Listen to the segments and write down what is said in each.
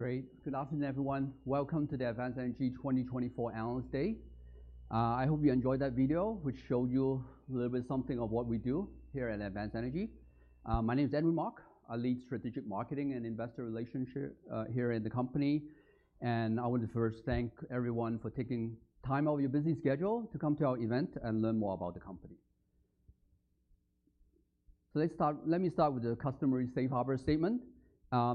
Great. Good afternoon, everyone. Welcome to the Advanced Energy 2024 Analyst Day. I hope you enjoyed that video, which showed you a little bit something of what we do here at Advanced Energy. My name is Edwin Mok. I lead strategic marketing and Investor Relations here at the company, and I want to first thank everyone for taking time out of your busy schedule to come to our event and learn more about the company, so let me start with the customary and safe harbor statement.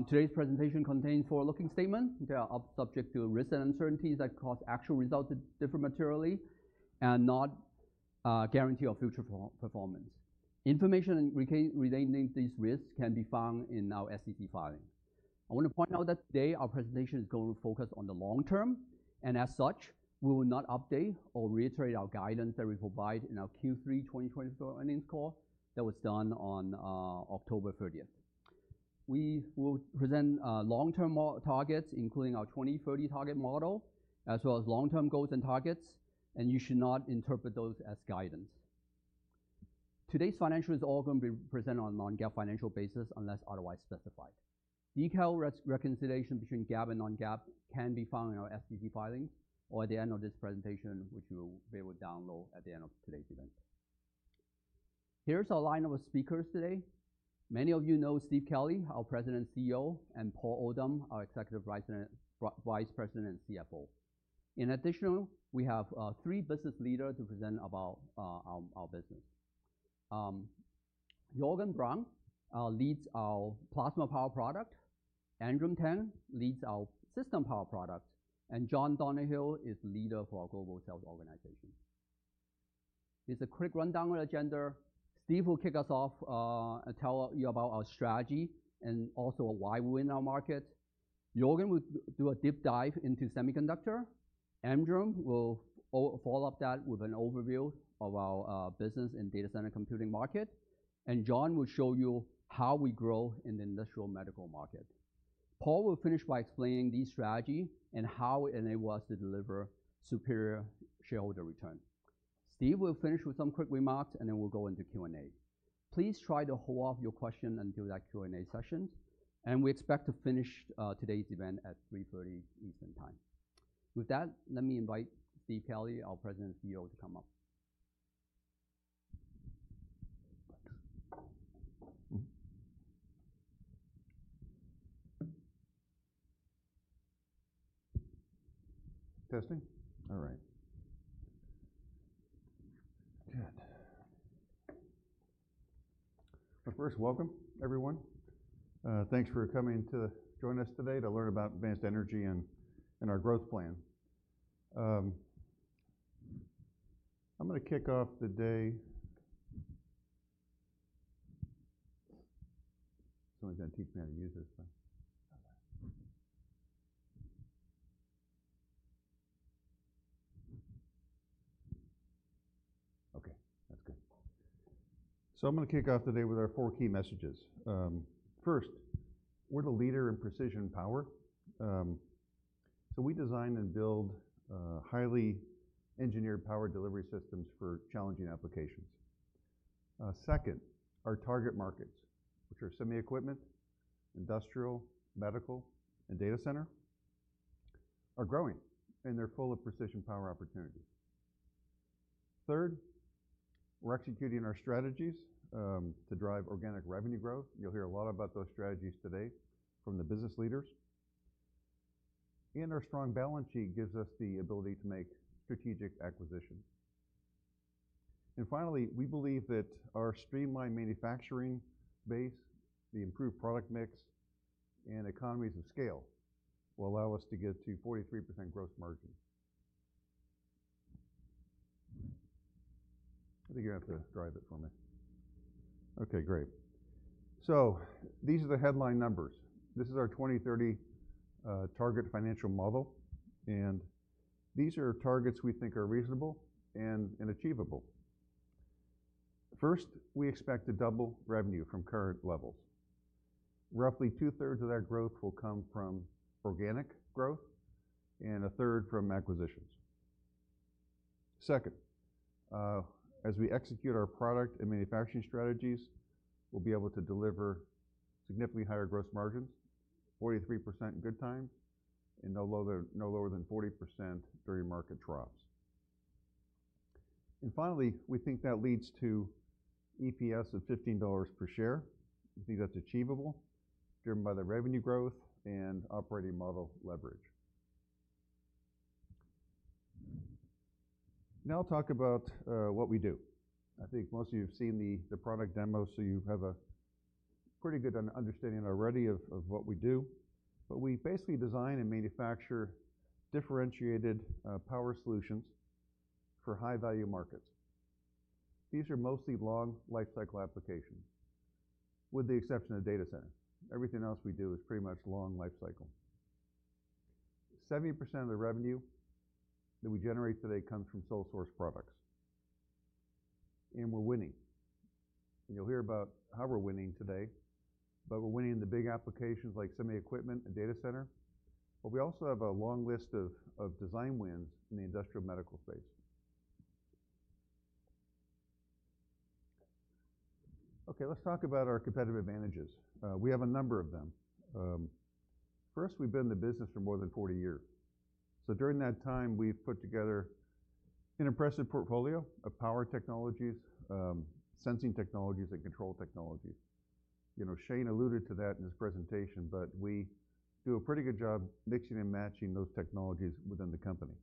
Today's presentation contains forward-looking statements. They are subject to risks and uncertainties that cause actual results to differ materially from and do not guarantee our future performance. Information relating to these risks can be found in our SEC filing. I want to point out that today our presentation is going to focus on the long term. As such, we will not update or reiterate our guidance that we provide in our Q3 2024 earnings call that was done on October 30th. We will present long-term targets, including our 2030 target model, as well as long-term goals and targets. You should not interpret those as guidance. Today's financials are all going to be presented on a non-GAAP financial basis unless otherwise specified. Detailed reconciliation between GAAP and non-GAAP can be found in our SEC filing or at the end of this presentation, which you will be able to download at the end of today's event. Here's our lineup of speakers today. Many of you know Steve Kelley, our President and CEO, and Paul Oldham, our Executive Vice President and CFO. In addition, we have three business leaders to present about our business. Juergen Braun leads our plasma power product. Emdrem Tan leads our system power product. And John Donaghey is the leader for our global sales organization. It's a quick rundown of the agenda. Steve will kick us off and tell you about our strategy and also why we win our market. Juergen will do a deep dive into semiconductor. Emdrem will follow up that with an overview of our business in data center computing market. And John will show you how we grow in the industrial medical market. Paul will finish by explaining the strategy and how it enables us to deliver superior shareholder return. Steve will finish with some quick remarks, and then we'll go into Q&A. Please try to hold off your questions until that Q&A session. And we expect to finish today's event at 3:30 P.M. Eastern Time. With that, let me invite Steve Kelley, our President and CEO, to come up. Testing? All right. Good. But first, welcome, everyone. Thanks for coming to join us today to learn about Advanced Energy and our growth plan. I'm going to kick off the day. Someone's going to teach me how to use this. Okay, that's good. So I'm going to kick off today with our four key messages. First, we're the leader in precision power. So we design and build highly engineered power delivery systems for challenging applications. Second, our target markets, which are semi-equipment, industrial, medical, and data center, are growing, and they're full of precision power opportunities. Third, we're executing our strategies to drive organic revenue growth. You'll hear a lot about those strategies today from the business leaders. And our strong balance sheet gives us the ability to make strategic acquisitions. Finally, we believe that our streamlined manufacturing base, the improved product mix, and economies of scale will allow us to get to 43% gross margin. I think you have to drive it for me. Okay, great. So these are the headline numbers. This is our 2030 target financial model. And these are targets we think are reasonable and achievable. First, we expect to double revenue from current levels. Roughly two-thirds of that growth will come from organic growth and a third from acquisitions. Second, as we execute our product and manufacturing strategies, we'll be able to deliver significantly higher gross margins, 43% in good times, and no lower than 40% during market troughs. And finally, we think that leads to EPS of $15 per share. We think that's achievable, driven by the revenue growth and operating model leverage. Now I'll talk about what we do. I think most of you have seen the product demo, so you have a pretty good understanding already of what we do. But we basically design and manufacture differentiated power solutions for high-value markets. These are mostly long lifecycle applications, with the exception of data centers. Everything else we do is pretty much long lifecycle. 70% of the revenue that we generate today comes from sole-source products. And we're winning. And you'll hear about how we're winning today. But we're winning in the big applications like semi-equipment and data center. But we also have a long list of design wins in the industrial medical space. Okay, let's talk about our competitive advantages. We have a number of them. First, we've been in the business for more than 40 years. So during that time, we've put together an impressive portfolio of power technologies, sensing technologies, and control technologies. Shane alluded to that in his presentation, but we do a pretty good job mixing and matching those technologies within the company.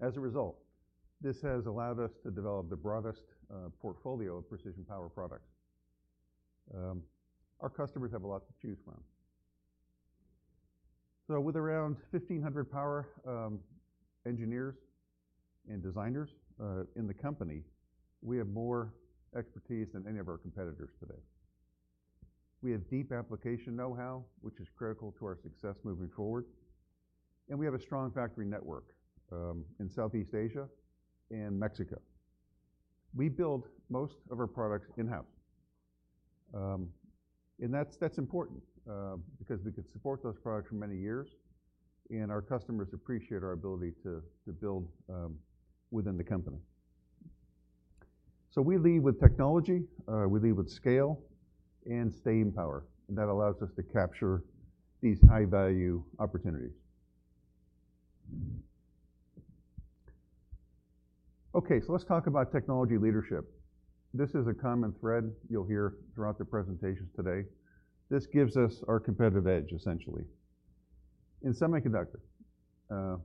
As a result, this has allowed us to develop the broadest portfolio of precision power products. Our customers have a lot to choose from. So with around 1,500 power engineers and designers in the company, we have more expertise than any of our competitors today. We have deep application know-how, which is critical to our success moving forward. And we have a strong factory network in Southeast Asia and Mexico. We build most of our products in-house. And that's important because we could support those products for many years. And our customers appreciate our ability to build within the company. So we lead with technology. We lead with scale and staying power. And that allows us to capture these high-value opportunities. Okay, so let's talk about technology leadership. This is a common thread you'll hear throughout the presentations today. This gives us our competitive edge, essentially. In semiconductors,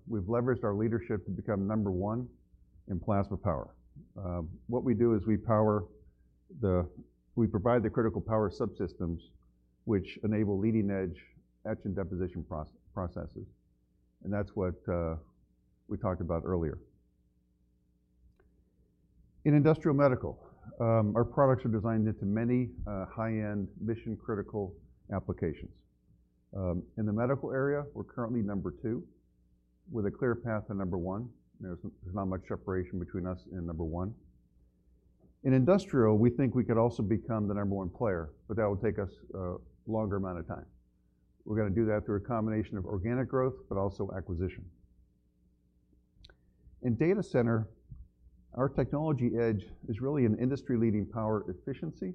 we've leveraged our leadership to become number one in plasma power. What we do is we provide the critical power subsystems, which enable leading-edge ALD deposition processes. And that's what we talked about earlier. In industrial medical, our products are designed into many high-end mission-critical applications. In the medical area, we're currently number two, with a clear path to number one. There's not much separation between us and number one. In industrial, we think we could also become the number one player, but that would take us a longer amount of time. We're going to do that through a combination of organic growth, but also acquisition. In data center, our technology edge is really an industry-leading power efficiency,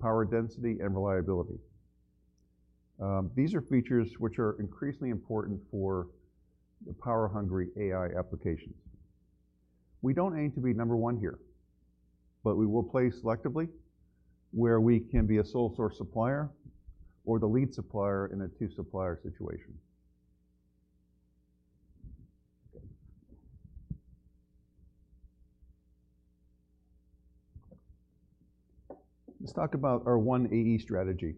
power density, and reliability. These are features which are increasingly important for power-hungry AI applications. We don't aim to be number one here, but we will play selectively where we can be a sole-source supplier or the lead supplier in a two-supplier situation. Let's talk about our One AE strategy.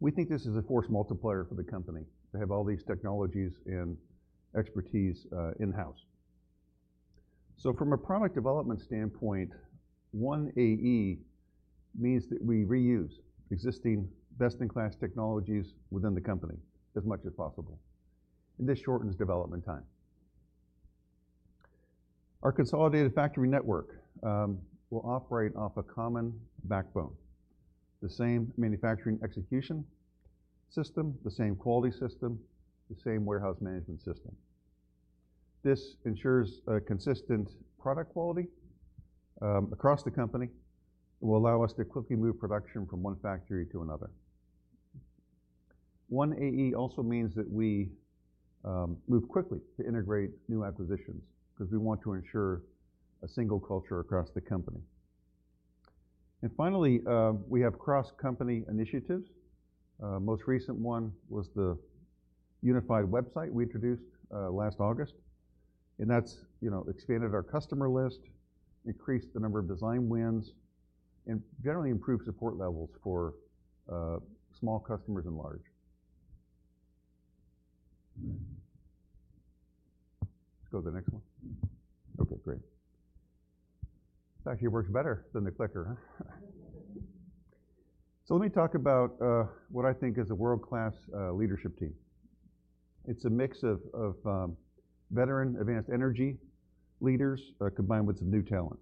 We think this is a force multiplier for the company to have all these technologies and expertise in-house, so from a product development standpoint, One AE means that we reuse existing best-in-class technologies within the company as much as possible, and this shortens development time. Our consolidated factory network will operate off a common backbone, the same manufacturing execution system, the same quality system, the same warehouse management system. This ensures consistent product quality across the company and will allow us to quickly move production from one factory to another. One AE also means that we move quickly to integrate new acquisitions because we want to ensure a single culture across the company. And finally, we have cross-company initiatives. Most recent one was the unified website we introduced last August. And that's expanded our customer list, increased the number of design wins, and generally improved support levels for small customers and large. Let's go to the next one. Okay, great. That actually works better than the clicker, huh? So let me talk about what I think is a world-class leadership team. It's a mix of veteran Advanced Energy leaders combined with some new talent.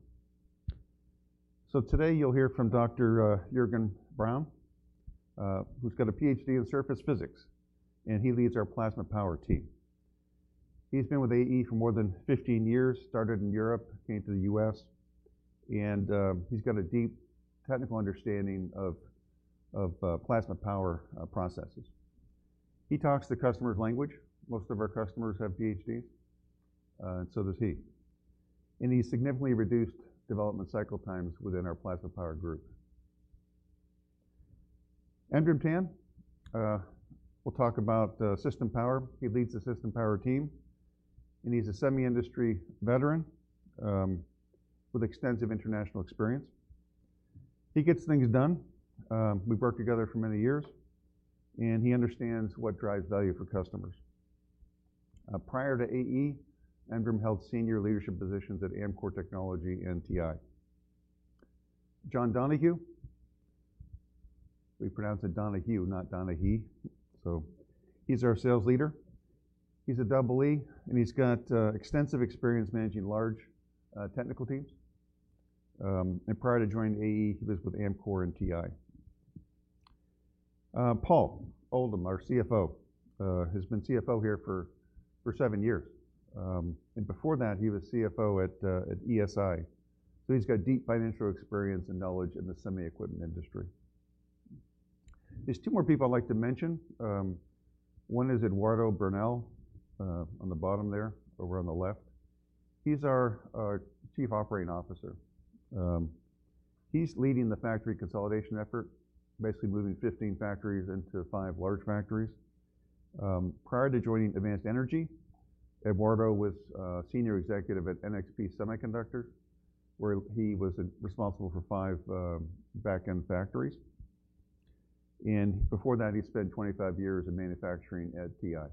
So today you'll hear from Dr. Juergen Braun, who's got a PhD in surface physics, and he leads our plasma power team. He's been with AE for more than 15 years, started in Europe, came to the U.S., and he's got a deep technical understanding of plasma power processes. He talks the customer's language. Most of our customers have PhDs, and so does he, and he's significantly reduced development cycle times within our plasma power group. Emdrem Tan will talk about system power. He leads the system power team, and he's a semi-industry veteran with extensive international experience. He gets things done. We've worked together for many years, and he understands what drives value for customers. Prior to AE, Emdrem held senior leadership positions at Amkor Technology and TI. John Donaghey, we pronounce it Donaghey, not Donaghey, so he's our sales leader. He's a double E, and he's got extensive experience managing large technical teams, and prior to joining AE, he was with Amkor and TI. Paul Oldham, our CFO, has been CFO here for seven years. And before that, he was CFO at ESI. So he's got deep financial experience and knowledge in the semi-equipment industry. There's two more people I'd like to mention. One is Eduardo Bernal on the bottom there, or we're on the left. He's our Chief Operating Officer. He's leading the factory consolidation effort, basically moving 15 factories into five large factories. Prior to joining Advanced Energy, Eduardo was a senior executive at NXP Semiconductors, where he was responsible for five back-end factories. And before that, he spent 25 years in manufacturing at TI.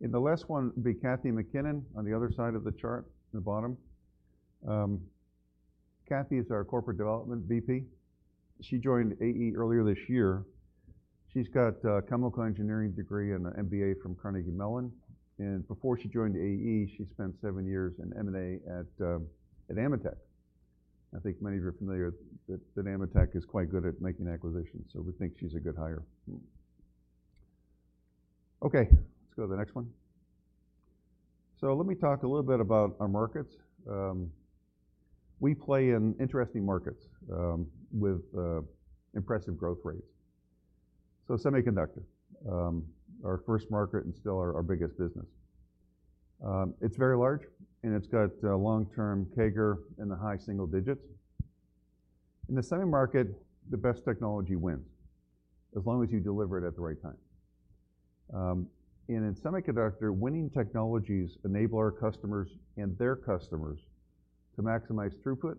And the last one would be Kathy McKinnon on the other side of the chart in the bottom. Kathy is our Corporate Development VP. She joined AE earlier this year. She's got a chemical engineering degree and an MBA from Carnegie Mellon. And before she joined AE, she spent seven years in M&A at Ametek. I think many of you are familiar that Ametek is quite good at making acquisitions. So we think she's a good hire. Okay, let's go to the next one. So let me talk a little bit about our markets. We play in interesting markets with impressive growth rates. So semiconductor, our first market and still our biggest business. It's very large, and it's got long-term CAGR in the high single digits. In the semi market, the best technology wins as long as you deliver it at the right time. And in semiconductor, winning technologies enable our customers and their customers to maximize throughput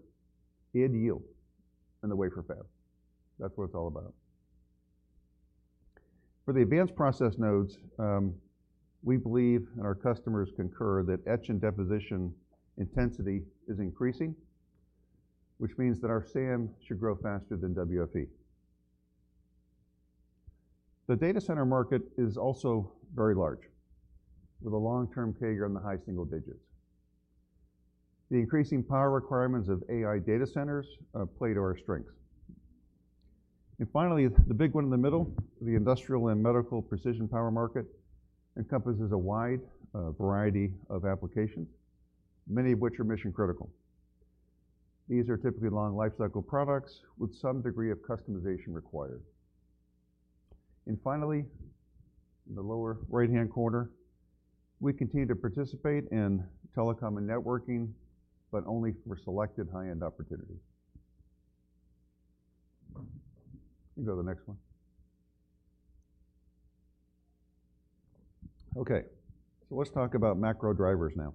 and yield in the wafer fab. That's what it's all about. For the advanced process nodes, we believe, and our customers concur, that etch and deposition intensity is increasing, which means that our SAM should grow faster than WFE. The data center market is also very large, with a long-term CAGR in the high single digits. The increasing power requirements of AI data centers play to our strengths, and finally, the big one in the middle, the industrial and medical precision power market, encompasses a wide variety of applications, many of which are mission-critical. These are typically long lifecycle products with some degree of customization required, and finally, in the lower right-hand corner, we continue to participate in telecom and networking, but only for selected high-end opportunities. You can go to the next one. Okay, so let's talk about macro drivers now,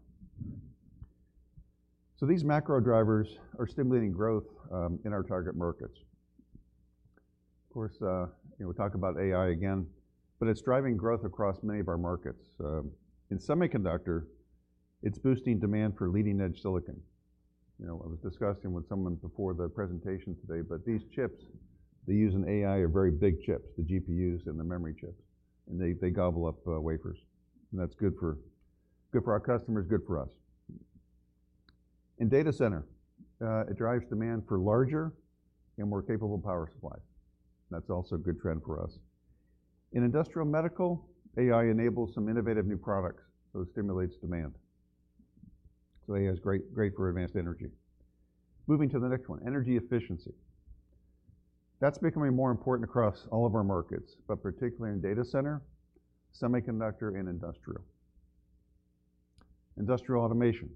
so these macro drivers are stimulating growth in our target markets. Of course, we talk about AI again, but it's driving growth across many of our markets. In semiconductor, it's boosting demand for leading-edge silicon. I was discussing with someone before the presentation today that these chips, they use an AI of very big chips, the GPUs and the memory chips, and they gobble up wafers, and that's good for our customers, good for us. In data center, it drives demand for larger and more capable power supplies. That's also a good trend for us. In industrial medical, AI enables some innovative new products, so it stimulates demand, so AI is great for Advanced Energy. Moving to the next one, energy efficiency. That's becoming more important across all of our markets, but particularly in data center, semiconductor, and industrial. Industrial automation,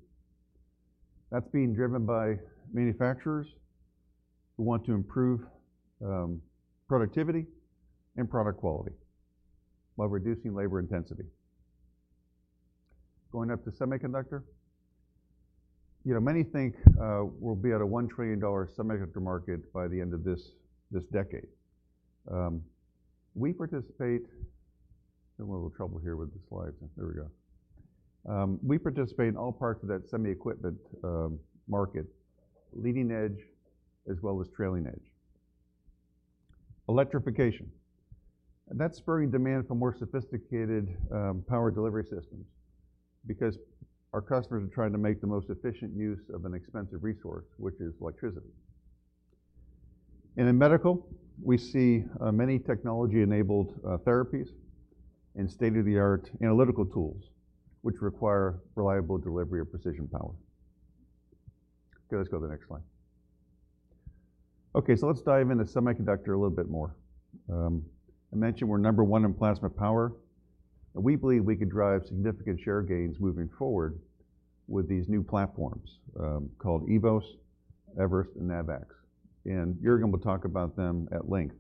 that's being driven by manufacturers who want to improve productivity and product quality while reducing labor intensity. Going up to semiconductor, many think we'll be at a $1 trillion semiconductor market by the end of this decade. We participate, there's a little trouble here with the slides. There we go. We participate in all parts of that semi-equipment market, leading edge as well as trailing edge. Electrification, that's spurring demand for more sophisticated power delivery systems because our customers are trying to make the most efficient use of an expensive resource, which is electricity. And in medical, we see many technology-enabled therapies and state-of-the-art analytical tools, which require reliable delivery of precision power. Okay, let's go to the next slide. Okay, so let's dive into semiconductor a little bit more. I mentioned we're number one in plasma power. And we believe we could drive significant share gains moving forward with these new platforms called eVoS and Everest. And Juergen will talk about them at length.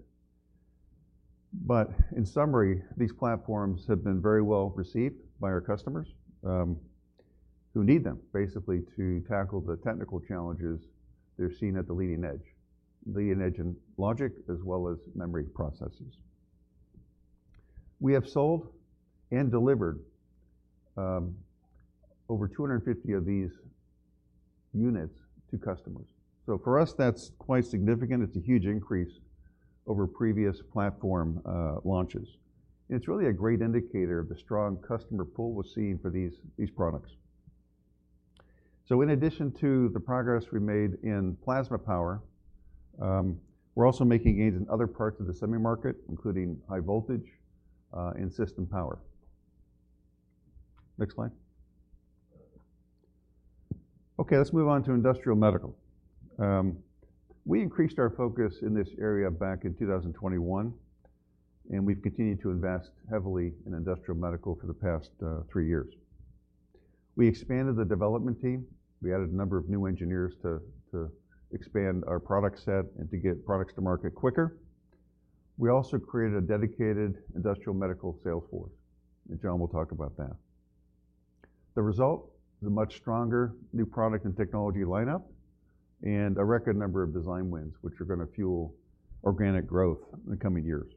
But in summary, these platforms have been very well received by our customers who need them, basically, to tackle the technical challenges they're seeing at the leading edge in logic as well as memory processors. We have sold and delivered over 250 of these units to customers. So for us, that's quite significant. It's a huge increase over previous platform launches. And it's really a great indicator of the strong customer pool we're seeing for these products. So in addition to the progress we made in plasma power, we're also making gains in other parts of the semi market, including high voltage and system power. Next slide. Okay, let's move on to industrial medical. We increased our focus in this area back in 2021. And we've continued to invest heavily in industrial medical for the past three years. We expanded the development team. We added a number of new engineers to expand our product set and to get products to market quicker. We also created a dedicated industrial medical sales force, and John will talk about that. The result is a much stronger new product and technology lineup and a record number of design wins, which are going to fuel organic growth in the coming years.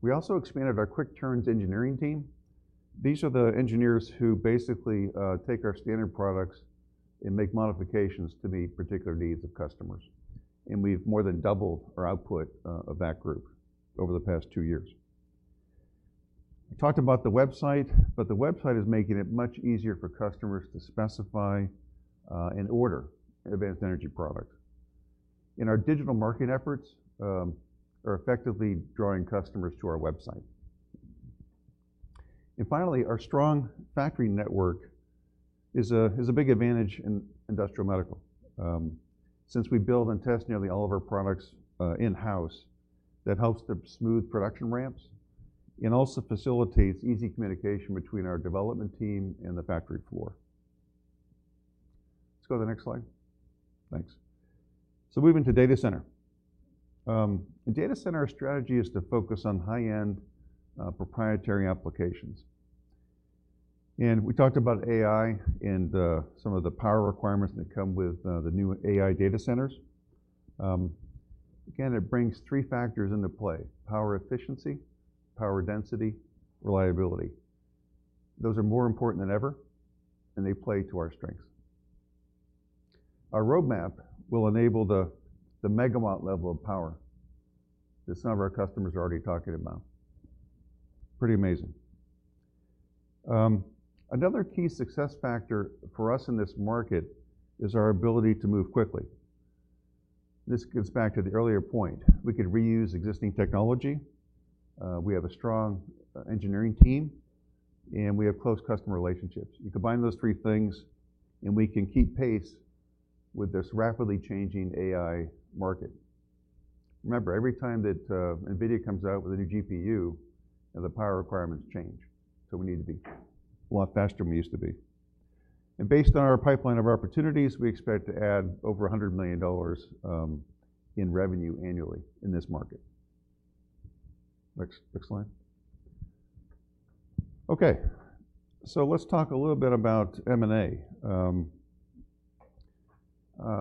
We also expanded our quick turns engineering team. These are the engineers who basically take our standard products and make modifications to meet particular needs of customers, and we've more than doubled our output of that group over the past two years. I talked about the website, but the website is making it much easier for customers to specify and order Advanced Energy products, and our digital market efforts are effectively drawing customers to our website. Finally, our strong factory network is a big advantage in industrial medical. Since we build and test nearly all of our products in-house, that helps to smooth production ramps and also facilitates easy communication between our development team and the factory floor. Let's go to the next slide. Thanks. Moving to data center. In data center, our strategy is to focus on high-end proprietary applications. We talked about AI and some of the power requirements that come with the new AI data centers. Again, it brings three factors into play: power efficiency, power density, reliability. Those are more important than ever, and they play to our strengths. Our roadmap will enable the megawatt level of power that some of our customers are already talking about. Pretty amazing. Another key success factor for us in this market is our ability to move quickly. This gets back to the earlier point. We could reuse existing technology. We have a strong engineering team, and we have close customer relationships. You combine those three things, and we can keep pace with this rapidly changing AI market. Remember, every time that NVIDIA comes out with a new GPU, the power requirements change. So we need to be a lot faster than we used to be. And based on our pipeline of opportunities, we expect to add over $100 million in revenue annually in this market. Next slide. Okay, so let's talk a little bit about M&A.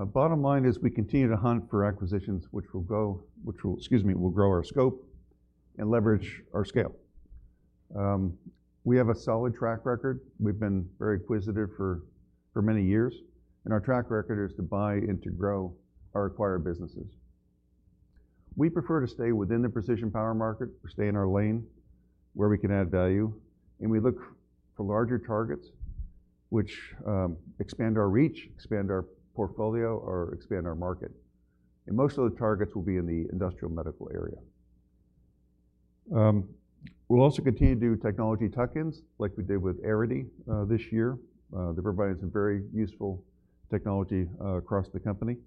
Bottom line is we continue to hunt for acquisitions, which will grow, excuse me, will grow our scope and leverage our scale. We have a solid track record. We've been very acquisitive for many years. And our track record is to buy and to grow our acquired businesses. We prefer to stay within the precision power market. We stay in our lane where we can add value. And we look for larger targets, which expand our reach, expand our portfolio, or expand our market. And most of the targets will be in the industrial medical area. We'll also continue to do technology tuck-ins like we did with Airity this year. They're providing some very useful technology across the company.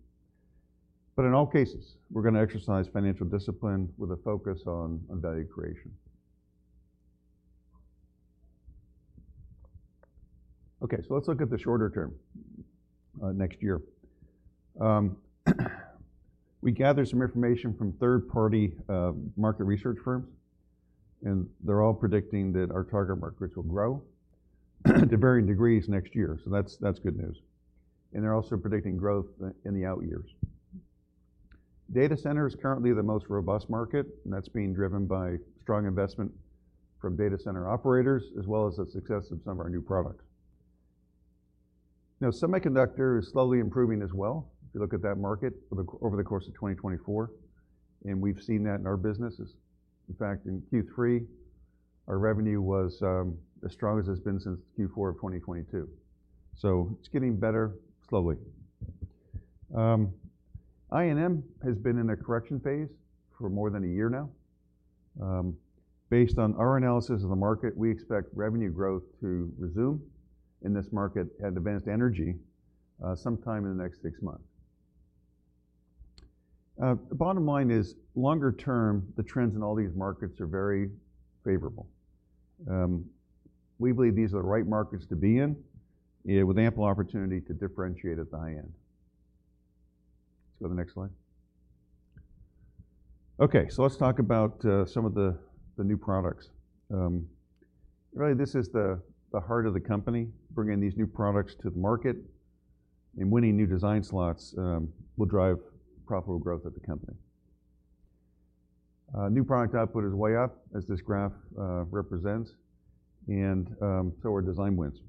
But in all cases, we're going to exercise financial discipline with a focus on value creation. Okay, so let's look at the shorter term next year. We gathered some information from third-party market research firms. And they're all predicting that our target markets will grow to varying degrees next year. So that's good news. And they're also predicting growth in the out years. Data center is currently the most robust market. That's being driven by strong investment from data center operators as well as the success of some of our new products. Now, semiconductor is slowly improving as well if you look at that market over the course of 2024. We've seen that in our businesses. In fact, in Q3, our revenue was as strong as it's been since Q4 of 2022. It's getting better slowly. I&M has been in a correction phase for more than a year now. Based on our analysis of the market, we expect revenue growth to resume in this market and Advanced Energy sometime in the next six months. Bottom line is, longer term, the trends in all these markets are very favorable. We believe these are the right markets to be in with ample opportunity to differentiate at the high end. Let's go to the next slide. Okay, so let's talk about some of the new products. Really, this is the heart of the company. Bringing these new products to the market and winning new design slots will drive profitable growth at the company. New product output is way up, as this graph represents, and so are design wins.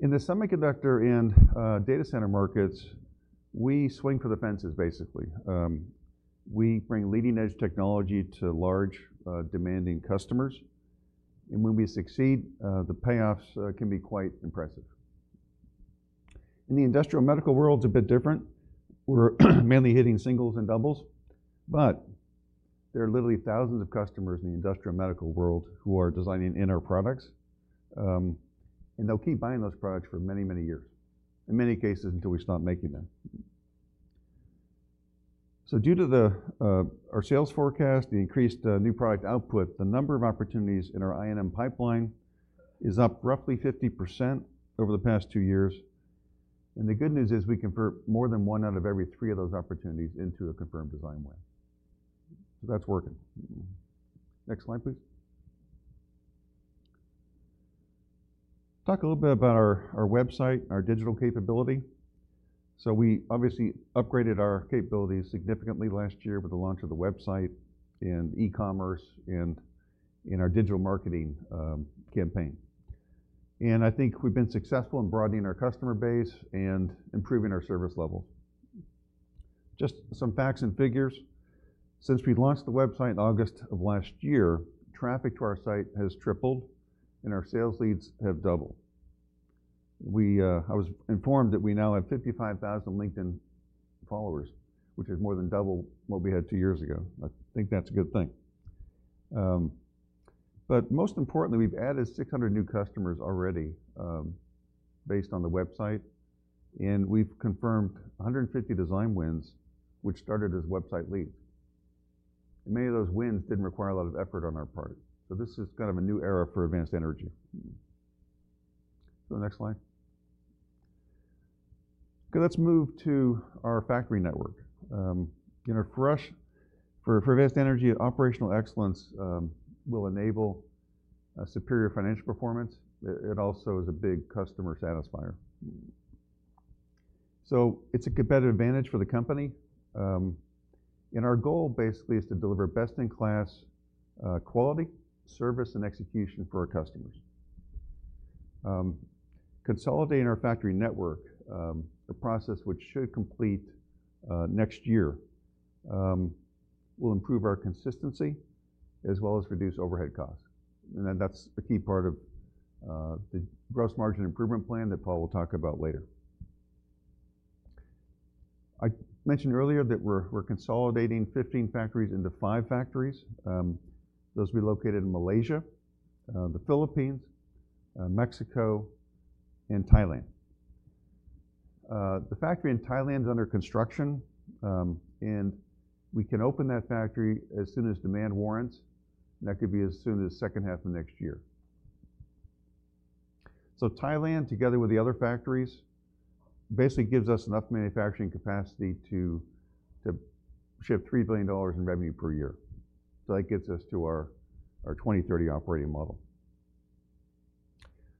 In the semiconductor and data center markets, we swing for the fences, basically. We bring leading-edge technology to large, demanding customers, and when we succeed, the payoffs can be quite impressive. In the industrial medical world, it's a bit different. We're mainly hitting singles and doubles, but there are literally thousands of customers in the industrial medical world who are designing in our products, and they'll keep buying those products for many, many years, in many cases, until we stop making them. So, due to our sales forecast, the increased new product output, the number of opportunities in our I&M pipeline is up roughly 50% over the past two years. And the good news is we convert more than one out of every three of those opportunities into a confirmed design win. So that's working. Next slide, please. Talk a little bit about our website, our digital capability. So we obviously upgraded our capabilities significantly last year with the launch of the website and e-commerce and our digital marketing campaign. And I think we've been successful in broadening our customer base and improving our service levels. Just some facts and figures. Since we launched the website in August of last year, traffic to our site has tripled, and our sales leads have doubled. I was informed that we now have 55,000 LinkedIn followers, which is more than double what we had two years ago. I think that's a good thing. But most importantly, we've added 600 new customers already based on the website. And we've confirmed 150 design wins, which started as website leads. And many of those wins didn't require a lot of effort on our part. So this is kind of a new era for Advanced Energy. Go to the next slide. Okay, let's move to our factory network. For Advanced Energy, operational excellence will enable superior financial performance. It also is a big customer satisfier. So it's a competitive advantage for the company. And our goal, basically, is to deliver best-in-class quality, service, and execution for our customers. Consolidating our factory network, a process which should complete next year, will improve our consistency as well as reduce overhead costs. And that's a key part of the gross margin improvement plan that Paul will talk about later. I mentioned earlier that we're consolidating 15 factories into five factories. Those will be located in Malaysia, the Philippines, Mexico, and Thailand. The factory in Thailand is under construction. And we can open that factory as soon as demand warrants. And that could be as soon as the second half of next year. So Thailand, together with the other factories, basically gives us enough manufacturing capacity to ship $3 billion in revenue per year. So that gets us to our 2030 operating model.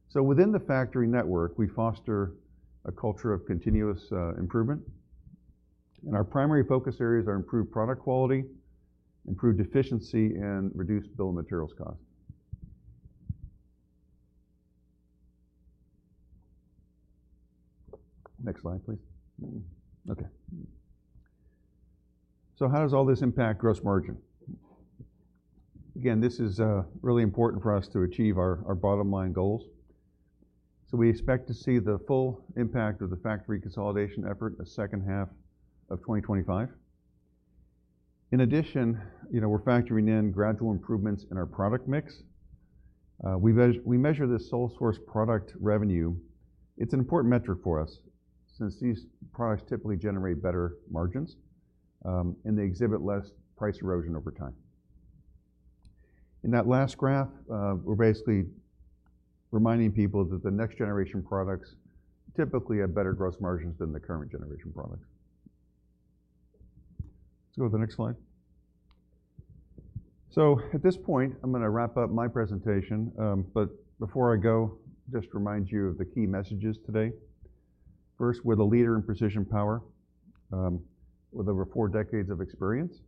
So within the factory network, we foster a culture of continuous improvement. And our primary focus areas are improved product quality, improved efficiency, and reduced bill of materials cost. Next slide, please. Okay. So how does all this impact gross margin? Again, this is really important for us to achieve our bottom line goals. So we expect to see the full impact of the factory consolidation effort in the second half of 2025. In addition, we're factoring in gradual improvements in our product mix. We measure this Sole-Source product revenue. It's an important metric for us since these products typically generate better margins. And they exhibit less price erosion over time. In that last graph, we're basically reminding people that the next generation products typically have better gross margins than the current generation products. Let's go to the next slide. So at this point, I'm going to wrap up my presentation. But before I go, just remind you of the key messages today. First, we're the leader in precision power with over four decades of experience.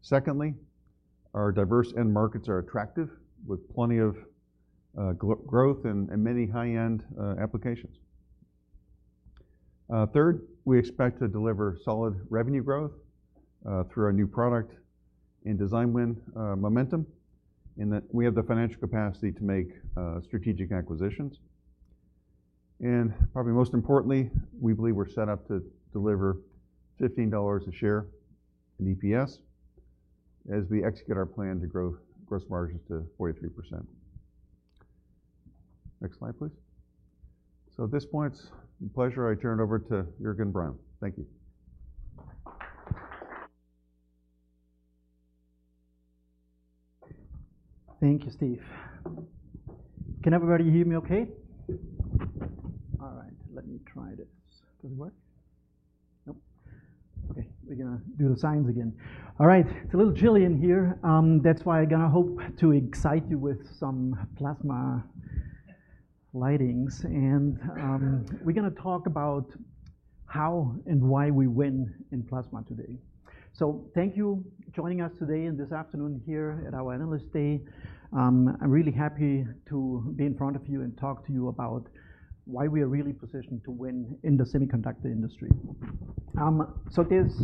Secondly, our diverse end markets are attractive with plenty of growth and many high-end applications. Third, we expect to deliver solid revenue growth through our new product and design win momentum, and we have the financial capacity to make strategic acquisitions, and probably most importantly, we believe we're set up to deliver $15 a share in EPS as we execute our plan to grow gross margins to 43%. Next slide, please. So at this point, it's a pleasure. I turn it over to Juergen Braun. Thank you. Thank you, Steve. Can everybody hear me okay? All right. Let me try this. Does it work? Nope. Okay. We're going to do the slides again. All right. It's a little chilly in here. That's why I'm going to hope to excite you with some plasma lightings. And we're going to talk about how and why we win in plasma today. So thank you for joining us today and this afternoon here at our Analyst Day. I'm really happy to be in front of you and talk to you about why we are really positioned to win in the semiconductor industry, so there's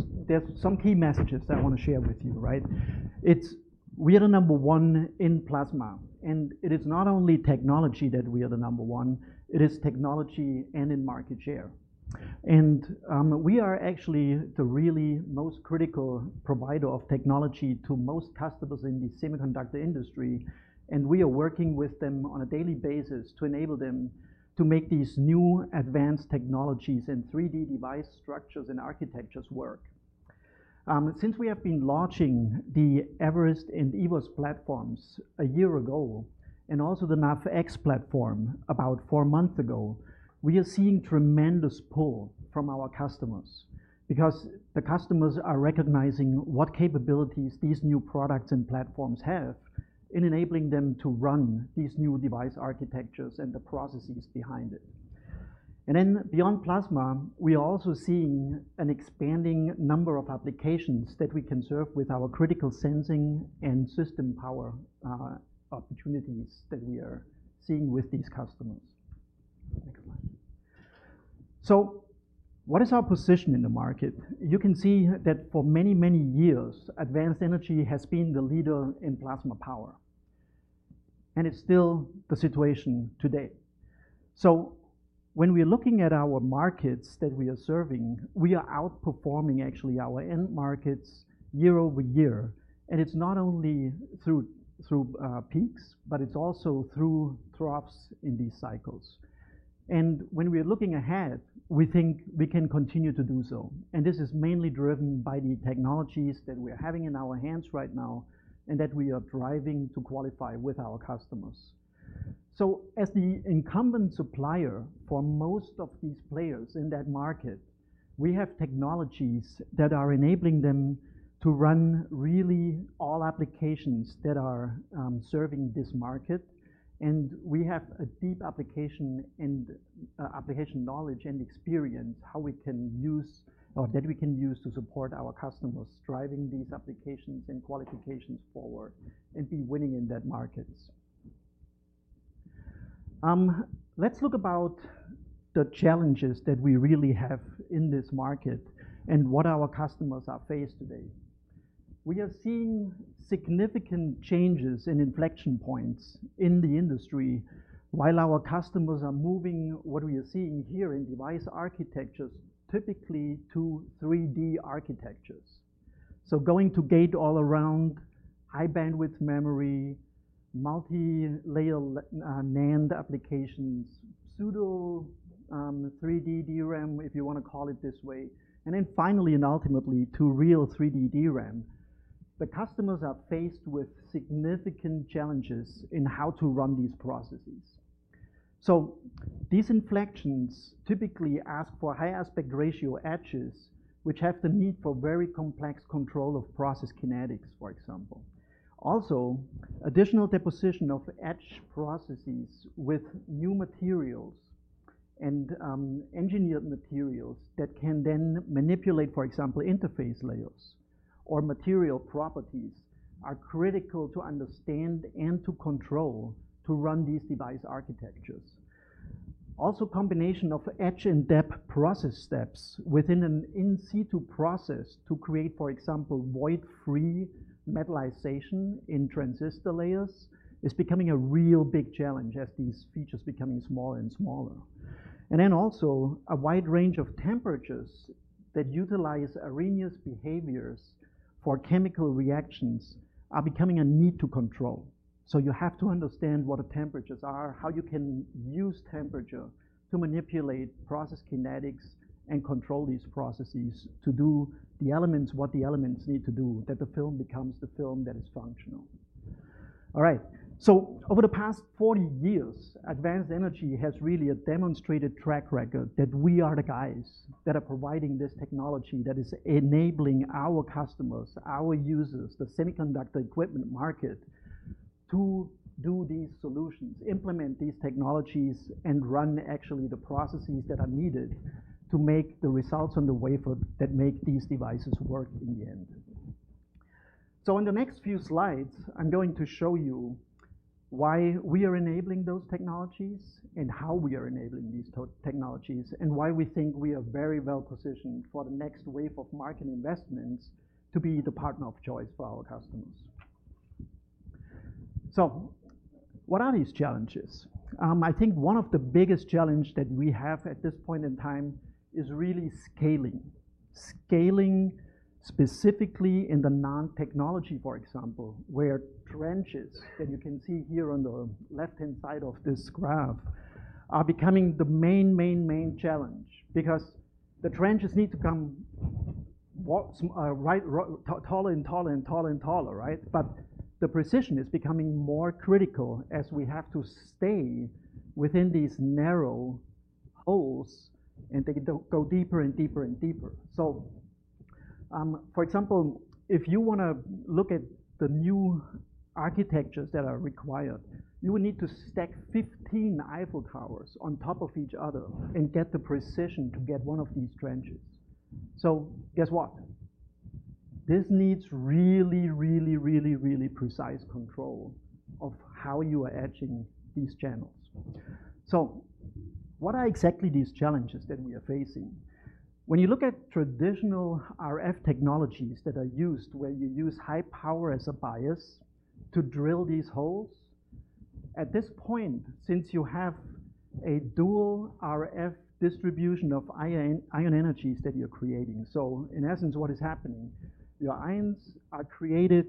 some key messages that I want to share with you, right? We are the number one in plasma, and it is not only technology that we are the number one. It is technology and in market share, and we are actually the really most critical provider of technology to most customers in the semiconductor industry, and we are working with them on a daily basis to enable them to make these new advanced technologies and 3D device structures and architectures work. Since we have been launching the Everest and eVoS platforms a year ago and also the NavX platform about four months ago, we are seeing tremendous pull from our customers because the customers are recognizing what capabilities these new products and platforms have in enabling them to run these new device architectures and the processes behind it. And then beyond plasma, we are also seeing an expanding number of applications that we can serve with our critical sensing and system power opportunities that we are seeing with these customers. Next slide. So what is our position in the market? You can see that for many, many years, Advanced Energy has been the leader in plasma power. And it's still the situation today. So when we're looking at our markets that we are serving, we are outperforming actually our end markets year-over-year. It's not only through peaks, but it's also through drops in these cycles. When we are looking ahead, we think we can continue to do so. This is mainly driven by the technologies that we are having in our hands right now and that we are driving to qualify with our customers. As the incumbent supplier for most of these players in that market, we have technologies that are enabling them to run really all applications that are serving this market. We have a deep application knowledge and experience how we can use or that we can use to support our customers driving these applications and qualifications forward and be winning in that market. Let's talk about the challenges that we really have in this market and what our customers are faced with today. We are seeing significant changes in inflection points in the industry while our customers are moving what we are seeing here in device architectures typically to 3D architectures, so going to Gate-All-Around, High Bandwidth Memory, multi-layer NAND applications, pseudo 3D DRAM, if you want to call it this way, and then finally and ultimately to real 3D DRAM. The customers are faced with significant challenges in how to run these processes, so these inflections typically ask for high aspect ratio etches, which have the need for very complex control of process kinetics, for example. Also, additional deposition of etch processes with new materials and engineered materials that can then manipulate, for example, interface layers or material properties are critical to understand and to control to run these device architectures. Also, a combination of etch and dep process steps within an in-situ process to create, for example, void-free metallization in transistor layers is becoming a real big challenge as these features are becoming smaller and smaller. And then also, a wide range of temperatures that utilize Arrhenius behaviors for chemical reactions are becoming a need to control. So you have to understand what the temperatures are, how you can use temperature to manipulate process kinetics and control these processes to do the elements what the elements need to do, that the film becomes the film that is functional. All right. Over the past 40 years, Advanced Energy has really demonstrated track record that we are the guys that are providing this technology that is enabling our customers, our users, the semiconductor equipment market to do these solutions, implement these technologies, and run actually the processes that are needed to make the results on the wafer that make these devices work in the end. In the next few slides, I'm going to show you why we are enabling those technologies and how we are enabling these technologies and why we think we are very well positioned for the next wave of market investments to be the partner of choice for our customers. What are these challenges? I think one of the biggest challenges that we have at this point in time is really scaling. Scaling specifically in the NAND technology, for example, where trenches that you can see here on the left-hand side of this graph are becoming the main, main, main challenge because the trenches need to come taller and taller and taller and taller, right? But the precision is becoming more critical as we have to stay within these narrow holes and go deeper and deeper and deeper. So for example, if you want to look at the new architectures that are required, you would need to stack 15 Eiffel Towers on top of each other and get the precision to get one of these trenches. So guess what? This needs really, really, really, really precise control of how you are etching these channels. So what are exactly these challenges that we are facing? When you look at traditional RF technologies that are used where you use high power as a bias to drill these holes, at this point, since you have a dual RF distribution of ion energies that you're creating, so in essence, what is happening, your ions are created,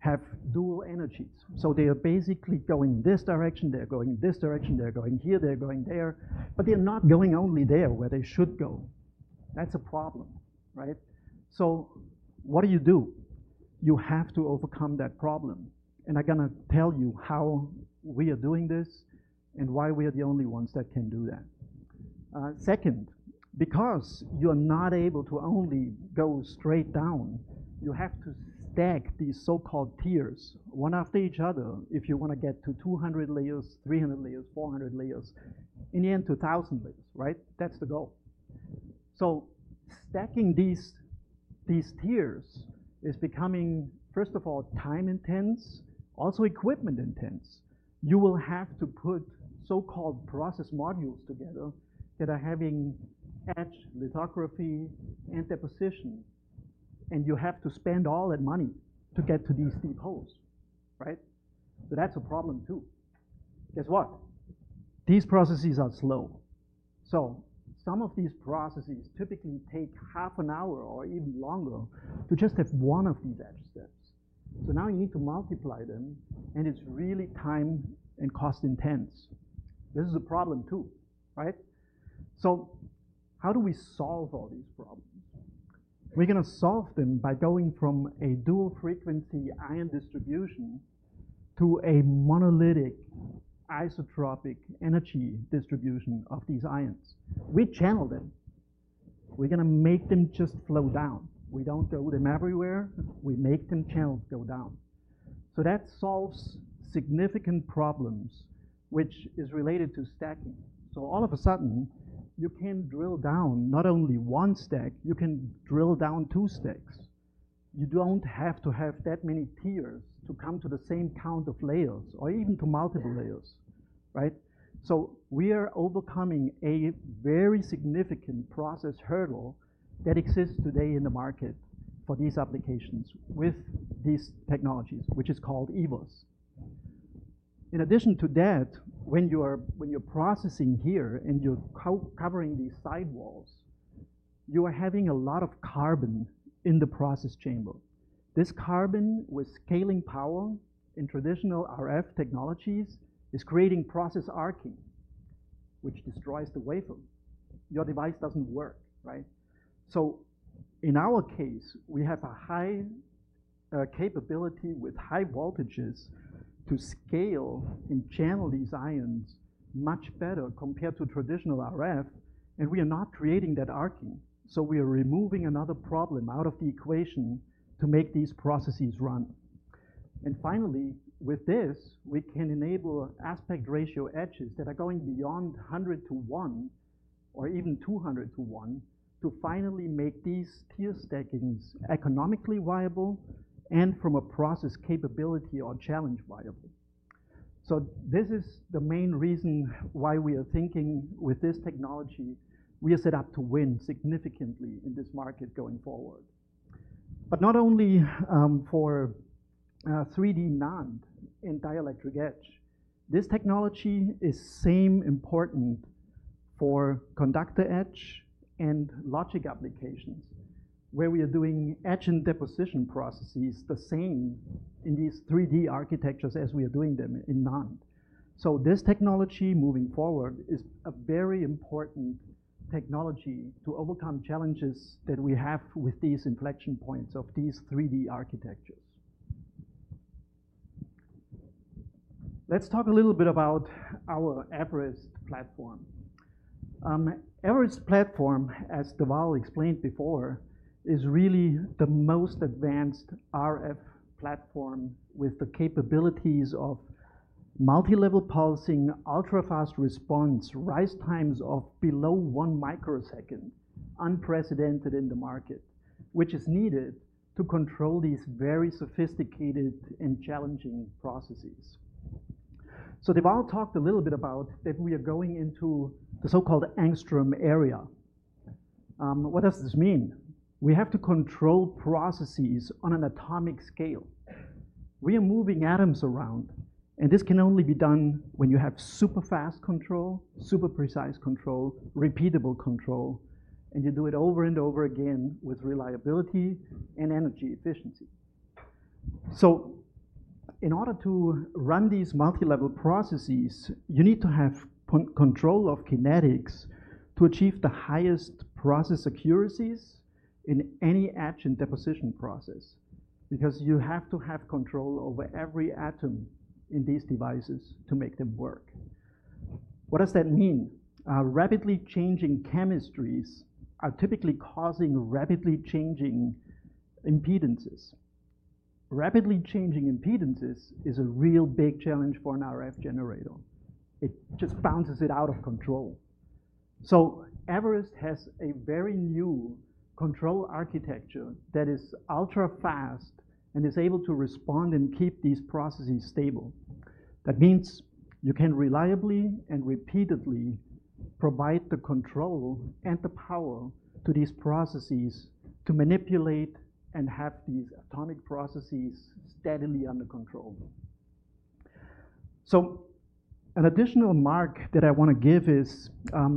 have dual energies. So they are basically going this direction. They're going this direction. They're going here. They're going there. But they're not going only there where they should go. That's a problem, right? So what do you do? You have to overcome that problem. And I'm going to tell you how we are doing this and why we are the only ones that can do that. Second, because you are not able to only go straight down, you have to stack these so-called tiers one after each other if you want to get to 200 layers, 300 layers, 400 layers, in the end, 2,000 layers, right? That's the goal. So stacking these tiers is becoming, first of all, time intense, also equipment intense. You will have to put so-called process modules together that are having edge lithography and deposition. And you have to spend all that money to get to these deep holes, right? But that's a problem too. Guess what? These processes are slow. So some of these processes typically take half an hour or even longer to just have one of these edge steps. So now you need to multiply them. And it's really time and cost intense. This is a problem too, right? So how do we solve all these problems? We're going to solve them by going from a dual-frequency ion distribution to a monolithic isotropic energy distribution of these ions. We channel them. We're going to make them just flow down. We don't go with them everywhere. We make them channel go down. So that solves significant problems, which is related to stacking. So all of a sudden, you can drill down not only one stack. You can drill down two stacks. You don't have to have that many tiers to come to the same count of layers or even to multiple layers, right? So we are overcoming a very significant process hurdle that exists today in the market for these applications with these technologies, which is called eVoS. In addition to that, when you're processing here and you're covering these sidewalls, you are having a lot of carbon in the process chamber. This challenge with scaling power in traditional RF technologies is creating process arcing, which destroys the wafer. Your device doesn't work, right? So in our case, we have a high capability with high voltages to scale and channel these ions much better compared to traditional RF. And we are not creating that arcing. So we are removing another problem out of the equation to make these processes run. And finally, with this, we can enable aspect ratio etches that are going beyond 100-to-1 or even 200-to-1 to finally make these tier stackings economically viable and from a process capability or challenge viable. So this is the main reason why we are thinking with this technology we are set up to win significantly in this market going forward. But not only for 3D NAND and dielectric etch, this technology is as important for conductor etch and logic applications where we are doing etch and deposition processes the same in these 3D architectures as we are doing them in NAND. So this technology moving forward is a very important technology to overcome challenges that we have with these inflection points of these 3D architectures. Let's talk a little bit about our Everest platform. Everest platform, as Dhaval explained before, is really the most advanced RF platform with the capabilities of multi-level pulsing, ultra-fast response, rise times of below one microsecond, unprecedented in the market, which is needed to control these very sophisticated and challenging processes. So Dhaval talked a little bit about that we are going into the so-called Angstrom era. What does this mean? We have to control processes on an atomic scale. We are moving atoms around. This can only be done when you have super fast control, super precise control, repeatable control. You do it over and over again with reliability and energy efficiency. In order to run these multi-level processes, you need to have control of kinetics to achieve the highest process accuracies in any etch and deposition process because you have to have control over every atom in these devices to make them work. What does that mean? Rapidly changing chemistries are typically causing rapidly changing impedances. Rapidly changing impedances is a real big challenge for an RF generator. It just bounces it out of control. Everest has a very new control architecture that is ultra-fast and is able to respond and keep these processes stable. That means you can reliably and repeatedly provide the control and the power to these processes to manipulate and have these atomic processes steadily under control, so an additional mark that I want to give is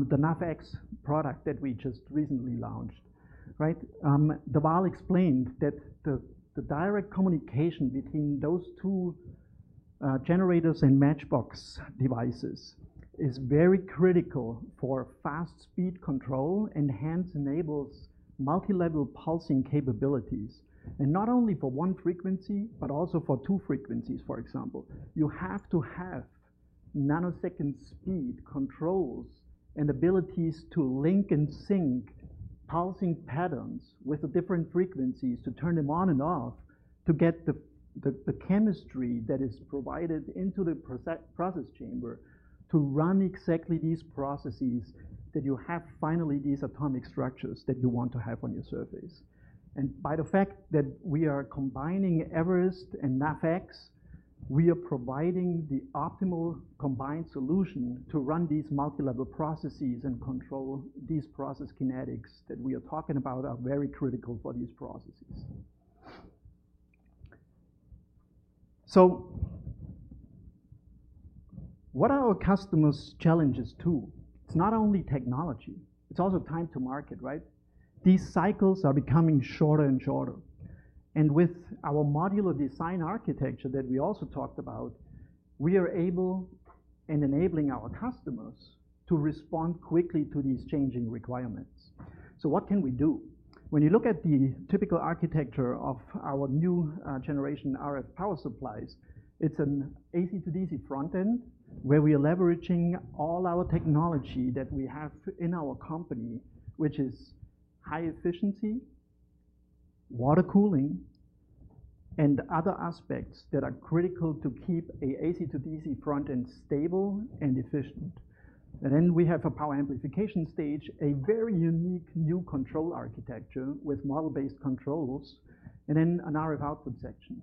the NavX product that we just recently launched, right? Dhaval explained that the direct communication between those two generators and matchbox devices is very critical for fast speed control and hence enables multi-level pulsing capabilities, and not only for one frequency, but also for two frequencies, for example. You have to have nanosecond speed controls and abilities to link and sync pulsing patterns with different frequencies to turn them on and off to get the chemistry that is provided into the process chamber to run exactly these processes that you have finally these atomic structures that you want to have on your surface. By the fact that we are combining Everest and eVoS, we are providing the optimal combined solution to run these multi-level processes and control these process kinetics that we are talking about, are very critical for these processes. What are our customers' challenges too? It's not only technology. It's also time to market, right? These cycles are becoming shorter and shorter. With our modular design architecture that we also talked about, we are able and enabling our customers to respond quickly to these changing requirements. What can we do? When you look at the typical architecture of our new generation RF power supplies, it's an AC to DC front end where we are leveraging all our technology that we have in our company, which is high efficiency, water cooling, and other aspects that are critical to keep an AC to DC front end stable and efficient. Then we have a power amplification stage, a very unique new control architecture with model-based controls, and then an RF output section.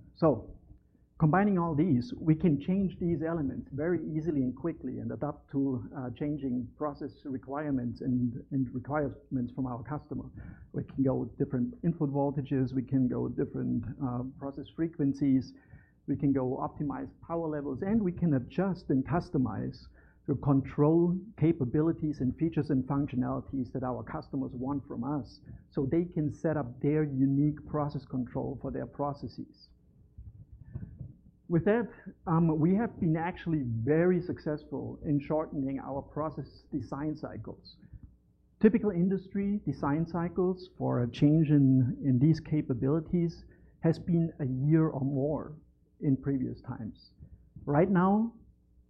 Combining all these, we can change these elements very easily and quickly and adapt to changing process requirements and requirements from our customer. We can go different input voltages. We can go different process frequencies. We can go optimize power levels. We can adjust and customize the control capabilities and features and functionalities that our customers want from us so they can set up their unique process control for their processes. With that, we have been actually very successful in shortening our process design cycles. Typical industry design cycles for a change in these capabilities has been a year or more in previous times. Right now,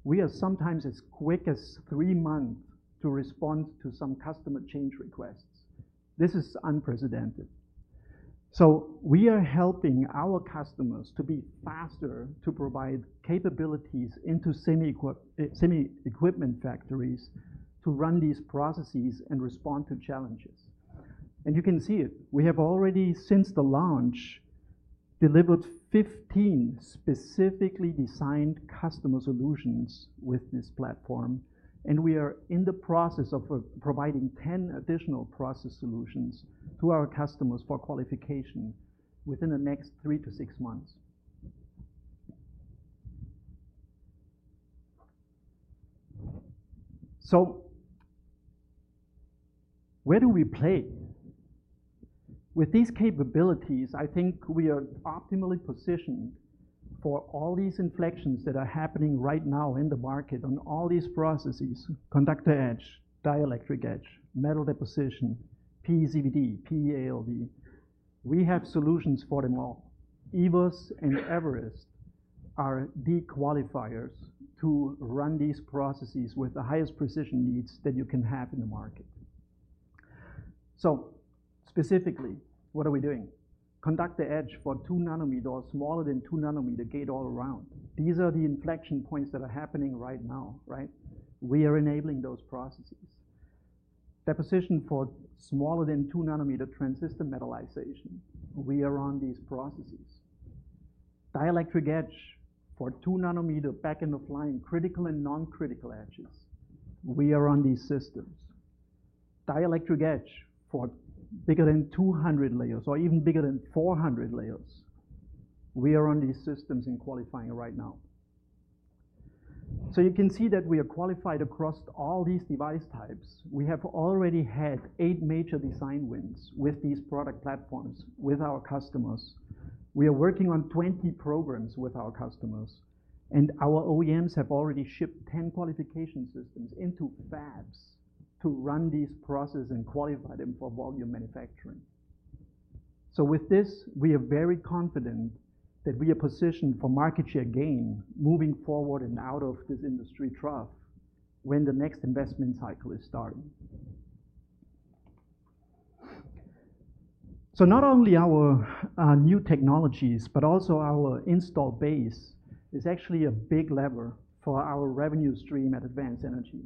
we are sometimes as quick as three months to respond to some customer change requests. This is unprecedented. So we are helping our customers to be faster to provide capabilities into semi-equipment factories to run these processes and respond to challenges. And you can see it. We have already, since the launch, delivered 15 specifically designed customer solutions with this platform. And we are in the process of providing 10 additional process solutions to our customers for qualification within the next three to six months. So where do we play? With these capabilities, I think we are optimally positioned for all these inflections that are happening right now in the market on all these processes: conductor etch, dielectric etch, metal deposition, PECVD, PEALD. We have solutions for them all. eVoS and Everest are the qualifiers to run these processes with the highest precision needs that you can have in the market. So specifically, what are we doing? Conductor etch for 2 nanometers or smaller than 2 nanometers Gate-All-Around. These are the inflection points that are happening right now, right? We are enabling those processes. Deposition for smaller than 2 nanometer transistor metallization. We are on these processes. Dielectric etch for 2 nanometer Back End of Line, critical and non-critical etches. We are on these systems. Dielectric etch for bigger than 200 layers or even bigger than 400 layers. We are on these systems and qualifying right now. So you can see that we are qualified across all these device types. We have already had eight major design wins with these product platforms with our customers. We are working on 20 programs with our customers. Our OEMs have already shipped 10 qualification systems into fabs to run these processes and qualify them for volume manufacturing. So with this, we are very confident that we are positioned for market share gain moving forward and out of this industry trough when the next investment cycle is starting. So not only our new technologies, but also our installed base is actually a big lever for our revenue stream at Advanced Energy.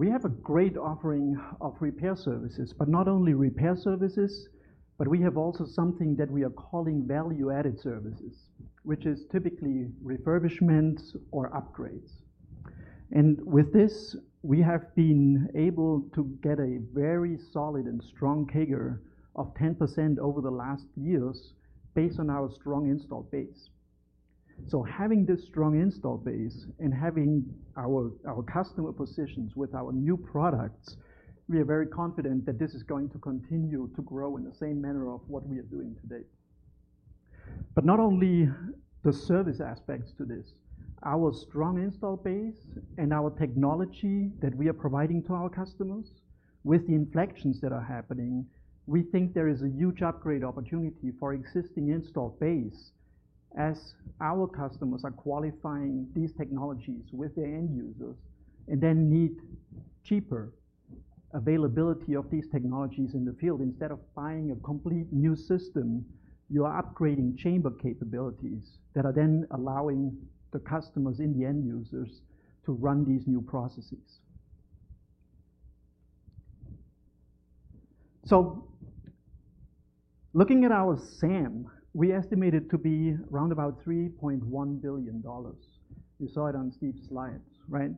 We have a great offering of repair services. But not only repair services, but we have also something that we are calling value-added services, which is typically refurbishments or upgrades. And with this, we have been able to get a very solid and strong CAGR of 10% over the last years based on our strong installed base. So having this strong installed base and having our customer positions with our new products, we are very confident that this is going to continue to grow in the same manner of what we are doing today. But not only the service aspects to this, our strong install base and our technology that we are providing to our customers with the inflections that are happening. We think there is a huge upgrade opportunity for existing install base as our customers are qualifying these technologies with their end users and then need cheaper availability of these technologies in the field. Instead of buying a complete new system, you are upgrading chamber capabilities that are then allowing the customers in the end users to run these new processes. So looking at our SAM, we estimate it to be around about $3.1 billion. You saw it on Steve's slides, right?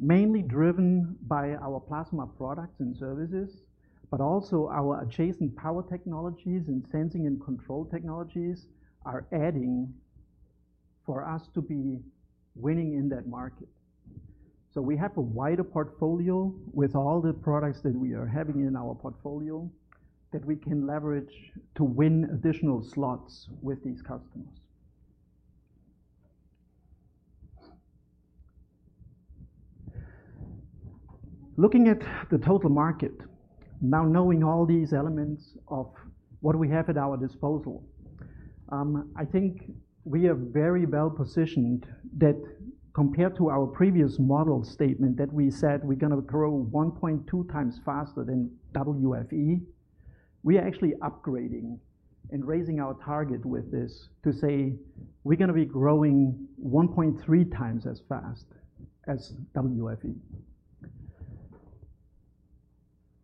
Mainly driven by our plasma products and services, but also our adjacent power technologies and sensing and control technologies are adding for us to be winning in that market. So we have a wider portfolio with all the products that we are having in our portfolio that we can leverage to win additional slots with these customers. Looking at the total market, now knowing all these elements of what we have at our disposal, I think we are very well positioned that compared to our previous model statement that we said we're going to grow 1.2x faster than WFE, we are actually upgrading and raising our target with this to say we're going to be growing 1.3x as fast as WFE.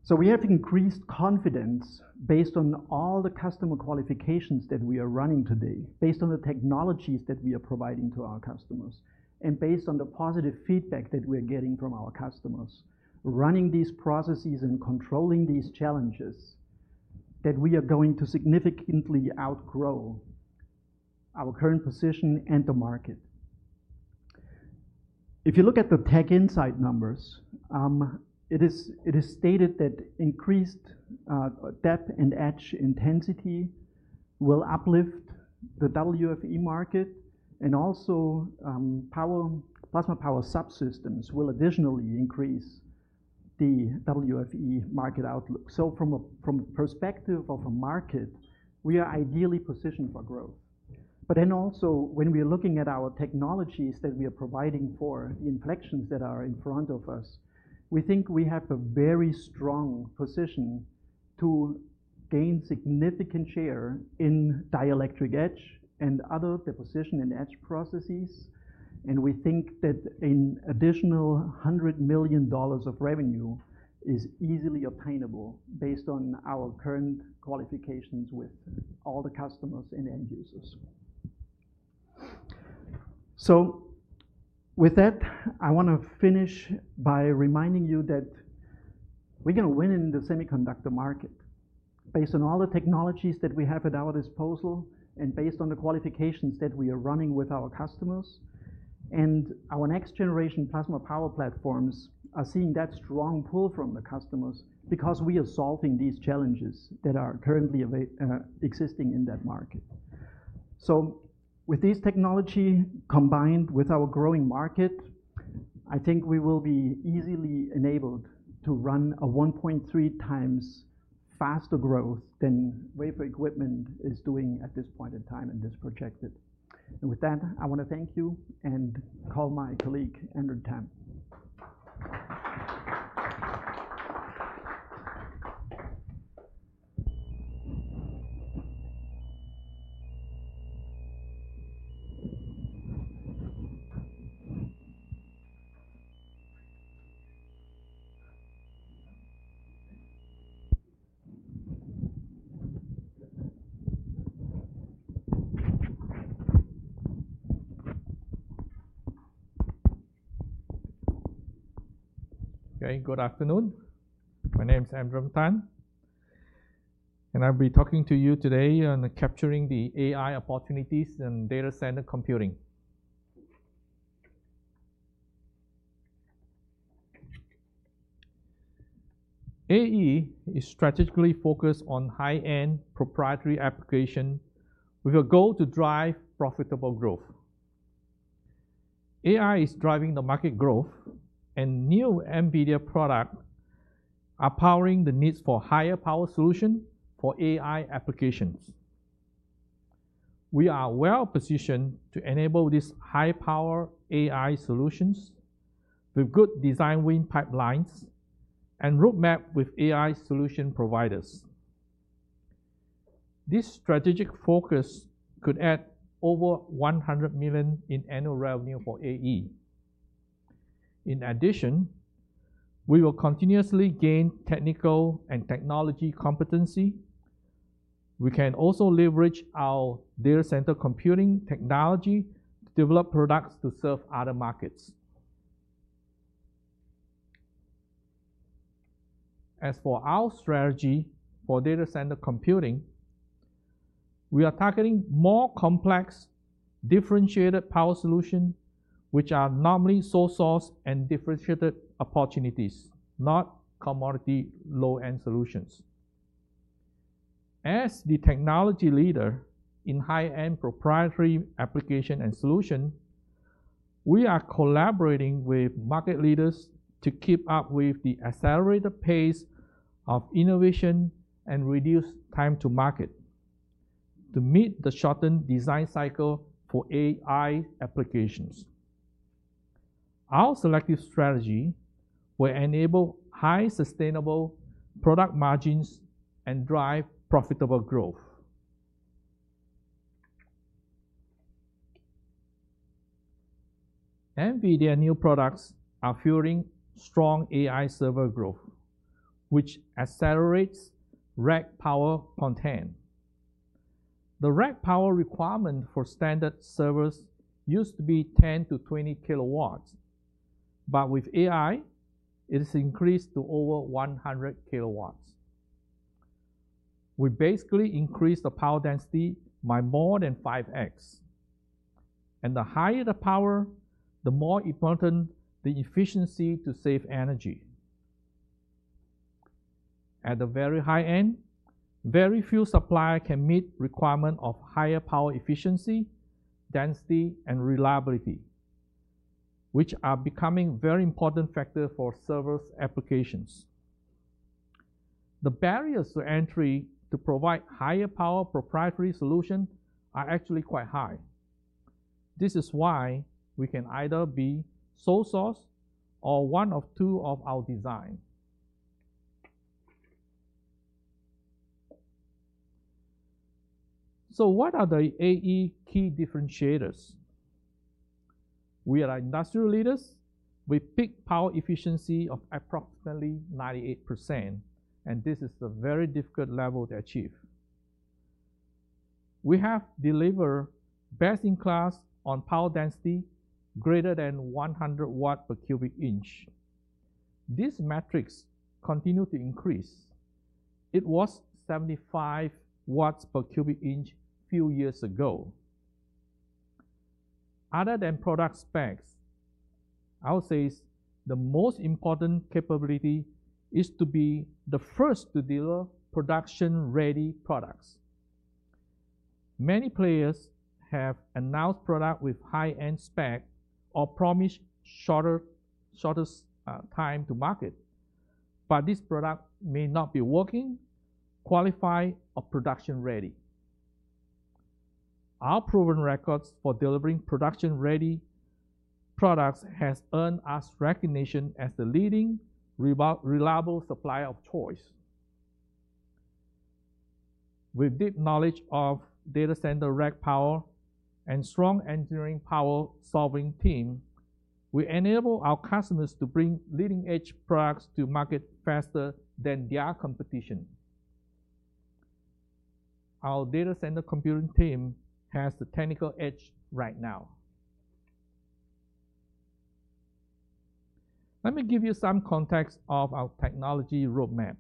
So we have increased confidence based on all the customer qualifications that we are running today, based on the technologies that we are providing to our customers, and based on the positive feedback that we are getting from our customers. Running these processes and controlling these challenges, we are going to significantly outgrow our current position and the market. If you look at the TechInsights numbers, it is stated that increased dep and etch intensity will uplift the WFE market. And also plasma power subsystems will additionally increase the WFE market outlook. So from the perspective of a market, we are ideally positioned for growth. But then also when we are looking at our technologies that we are providing for the inflections that are in front of us, we think we have a very strong position to gain significant share in dielectric etch and other deposition and etch processes. And we think that an additional $100 million of revenue is easily obtainable based on our current qualifications with all the customers and end users. So with that, I want to finish by reminding you that we're going to win in the semiconductor market based on all the technologies that we have at our disposal and based on the qualifications that we are running with our customers. And our next generation plasma power platforms are seeing that strong pull from the customers because we are solving these challenges that are currently existing in that market. So with these technologies combined with our growing market, I think we will be easily enabled to run a 1.3x faster growth than wafer equipment is doing at this point in time and is projected. And with that, I want to thank you and call my colleague Emdrem Tan. Okay. Good afternoon. My name is Emdrem Tan. And I'll be talking to you today on capturing the AI opportunities in data center computing. AE is strategically focused on high-end proprietary applications with a goal to drive profitable growth. AI is driving the market growth, and new NVIDIA products are powering the needs for higher power solutions for AI applications. We are well positioned to enable these high-power AI solutions with good design win pipelines and roadmap with AI solution providers. This strategic focus could add over $100 million in annual revenue for AE. In addition, we will continuously gain technical and technology competency. We can also leverage our data center computing technology to develop products to serve other markets. As for our strategy for data center computing, we are targeting more complex differentiated power solutions, which are normally sole-source and differentiated opportunities, not commodity low-end solutions. As the technology leader in high-end proprietary application and solution, we are collaborating with market leaders to keep up with the accelerated pace of innovation and reduce time to market to meet the shortened design cycle for AI applications. Our selective strategy will enable high sustainable product margins and drive profitable growth. NVIDIA's new products are fueling strong AI server growth, which accelerates rack power content. The rack power requirement for standard servers used to be 10-20 kilowatts, but with AI, it has increased to over 100 kilowatts. We basically increased the power density by more than 5x, and the higher the power, the more important the efficiency to save energy. At the very high end, very few suppliers can meet requirements of higher power efficiency, density, and reliability, which are becoming very important factors for server applications. The barriers to entry to provide higher power proprietary solutions are actually quite high. This is why we can either be sole-source or one of two of our designs. So what are the AE key differentiators? We are industrial leaders with peak power efficiency of approximately 98%. And this is a very difficult level to achieve. We have delivered best in class on power density greater than 100 watts per cubic inch. These metrics continue to increase. It was 75 watts per cubic inch a few years ago. Other than product specs, I would say the most important capability is to be the first to deliver production-ready products. Many players have announced products with high-end specs or promised shorter time to market. But this product may not be working, qualified, or production-ready. Our proven records for delivering production-ready products have earned us recognition as the leading reliable supplier of choice. With deep knowledge of data center rack power and strong engineering power solving team, we enable our customers to bring leading-edge products to market faster than their competition. Our data center computing team has the technical edge right now. Let me give you some context of our technology roadmap.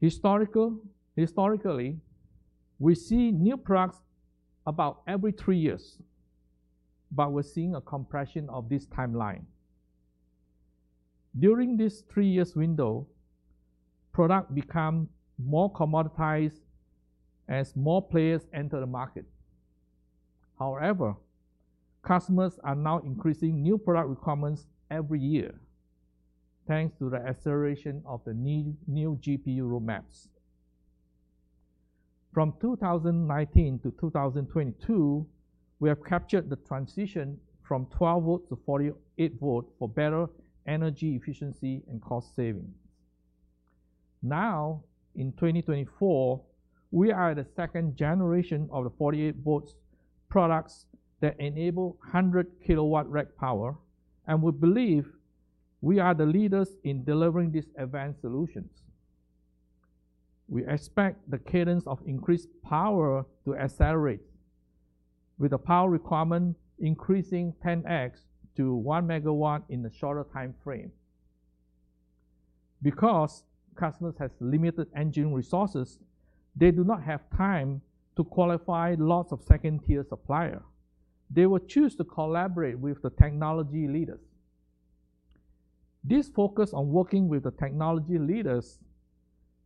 Historically, we see new products about every three years. But we're seeing a compression of this timeline. During this three-year window, products become more commoditized as more players enter the market. However, customers are now increasing new product requirements every year thanks to the acceleration of the new GPU roadmaps. From 2019 to 2022, we have captured the transition from 12 volts to 48 volts for better energy efficiency and cost savings. Now, in 2024, we are the second generation of the 48 volts products that enable 100 kilowatt rack power. We believe we are the leaders in delivering these advanced solutions. We expect the cadence of increased power to accelerate with the power requirement increasing 10x to 1 megawatt in the shorter time frame. Because customers have limited engine resources, they do not have time to qualify lots of second-tier suppliers. They will choose to collaborate with the technology leaders. This focus on working with the technology leaders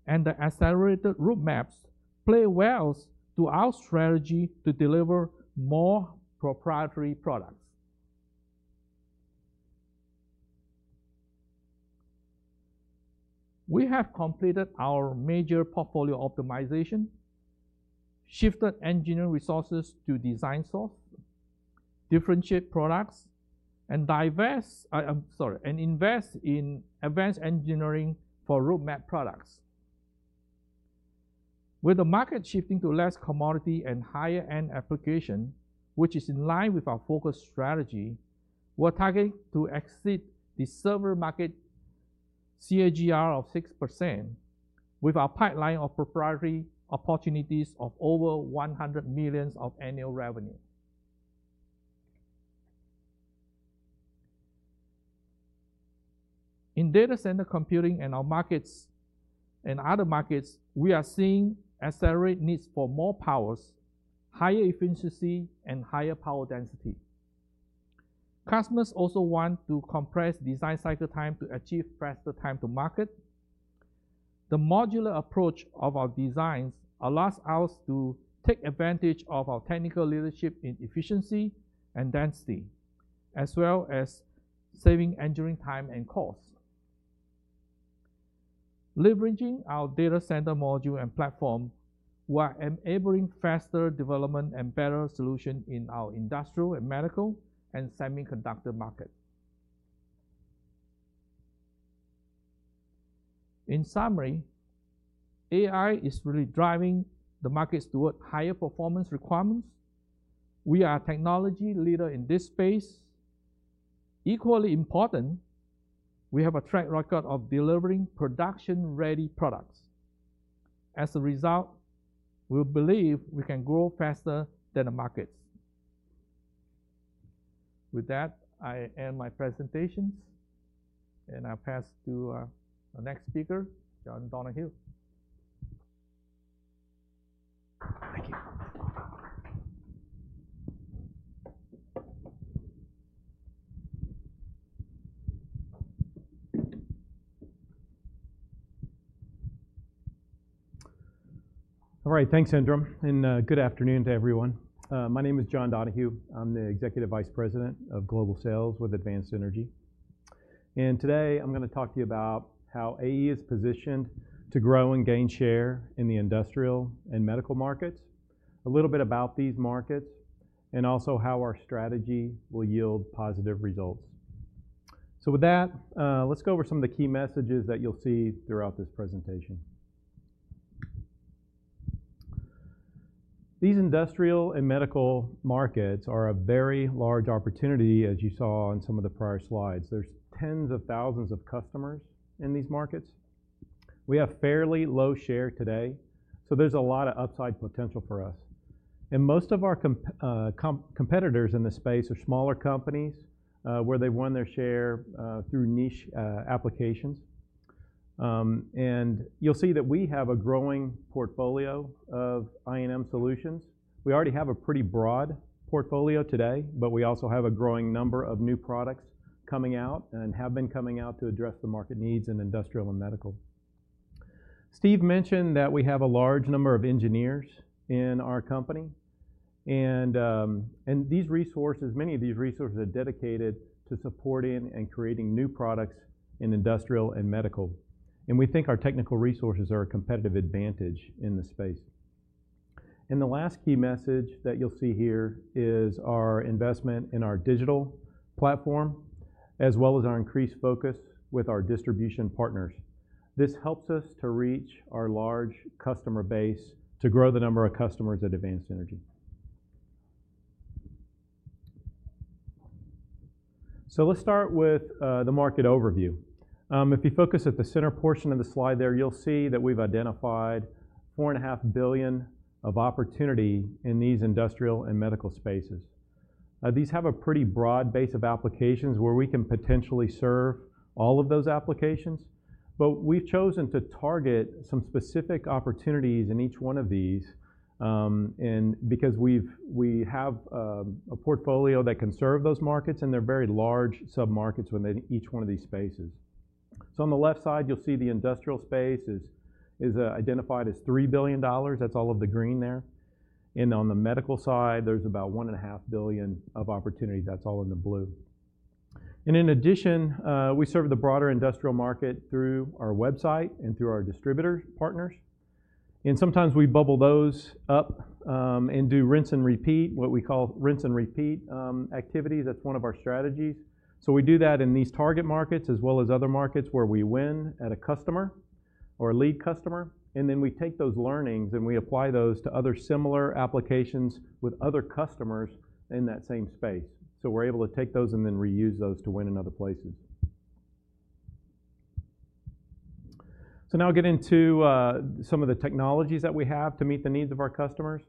and the accelerated roadmaps plays well to our strategy to deliver more proprietary products. We have completed our major portfolio optimization, shifted engineering resources to design source, differentiate products, and invest in advanced engineering for roadmap products. With the market shifting to less commodity and higher-end applications, which is in line with our focus strategy, we're targeting to exceed the server market CAGR of 6% with our pipeline of proprietary opportunities of over $100 million of annual revenue. In data center computing and our markets and other markets, we are seeing accelerated needs for more powers, higher efficiency, and higher power density. Customers also want to compress design cycle time to achieve faster time to market. The modular approach of our designs allows us to take advantage of our technical leadership in efficiency and density, as well as saving engineering time and cost. Leveraging our data center module and platform, we are enabling faster development and better solutions in our industrial and medical and semiconductor market. In summary, AI is really driving the markets toward higher performance requirements. We are a technology leader in this space. Equally important, we have a track record of delivering production-ready products. As a result, we believe we can grow faster than the markets. With that, I end my presentations, and I'll pass to the next speaker, John Donaghey. Thank you. All right. Thanks, Emdrem, and good afternoon to everyone. My name is John Donaghey. I'm the Executive Vice President of Global Sales with Advanced Energy, and today, I'm going to talk to you about how AE is positioned to grow and gain share in the industrial and medical markets, a little bit about these markets, and also how our strategy will yield positive results. With that, let's go over some of the key messages that you'll see throughout this presentation. These industrial and medical markets are a very large opportunity, as you saw in some of the prior slides. There's tens of thousands of customers in these markets. We have fairly low share today. So there's a lot of upside potential for us. And most of our competitors in this space are smaller companies where they've won their share through niche applications. You'll see that we have a growing portfolio of I&M solutions. We already have a pretty broad portfolio today, but we also have a growing number of new products coming out and have been coming out to address the market needs in industrial and medical. Steve mentioned that we have a large number of engineers in our company. Many of these resources are dedicated to supporting and creating new products in industrial and medical. We think our technical resources are a competitive advantage in the space. The last key message that you'll see here is our investment in our digital platform, as well as our increased focus with our distribution partners. This helps us to reach our large customer base to grow the number of customers at Advanced Energy. Let's start with the market overview. If you focus at the center portion of the slide there, you'll see that we've identified $4.5 billion of opportunity in these industrial and medical spaces. These have a pretty broad base of applications where we can potentially serve all of those applications. But we've chosen to target some specific opportunities in each one of these because we have a portfolio that can serve those markets and they're very large sub-markets within each one of these spaces. So on the left side, you'll see the industrial space is identified as $3 billion. That's all of the green there. And on the medical side, there's about $1.5 billion of opportunity. That's all in the blue. And in addition, we serve the broader industrial market through our website and through our distributor partners. And sometimes we bubble those up and do rinse and repeat, what we call rinse and repeat activities. That's one of our strategies. So we do that in these target markets as well as other markets where we win at a customer or a lead customer. And then we take those learnings and we apply those to other similar applications with other customers in that same space. So we're able to take those and then reuse those to win in other places. So now I'll get into some of the technologies that we have to meet the needs of our customers.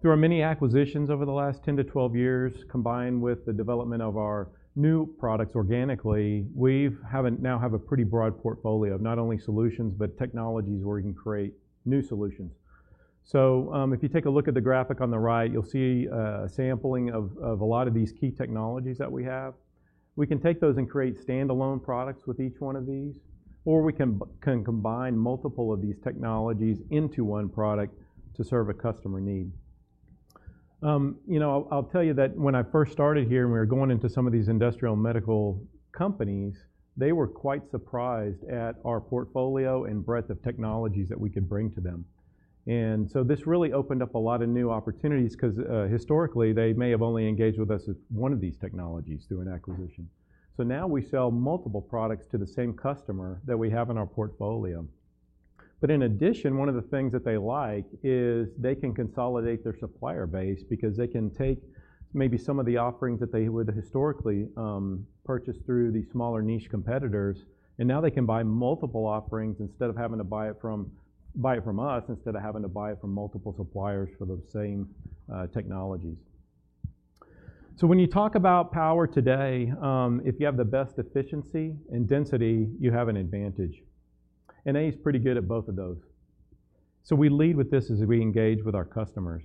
Through our many acquisitions over the last 10-12 years, combined with the development of our new products organically, we now have a pretty broad portfolio of not only solutions, but technologies where we can create new solutions. So if you take a look at the graphic on the right, you'll see sampling of a lot of these key technologies that we have. We can take those and create standalone products with each one of these. Or we can combine multiple of these technologies into one product to serve a customer need. I'll tell you that when I first started here and we were going into some of these industrial medical companies, they were quite surprised at our portfolio and breadth of technologies that we could bring to them. And so this really opened up a lot of new opportunities because historically, they may have only engaged with us as one of these technologies through an acquisition. So now we sell multiple products to the same customer that we have in our portfolio. But in addition, one of the things that they like is they can consolidate their supplier base because they can take maybe some of the offerings that they would historically purchase through the smaller niche competitors. And now they can buy multiple offerings instead of having to buy it from us instead of having to buy it from multiple suppliers for the same technologies. So when you talk about power today, if you have the best efficiency and density, you have an advantage. And AE is pretty good at both of those. So we lead with this as we engage with our customers.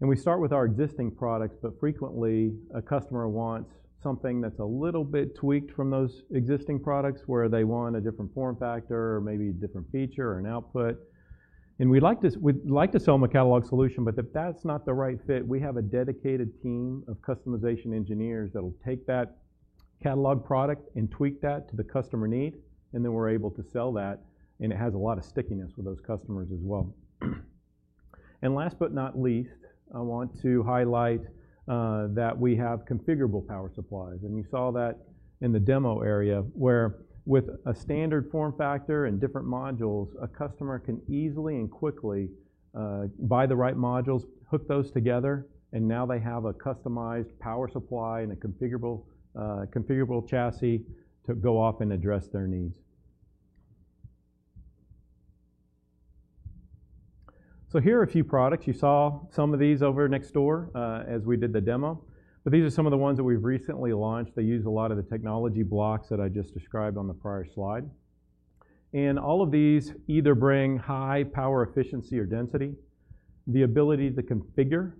And we start with our existing products, but frequently, a customer wants something that's a little bit tweaked from those existing products where they want a different form factor or maybe a different feature or an output. And we'd like to sell them a catalog solution, but if that's not the right fit, we have a dedicated team of customization engineers that will take that catalog product and tweak that to the customer need. And then we're able to sell that. And it has a lot of stickiness with those customers as well. And last but not least, I want to highlight that we have configurable power supplies. And you saw that in the demo area where with a standard form factor and different modules, a customer can easily and quickly buy the right modules, hook those together, and now they have a customized power supply and a configurable chassis to go off and address their needs. So here are a few products. You saw some of these over next door as we did the demo. But these are some of the ones that we've recently launched. They use a lot of the technology blocks that I just described on the prior slide. All of these either bring high power efficiency or density, the ability to configure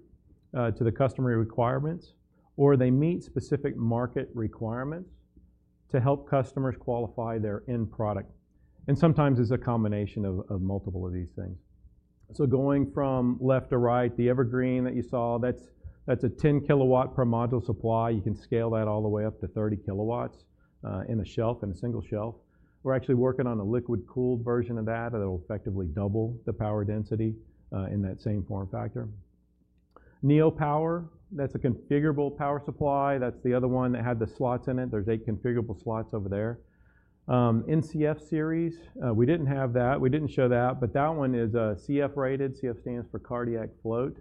to the customer requirements, or they meet specific market requirements to help customers qualify their end product. Sometimes it's a combination of multiple of these things. Going from left to right, the EverGreen that you saw, that's a 10 kilowatt per module supply. You can scale that all the way up to 30 kilowatts in a shelf, in a single shelf. We're actually working on a liquid-cooled version of that. That'll effectively double the power density in that same form factor. NeoPower, that's a configurable power supply. That's the other one that had the slots in it. There's eight configurable slots over there. NCS Series, we didn't have that. We didn't show that. But that one is CF rated. CF stands for cardiac float.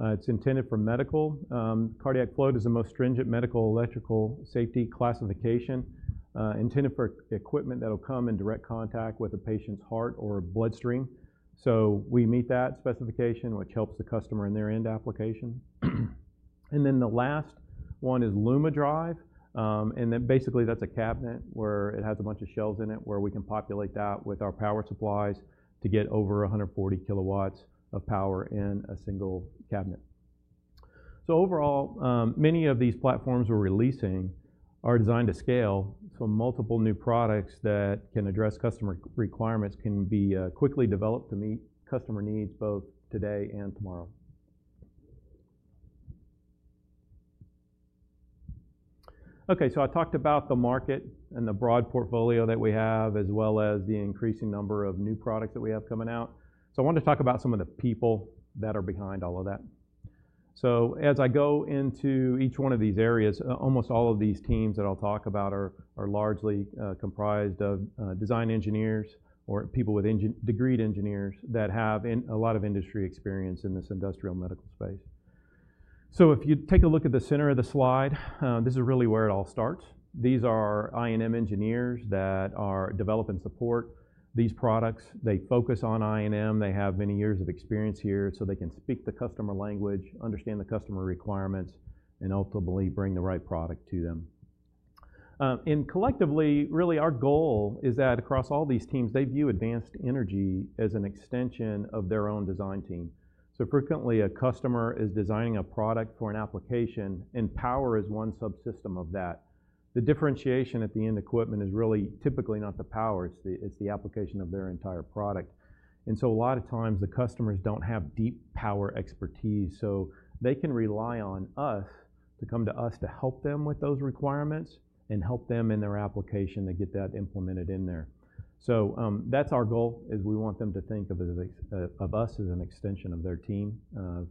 It's intended for medical. Cardiac Float is the most stringent medical electrical safety classification intended for equipment that'll come in direct contact with a patient's heart or bloodstream. So we meet that specification, which helps the customer in their end application, and then the last one is LumaDrive, and then basically, that's a cabinet where it has a bunch of shelves in it where we can populate that with our power supplies to get over 140 kilowatts of power in a single cabinet, so overall, many of these platforms we're releasing are designed to scale, so multiple new products that can address customer requirements can be quickly developed to meet customer needs both today and tomorrow. Okay, so I talked about the market and the broad portfolio that we have, as well as the increasing number of new products that we have coming out. I wanted to talk about some of the people that are behind all of that. So as I go into each one of these areas, almost all of these teams that I'll talk about are largely comprised of design engineers or people with degreed engineers that have a lot of industry experience in this industrial medical space. So if you take a look at the center of the slide, this is really where it all starts. These are I&M engineers that develop and support these products. They focus on I&M. They have many years of experience here. So they can speak the customer language, understand the customer requirements, and ultimately bring the right product to them. And collectively, really, our goal is that across all these teams, they view Advanced Energy as an extension of their own design team. So frequently, a customer is designing a product for an application, and power is one subsystem of that. The differentiation at the end equipment is really typically not the power. It's the application of their entire product. And so a lot of times, the customers don't have deep power expertise. So they can rely on us to come to us to help them with those requirements and help them in their application to get that implemented in there. So that's our goal is we want them to think of us as an extension of their team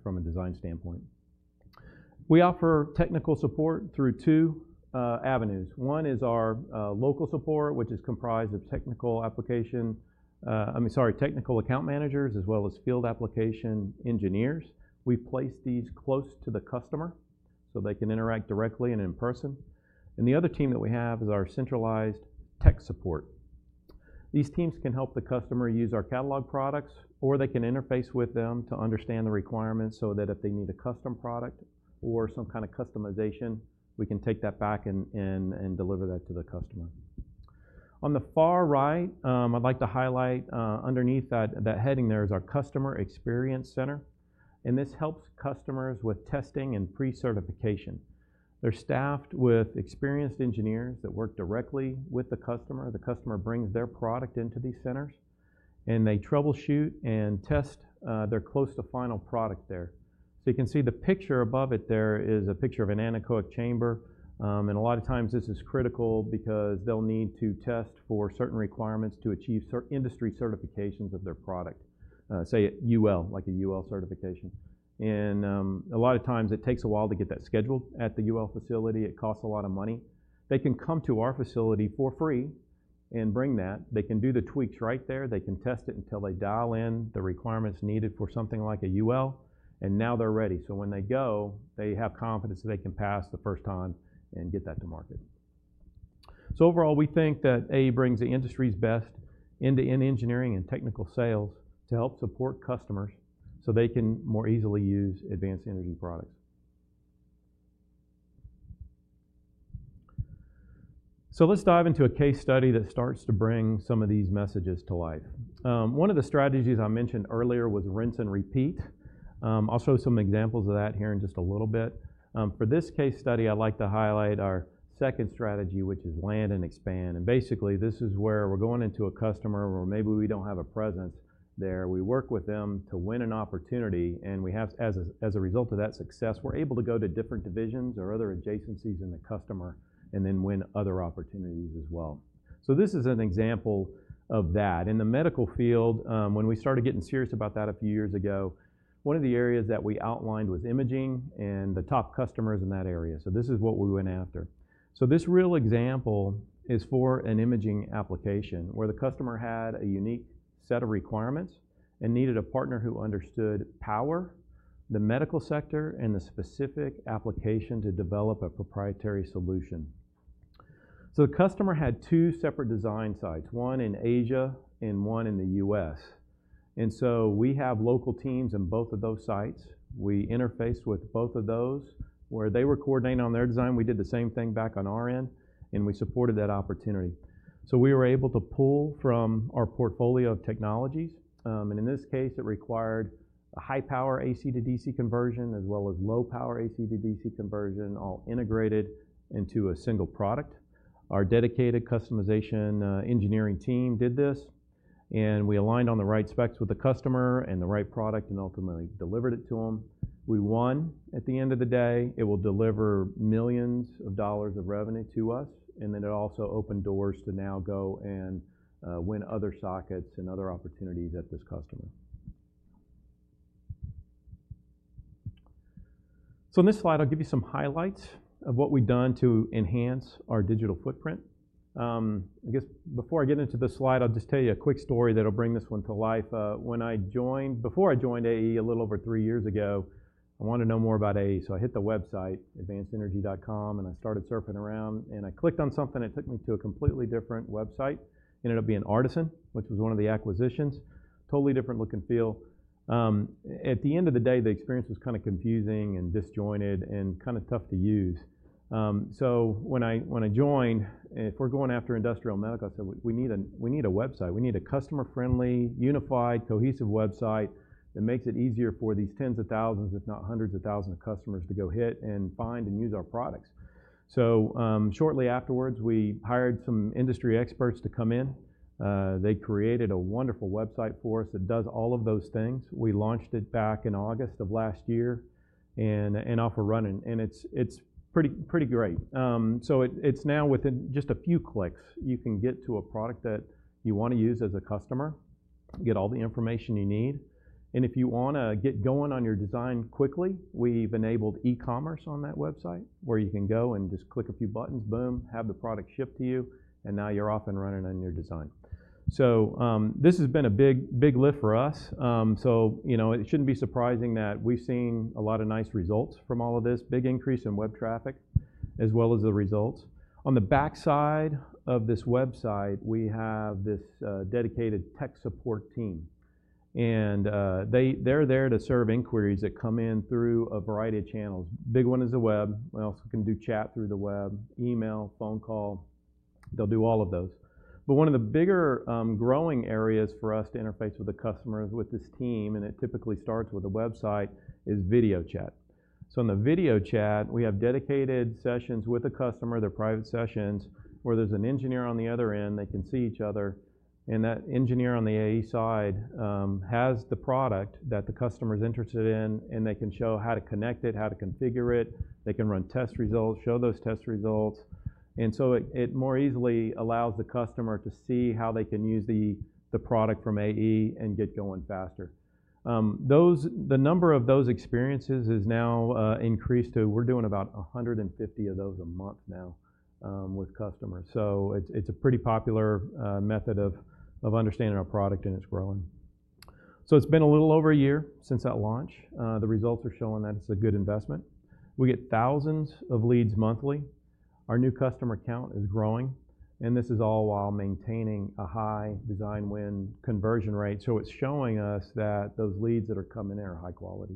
from a design standpoint. We offer technical support through two avenues. One is our local support, which is comprised of technical application, I mean, sorry, technical account managers as well as field application engineers. We place these close to the customer so they can interact directly and in person. The other team that we have is our centralized tech support. These teams can help the customer use our catalog products, or they can interface with them to understand the requirements so that if they need a custom product or some kind of customization, we can take that back and deliver that to the customer. On the far right, I'd like to highlight underneath that heading there is our Customer Experience Center. This helps customers with testing and pre-certification. They're staffed with experienced engineers that work directly with the customer. The customer brings their product into these centers, and they troubleshoot and test their close-to-final product there. You can see the picture above it. There is a picture of an anechoic chamber. And a lot of times, this is critical because they'll need to test for certain requirements to achieve certain industry certifications of their product, say, UL, like a UL certification. And a lot of times, it takes a while to get that scheduled at the UL facility. It costs a lot of money. They can come to our facility for free and bring that. They can do the tweaks right there. They can test it until they dial in the requirements needed for something like a UL. And now they're ready. So when they go, they have confidence that they can pass the first time and get that to market. So overall, we think that AE brings the industry's best end-to-end engineering and technical sales to help support customers so they can more easily use Artesyn products. So let's dive into a case study that starts to bring some of these messages to life. One of the strategies I mentioned earlier was rinse and repeat. I'll show some examples of that here in just a little bit. For this case study, I'd like to highlight our second strategy, which is land and expand. And basically, this is where we're going into a customer where maybe we don't have a presence there. We work with them to win an opportunity. And as a result of that success, we're able to go to different divisions or other adjacencies in the customer and then win other opportunities as well. So this is an example of that. In the medical field, when we started getting serious about that a few years ago, one of the areas that we outlined was imaging and the top customers in that area. So this is what we went after. So this real example is for an imaging application where the customer had a unique set of requirements and needed a partner who understood power, the medical sector, and the specific application to develop a proprietary solution. So the customer had two separate design sites, one in Asia and one in the U.S. And so we have local teams in both of those sites. We interfaced with both of those where they were coordinating on their design. We did the same thing back on our end, and we supported that opportunity. So we were able to pull from our portfolio of technologies. And in this case, it required a high-power AC to DC conversion as well as low-power AC to DC conversion, all integrated into a single product. Our dedicated customization engineering team did this. We aligned on the right specs with the customer and the right product and ultimately delivered it to them. We won at the end of the day. It will deliver millions of dollars of revenue to us. Then it also opened doors to now go and win other sockets and other opportunities at this customer. On this slide, I'll give you some highlights of what we've done to enhance our digital footprint. I guess before I get into the slide, I'll just tell you a quick story that'll bring this one to life. Before I joined AE a little over three years ago, I wanted to know more about AE. I hit the website, advancedenergy.com, and I started surfing around. I clicked on something. It took me to a completely different website. It ended up being Artesyn, which was one of the acquisitions. Totally different look and feel. At the end of the day, the experience was kind of confusing and disjointed and kind of tough to use. So when I joined, if we're going after industrial medical, I said, "We need a website. We need a customer-friendly, unified, cohesive website that makes it easier for these tens of thousands, if not hundreds of thousands of customers to go hit and find and use our products." So shortly afterwards, we hired some industry experts to come in. They created a wonderful website for us that does all of those things. We launched it back in August of last year, and it's off and running. And it's pretty great. So it's now within just a few clicks. You can get to a product that you want to use as a customer, get all the information you need. And if you want to get going on your design quickly, we've enabled e-commerce on that website where you can go and just click a few buttons, boom, have the product shipped to you. And now you're off and running on your design. So this has been a big lift for us. So it shouldn't be surprising that we've seen a lot of nice results from all of this, big increase in web traffic as well as the results. On the backside of this website, we have this dedicated tech support team. And they're there to serve inquiries that come in through a variety of channels. Big one is the web. We also can do chat through the web, email, phone call. They'll do all of those. But one of the bigger growing areas for us to interface with the customers with this team, and it typically starts with a website, is video chat. So in the video chat, we have dedicated sessions with a customer, their private sessions, where there's an engineer on the other end. They can see each other. And that engineer on the AE side has the product that the customer is interested in, and they can show how to connect it, how to configure it. They can run test results, show those test results. And so it more easily allows the customer to see how they can use the product from AE and get going faster. The number of those experiences has now increased to, we're doing about 150 of those a month now with customers. So it's a pretty popular method of understanding our product, and it's growing. So it's been a little over a year since that launch. The results are showing that it's a good investment. We get thousands of leads monthly. Our new customer count is growing. And this is all while maintaining a high design win conversion rate. So it's showing us that those leads that are coming in are high quality.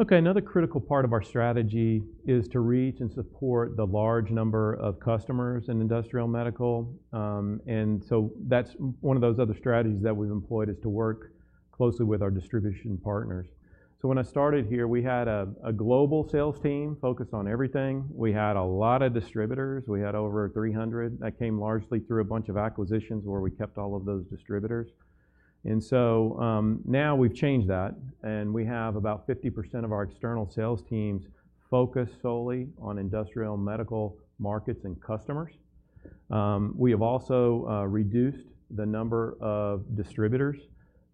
Okay. Another critical part of our strategy is to reach and support the large number of customers in industrial medical. And so that's one of those other strategies that we've employed is to work closely with our distribution partners. So when I started here, we had a global sales team focused on everything. We had a lot of distributors. We had over 300. That came largely through a bunch of acquisitions where we kept all of those distributors. And so now we've changed that. We have about 50% of our external sales teams focused solely on industrial medical markets and customers. We have also reduced the number of distributors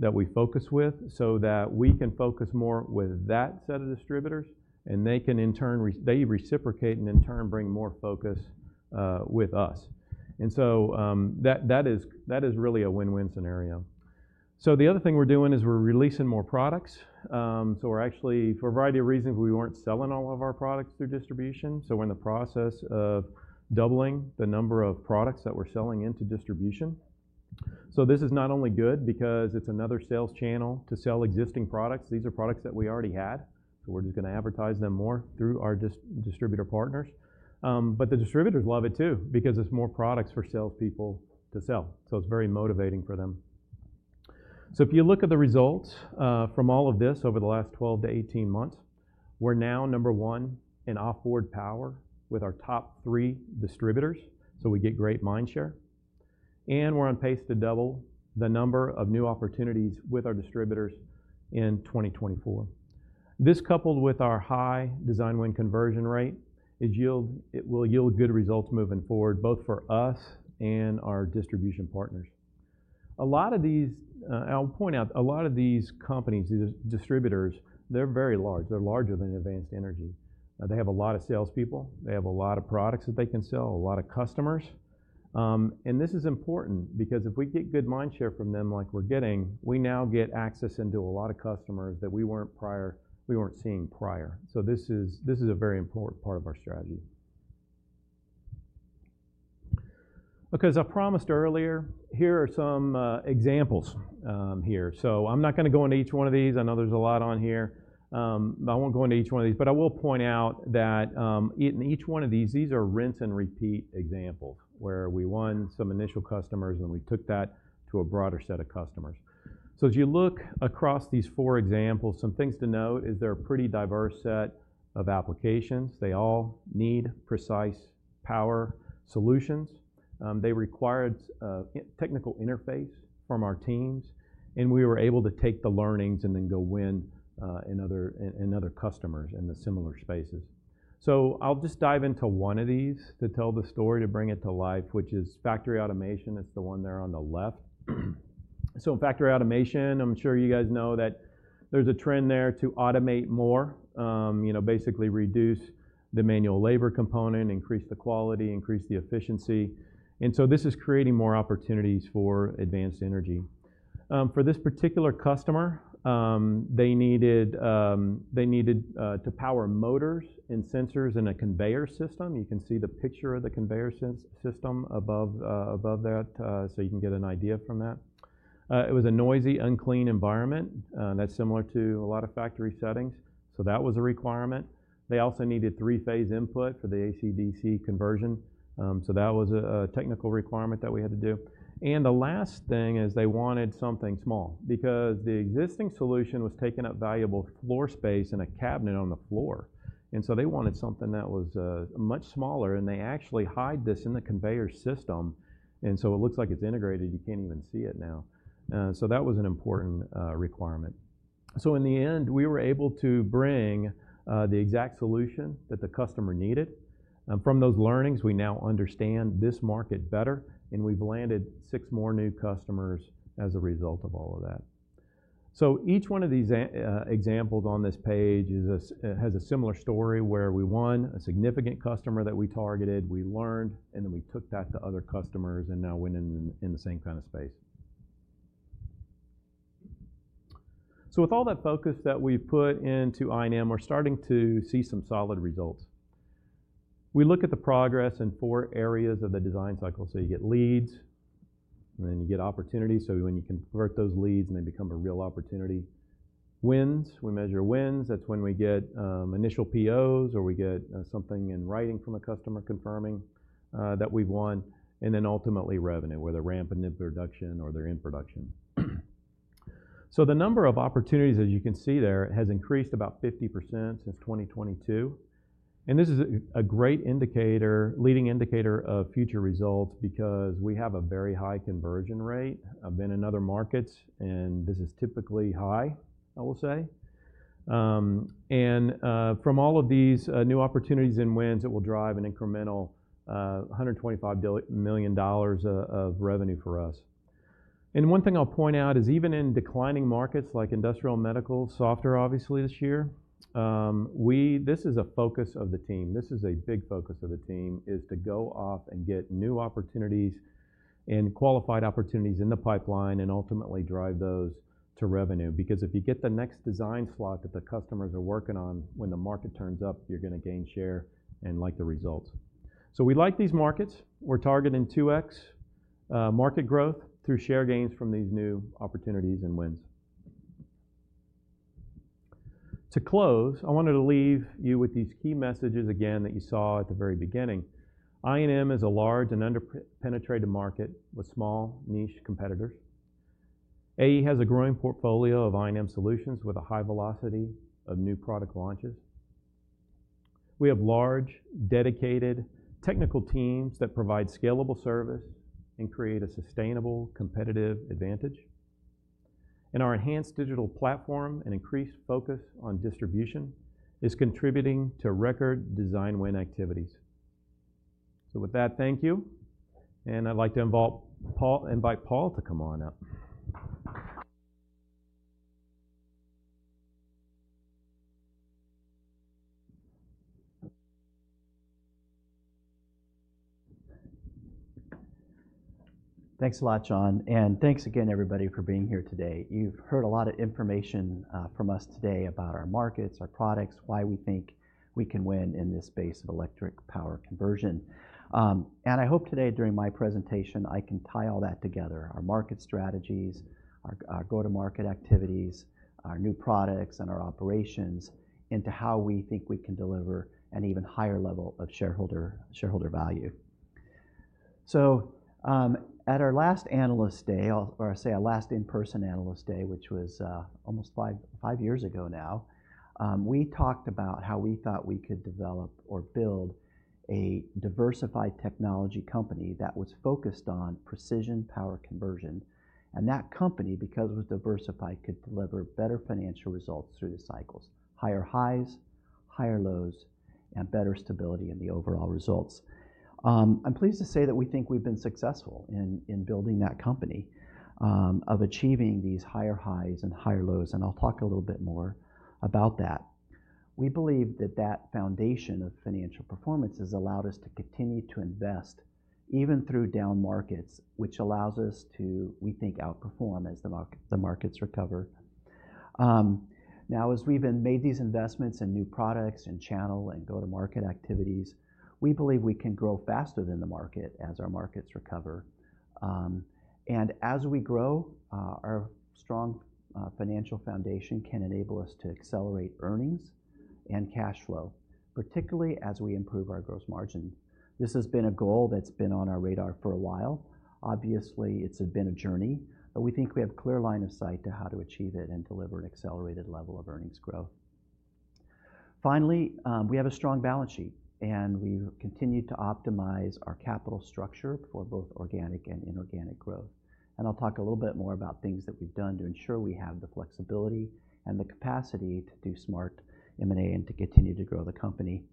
that we focus with so that we can focus more with that set of distributors. They can in turn reciprocate and bring more focus with us. That is really a win-win scenario. The other thing we're doing is releasing more products. Actually, for a variety of reasons, we weren't selling all of our products through distribution. We're in the process of doubling the number of products that we're selling into distribution. This is not only good because it's another sales channel to sell existing products. These are products that we already had. We're just going to advertise them more through our distributor partners. But the distributors love it too because it's more products for salespeople to sell. So it's very motivating for them. So if you look at the results from all of this over the last 12-18 months, we're now number one in offboard power with our top three distributors. So we get great mindshare. And we're on pace to double the number of new opportunities with our distributors in 2024. This, coupled with our high design win conversion rate, will yield good results moving forward, both for us and our distribution partners. I'll point out a lot of these companies, these distributors, they're very large. They're larger than Advanced Energy. They have a lot of salespeople. They have a lot of products that they can sell, a lot of customers. This is important because if we get good mindshare from them like we're getting, we now get access into a lot of customers that we weren't seeing prior. So this is a very important part of our strategy. Okay. As I promised earlier, here are some examples here. So I'm not going to go into each one of these. I know there's a lot on here. I won't go into each one of these. But I will point out that in each one of these, these are rinse and repeat examples where we won some initial customers, and we took that to a broader set of customers. So as you look across these four examples, some things to note is they're a pretty diverse set of applications. They all need precise power solutions. They required technical interface from our teams. And we were able to take the learnings and then go win in other customers in the similar spaces. So I'll just dive into one of these to tell the story, to bring it to life, which is factory automation. It's the one there on the left. So in factory automation, I'm sure you guys know that there's a trend there to automate more, basically reduce the manual labor component, increase the quality, increase the efficiency. And so this is creating more opportunities for Advanced Energy. For this particular customer, they needed to power motors and sensors in a conveyor system. You can see the picture of the conveyor system above that so you can get an idea from that. It was a noisy, unclean environment. That's similar to a lot of factory settings. So that was a requirement. They also needed three-phase input for the AC/DC conversion. So that was a technical requirement that we had to do. And the last thing is they wanted something small because the existing solution was taking up valuable floor space and a cabinet on the floor. And so they wanted something that was much smaller. And they actually hide this in the conveyor system. And so it looks like it's integrated. You can't even see it now. So that was an important requirement. So in the end, we were able to bring the exact solution that the customer needed. From those learnings, we now understand this market better. And we've landed six more new customers as a result of all of that. So each one of these examples on this page has a similar story where we won a significant customer that we targeted. We learned, and then we took that to other customers and now went in the same kind of space. So with all that focus that we've put into I&M, we're starting to see some solid results. We look at the progress in four areas of the design cycle. So you get leads, and then you get opportunities. So when you convert those leads, they become a real opportunity. Wins, we measure wins. That's when we get initial POs or we get something in writing from a customer confirming that we've won. And then ultimately, revenue where they're ramping into production or they're in production. So the number of opportunities, as you can see there, has increased about 50% since 2022. And this is a great leading indicator of future results because we have a very high conversion rate in other markets. And this is typically high, I will say. And from all of these new opportunities and wins, it will drive an incremental $125 million of revenue for us. And one thing I'll point out is even in declining markets like industrial medical software, obviously this year, this is a focus of the team. This is a big focus of the team is to go off and get new opportunities and qualified opportunities in the pipeline and ultimately drive those to revenue. Because if you get the next design slot that the customers are working on, when the market turns up, you're going to gain share and like the results. So we like these markets. We're targeting 2X market growth through share gains from these new opportunities and wins. To close, I wanted to leave you with these key messages again that you saw at the very beginning. I&M is a large and under-penetrated market with small niche competitors. AE has a growing portfolio of I&M solutions with a high velocity of new product launches. We have large, dedicated technical teams that provide scalable service and create a sustainable competitive advantage. And our enhanced digital platform and increased focus on distribution is contributing to record design win activities. So with that, thank you. And I'd like to invite Paul to come on up. Thanks a lot, John. And thanks again, everybody, for being here today. You've heard a lot of information from us today about our markets, our products, why we think we can win in this space of electric power conversion. And I hope today, during my presentation, I can tie all that together, our market strategies, our go-to-market activities, our new products, and our operations into how we think we can deliver an even higher level of shareholder value. So at our last Analyst Day, or I say our last in-person Analyst Day, which was almost five years ago now, we talked about how we thought we could develop or build a diversified technology company that was focused on precision power conversion. And that company, because it was diversified, could deliver better financial results through the cycles: higher highs, higher lows, and better stability in the overall results. I'm pleased to say that we think we've been successful in building that company of achieving these higher highs and higher lows. And I'll talk a little bit more about that. We believe that that foundation of financial performance has allowed us to continue to invest even through down markets, which allows us to, we think, outperform as the markets recover. Now, as we've made these investments in new products and channel and go-to-market activities, we believe we can grow faster than the market as our markets recover. And as we grow, our strong financial foundation can enable us to accelerate earnings and cash flow, particularly as we improve our gross margin. This has been a goal that's been on our radar for a while. Obviously, it's been a journey. But we think we have a clear line of sight to how to achieve it and deliver an accelerated level of earnings growth. Finally, we have a strong balance sheet. And we've continued to optimize our capital structure for both organic and inorganic growth. And I'll talk a little bit more about things that we've done to ensure we have the flexibility and the capacity to do smart M&A and to continue to grow the company.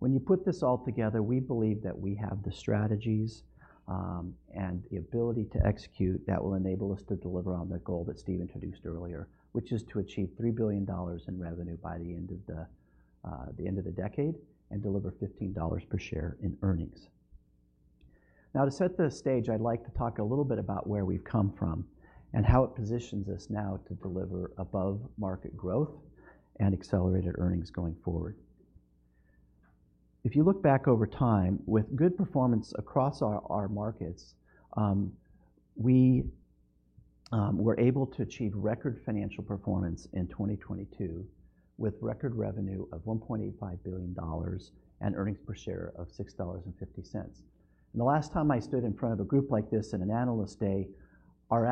When you put this all together, we believe that we have the strategies and the ability to execute that will enable us to deliver on the goal that Steve introduced earlier, which is to achieve $3 billion in revenue by the end of the decade and deliver $15 per share in earnings. Now, to set the stage, I'd like to talk a little bit about where we've come from and how it positions us now to deliver above-market growth and accelerated earnings going forward. If you look back over time, with good performance across our markets, we were able to achieve record financial performance in 2022 with record revenue of $1.85 billion and earnings per share of $6.50, and the last time I stood in front of a group like this in an Analyst Day, our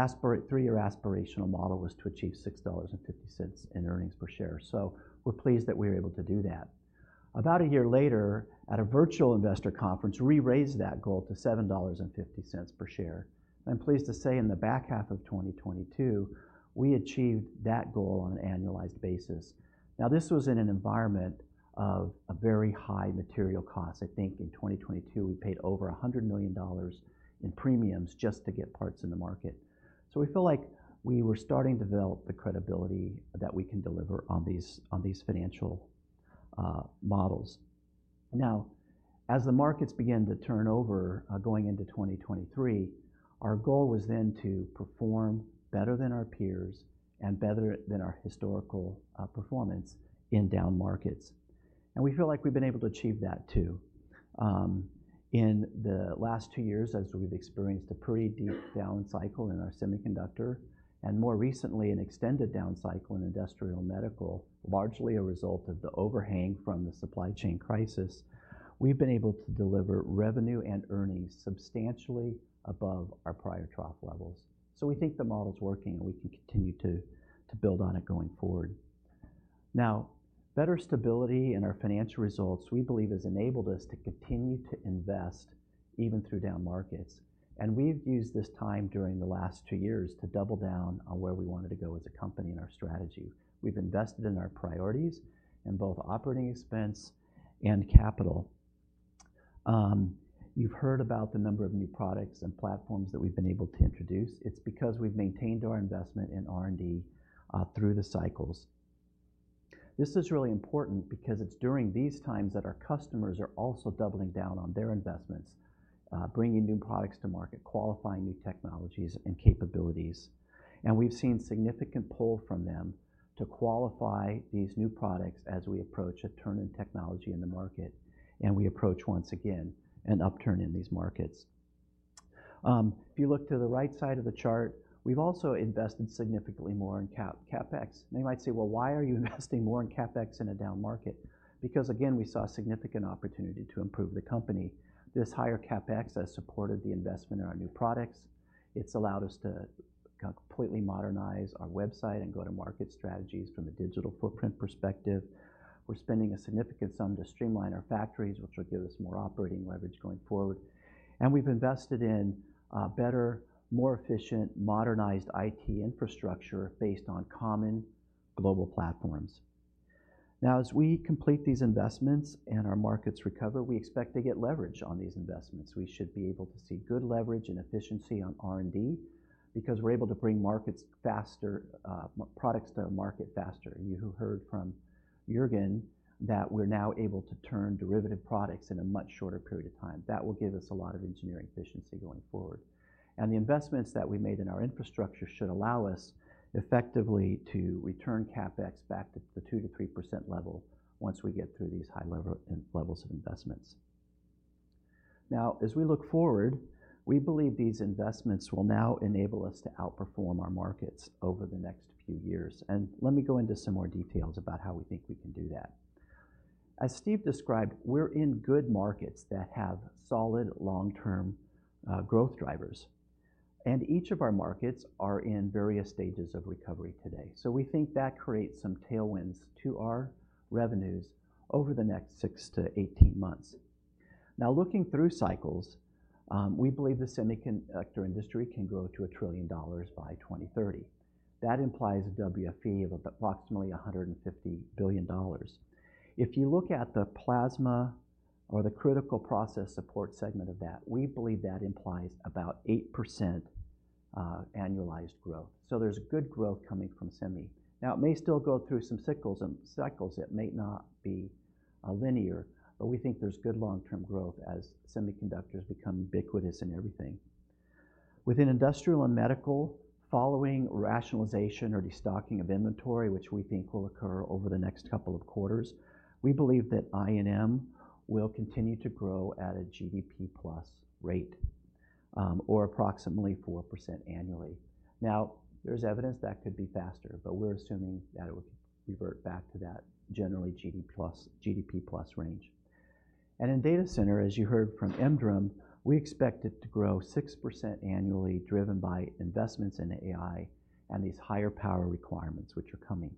three-year aspirational model was to achieve $6.50 in earnings per share. So we're pleased that we were able to do that. About a year later, at a virtual investor conference, we raised that goal to $7.50 per share. I'm pleased to say in the back half of 2022, we achieved that goal on an annualized basis. Now, this was in an environment of very high material costs. I think in 2022, we paid over $100 million in premiums just to get parts in the market. So we feel like we were starting to develop the credibility that we can deliver on these financial models. Now, as the markets began to turn over going into 2023, our goal was then to perform better than our peers and better than our historical performance in down markets, and we feel like we've been able to achieve that too. In the last two years, as we've experienced a pretty deep down cycle in our semiconductor and more recently an extended down cycle in industrial medical, largely a result of the overhang from the supply chain crisis, we've been able to deliver revenue and earnings substantially above our prior trough levels. So we think the model's working, and we can continue to build on it going forward. Now, better stability in our financial results, we believe, has enabled us to continue to invest even through down markets. And we've used this time during the last two years to double down on where we wanted to go as a company in our strategy. We've invested in our priorities in both operating expense and capital. You've heard about the number of new products and platforms that we've been able to introduce. It's because we've maintained our investment in R&D through the cycles. This is really important because it's during these times that our customers are also doubling down on their investments, bringing new products to market, qualifying new technologies and capabilities. And we've seen significant pull from them to qualify these new products as we approach a turn in technology in the market. And we approach once again an upturn in these markets. If you look to the right side of the chart, we've also invested significantly more in CapEx. And you might say, "Well, why are you investing more in CapEx in a down market?" Because, again, we saw significant opportunity to improve the company. This higher CapEx has supported the investment in our new products. It's allowed us to completely modernize our website and go-to-market strategies from a digital footprint perspective. We're spending a significant sum to streamline our factories, which will give us more operating leverage going forward. And we've invested in better, more efficient, modernized IT infrastructure based on common global platforms. Now, as we complete these investments and our markets recover, we expect to get leverage on these investments. We should be able to see good leverage and efficiency on R&D because we're able to bring products to market faster. And you heard from Juergen that we're now able to turn derivative products in a much shorter period of time. That will give us a lot of engineering efficiency going forward. And the investments that we made in our infrastructure should allow us effectively to return CapEx back to the 2%-3% level once we get through these high levels of investments. Now, as we look forward, we believe these investments will now enable us to outperform our markets over the next few years. And let me go into some more details about how we think we can do that. As Steve described, we're in good markets that have solid long-term growth drivers. Each of our markets is in various stages of recovery today. We think that creates some tailwinds to our revenues over the next six to 18 months. Looking through cycles, we believe the semiconductor industry can grow to $1 trillion by 2030. That implies a WFE of approximately $150 billion. If you look at the plasma or the critical process support segment of that, we believe that implies about 8% annualized growth. There's good growth coming from semi. It may still go through some cycles. It may not be linear. We think there's good long-term growth as semiconductors become ubiquitous in everything. Within industrial and medical, following rationalization or destocking of inventory, which we think will occur over the next couple of quarters, we believe that I&M will continue to grow at a GDP plus rate or approximately 4% annually. Now, there's evidence that could be faster, but we're assuming that it would revert back to that generally GDP plus range. And in data center, as you heard from Emdrem, we expect it to grow 6% annually, driven by investments in AI and these higher power requirements, which are coming.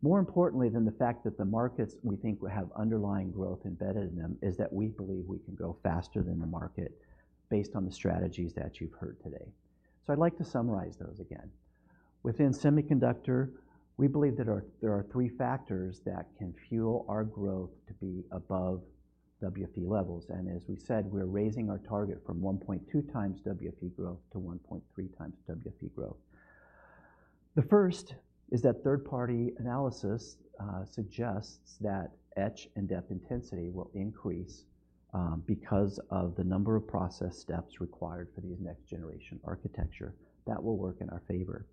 More importantly than the fact that the markets we think have underlying growth embedded in them is that we believe we can grow faster than the market based on the strategies that you've heard today. So I'd like to summarize those again. Within semiconductor, we believe that there are three factors that can fuel our growth to be above WFE levels. As we said, we're raising our target from 1.2x WFE growth to 1.3x WFE growth. The first is that third-party analysis suggests that etch and dep intensity will increase because of the number of process steps required for these next-generation architecture that will work in our favor.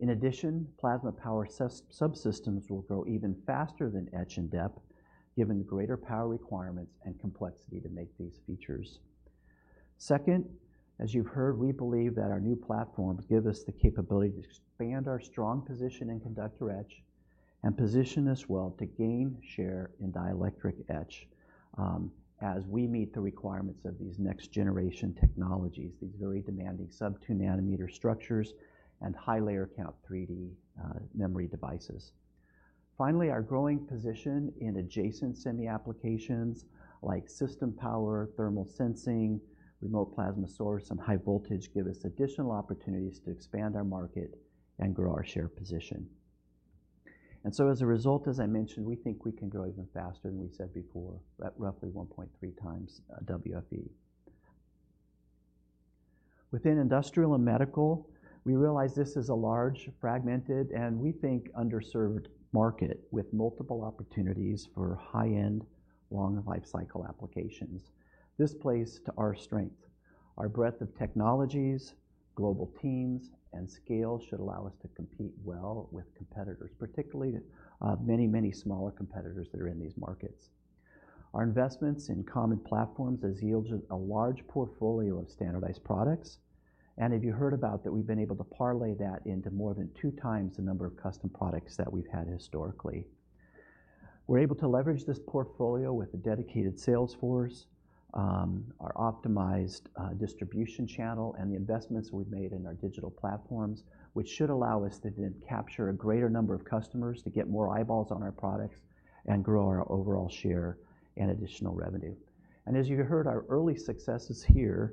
In addition, plasma power subsystems will grow even faster than etch and dep, given the greater power requirements and complexity to make these features. Second, as you've heard, we believe that our new platforms give us the capability to expand our strong position in conductor etch and position us well to gain share in dielectric etch as we meet the requirements of these next-generation technologies, these very demanding sub-2 nanometer structures and high layer count 3D memory devices. Finally, our growing position in adjacent semi applications like system power, thermal sensing, remote plasma source, and high voltage give us additional opportunities to expand our market and grow our share position. And so, as a result, as I mentioned, we think we can grow even faster than we said before, at roughly 1.3x WFE. Within industrial and medical, we realize this is a large, fragmented, and we think underserved market with multiple opportunities for high-end, long-life cycle applications. This plays to our strength. Our breadth of technologies, global teams, and scale should allow us to compete well with competitors, particularly many, many smaller competitors that are in these markets. Our investments in common platforms have yielded a large portfolio of standardized products. And have you heard about that we've been able to parlay that into more than two times the number of custom products that we've had historically? We're able to leverage this portfolio with a dedicated sales force, our optimized distribution channel, and the investments we've made in our digital platforms, which should allow us to then capture a greater number of customers to get more eyeballs on our products and grow our overall share and additional revenue, and as you heard, our early successes here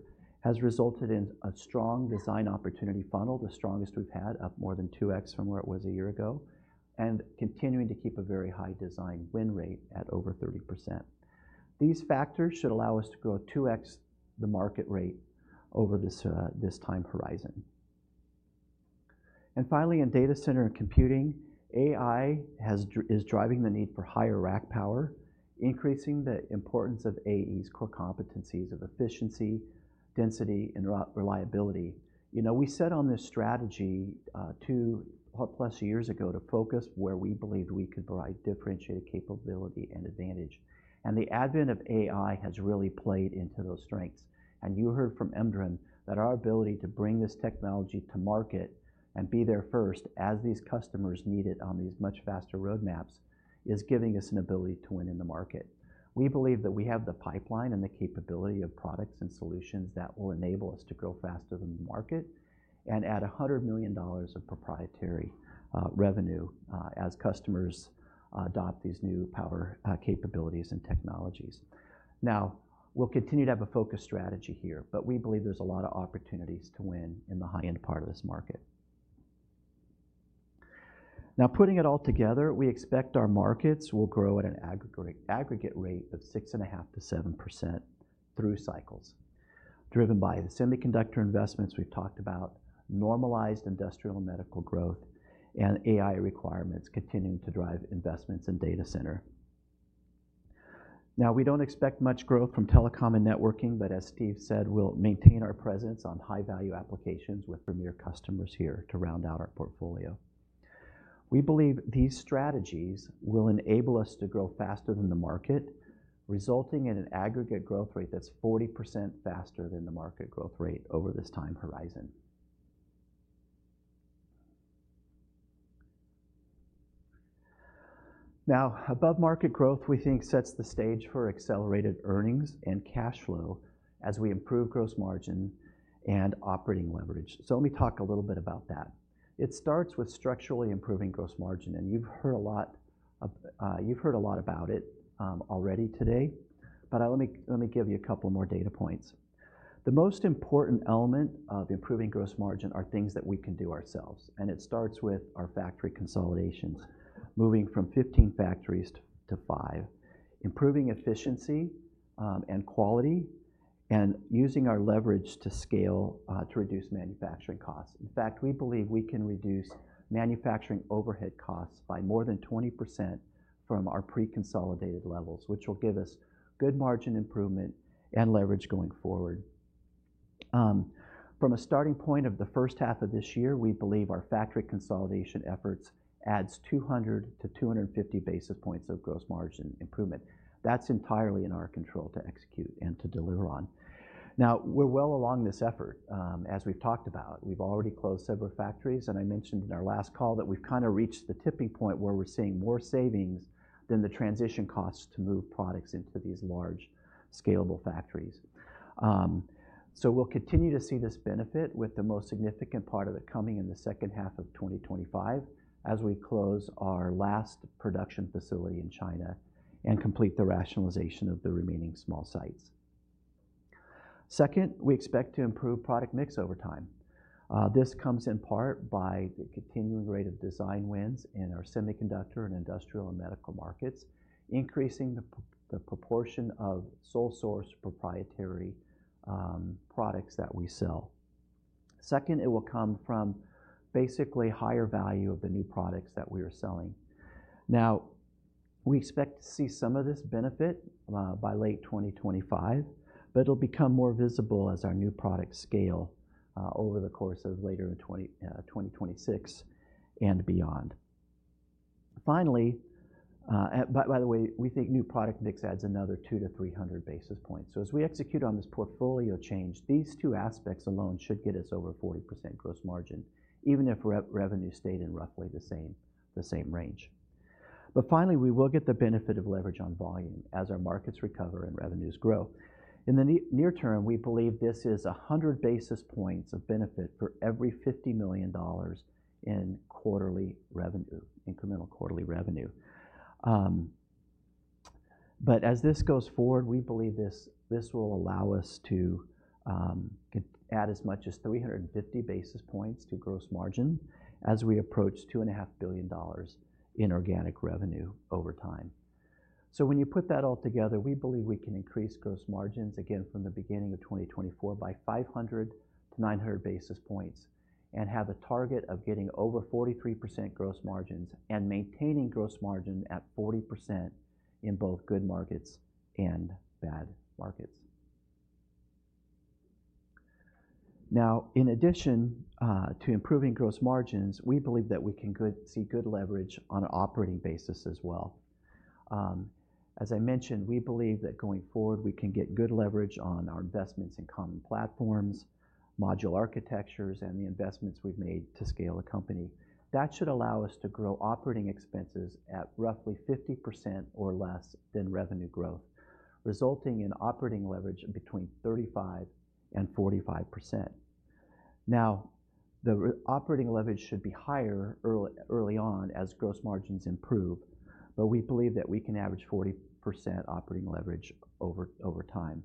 have resulted in a strong design opportunity funnel, the strongest we've had, up more than 2x from where it was a year ago, and continuing to keep a very high design win rate at over 30%. These factors should allow us to grow 2x the market rate over this time horizon, and finally, in data center and computing, AI is driving the need for higher rack power, increasing the importance of AE's core competencies of efficiency, density, and reliability. We set on this strategy two-plus years ago to focus where we believe we could provide differentiated capability and advantage. And the advent of AI has really played into those strengths. And you heard from Emdrem that our ability to bring this technology to market and be there first as these customers need it on these much faster roadmaps is giving us an ability to win in the market. We believe that we have the pipeline and the capability of products and solutions that will enable us to grow faster than the market and add $100 million of proprietary revenue as customers adopt these new power capabilities and technologies. Now, we'll continue to have a focus strategy here. But we believe there's a lot of opportunities to win in the high-end part of this market. Now, putting it all together, we expect our markets will grow at an aggregate rate of 6.5%-7% through cycles, driven by the semiconductor investments we've talked about, normalized industrial and medical growth, and AI requirements continuing to drive investments in data center. Now, we don't expect much growth from telecom and networking. But as Steve said, we'll maintain our presence on high-value applications with premier customers here to round out our portfolio. We believe these strategies will enable us to grow faster than the market, resulting in an aggregate growth rate that's 40% faster than the market growth rate over this time horizon. Now, above-market growth, we think, sets the stage for accelerated earnings and cash flow as we improve gross margin and operating leverage. So let me talk a little bit about that. It starts with structurally improving gross margin. And you've heard a lot about it already today. But let me give you a couple more data points. The most important element of improving gross margin are things that we can do ourselves. And it starts with our factory consolidations, moving from 15 factories to 5, improving efficiency and quality, and using our leverage to scale to reduce manufacturing costs. In fact, we believe we can reduce manufacturing overhead costs by more than 20% from our pre-consolidated levels, which will give us good margin improvement and leverage going forward. From a starting point of the first half of this year, we believe our factory consolidation efforts add 200 to 250 basis points of gross margin improvement. That's entirely in our control to execute and to deliver on. Now, we're well along this effort, as we've talked about. We've already closed several factories. I mentioned in our last call that we've kind of reached the tipping point where we're seeing more savings than the transition costs to move products into these large scalable factories. So we'll continue to see this benefit, with the most significant part of it coming in the second half of 2025, as we close our last production facility in China and complete the rationalization of the remaining small sites. Second, we expect to improve product mix over time. This comes in part by the continuing rate of design wins in our semiconductor and industrial and medical markets, increasing the proportion of sole-source proprietary products that we sell. Second, it will come from basically higher value of the new products that we are selling. Now, we expect to see some of this benefit by late 2025. But it'll become more visible as our new products scale over the course of later in 2026 and beyond. Finally, by the way, we think new product mix adds another 200-300 basis points. So as we execute on this portfolio change, these two aspects alone should get us over 40% gross margin, even if revenues stayed in roughly the same range. But finally, we will get the benefit of leverage on volume as our markets recover and revenues grow. In the near term, we believe this is 100 basis points of benefit for every $50 million in incremental quarterly revenue. But as this goes forward, we believe this will allow us to add as much as 350 basis points to gross margin as we approach $2.5 billion in organic revenue over time. So when you put that all together, we believe we can increase gross margins, again, from the beginning of 2024 by 500-900 basis points and have a target of getting over 43% gross margins and maintaining gross margin at 40% in both good markets and bad markets. Now, in addition to improving gross margins, we believe that we can see good leverage on an operating basis as well. As I mentioned, we believe that going forward, we can get good leverage on our investments in common platforms, module architectures, and the investments we've made to scale the company. That should allow us to grow operating expenses at roughly 50% or less than revenue growth, resulting in operating leverage between 35% and 45%. Now, the operating leverage should be higher early on as gross margins improve. But we believe that we can average 40% operating leverage over time.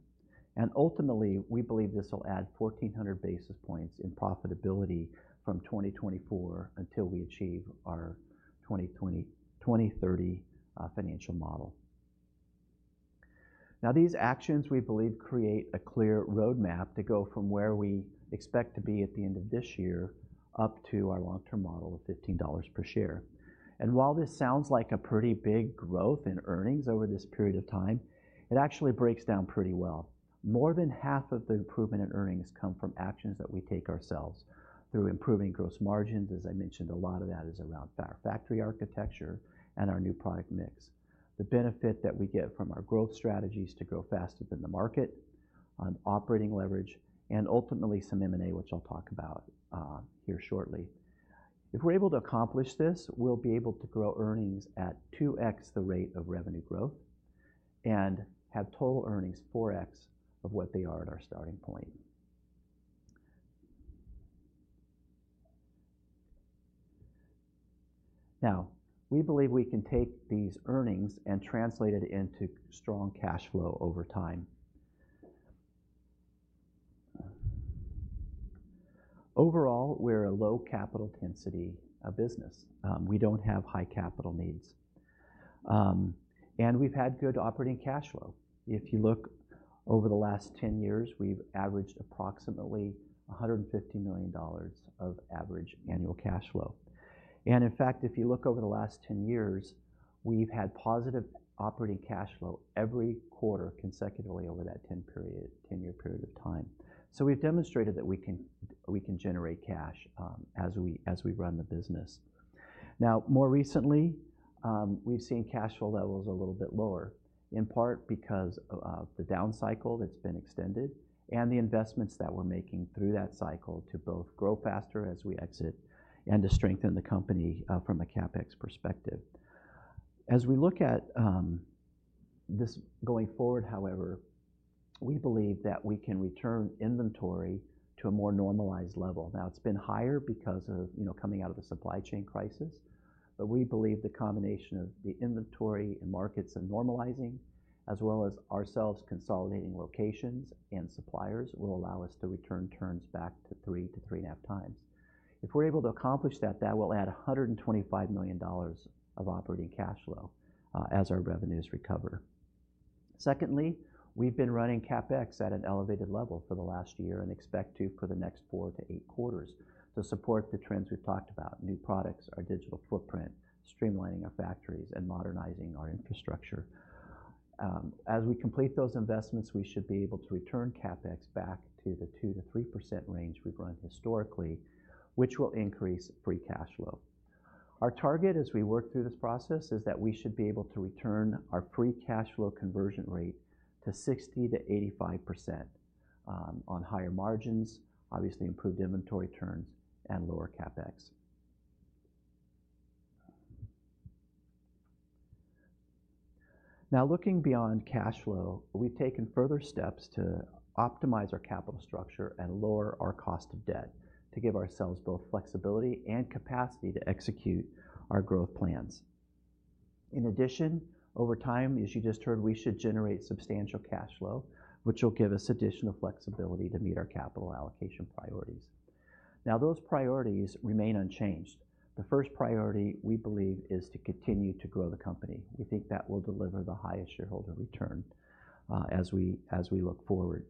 And ultimately, we believe this will add 1,400 basis points in profitability from 2024 until we achieve our 2030 financial model. Now, these actions, we believe, create a clear roadmap to go from where we expect to be at the end of this year up to our long-term model of $15 per share. And while this sounds like a pretty big growth in earnings over this period of time, it actually breaks down pretty well. More than half of the improvement in earnings come from actions that we take ourselves through improving gross margins. As I mentioned, a lot of that is around our factory architecture and our new product mix, the benefit that we get from our growth strategies to grow faster than the market on operating leverage, and ultimately some M&A, which I'll talk about here shortly. If we're able to accomplish this, we'll be able to grow earnings at 2x the rate of revenue growth and have total earnings 4x of what they are at our starting point. Now, we believe we can take these earnings and translate it into strong cash flow over time. Overall, we're a low capital density business. We don't have high capital needs, and we've had good operating cash flow. If you look over the last 10 years, we've averaged approximately $150 million of average annual cash flow. And in fact, if you look over the last 10 years, we've had positive operating cash flow every quarter consecutively over that 10-year period of time, so we've demonstrated that we can generate cash as we run the business. Now, more recently, we've seen cash flow levels a little bit lower, in part because of the down cycle that's been extended and the investments that we're making through that cycle to both grow faster as we exit and to strengthen the company from a CapEx perspective. As we look at this going forward, however, we believe that we can return inventory to a more normalized level. Now, it's been higher because of coming out of the supply chain crisis. But we believe the combination of the inventory and markets and normalizing, as well as ourselves consolidating locations and suppliers, will allow us to return turns back to three to 3.5x. If we're able to accomplish that, that will add $125 million of operating cash flow as our revenues recover. Secondly, we've been running CapEx at an elevated level for the last year and expect to for the next four to eight quarters to support the trends we've talked about: new products, our digital footprint, streamlining our factories, and modernizing our infrastructure. As we complete those investments, we should be able to return CapEx back to the 2%-3% range we've run historically, which will increase free cash flow. Our target, as we work through this process, is that we should be able to return our free cash flow conversion rate to 60%-85% on higher margins, obviously improved inventory turns, and lower CapEx. Now, looking beyond cash flow, we've taken further steps to optimize our capital structure and lower our cost of debt to give ourselves both flexibility and capacity to execute our growth plans. In addition, over time, as you just heard, we should generate substantial cash flow, which will give us additional flexibility to meet our capital allocation priorities. Now, those priorities remain unchanged. The first priority, we believe, is to continue to grow the company. We think that will deliver the highest shareholder return as we look forward.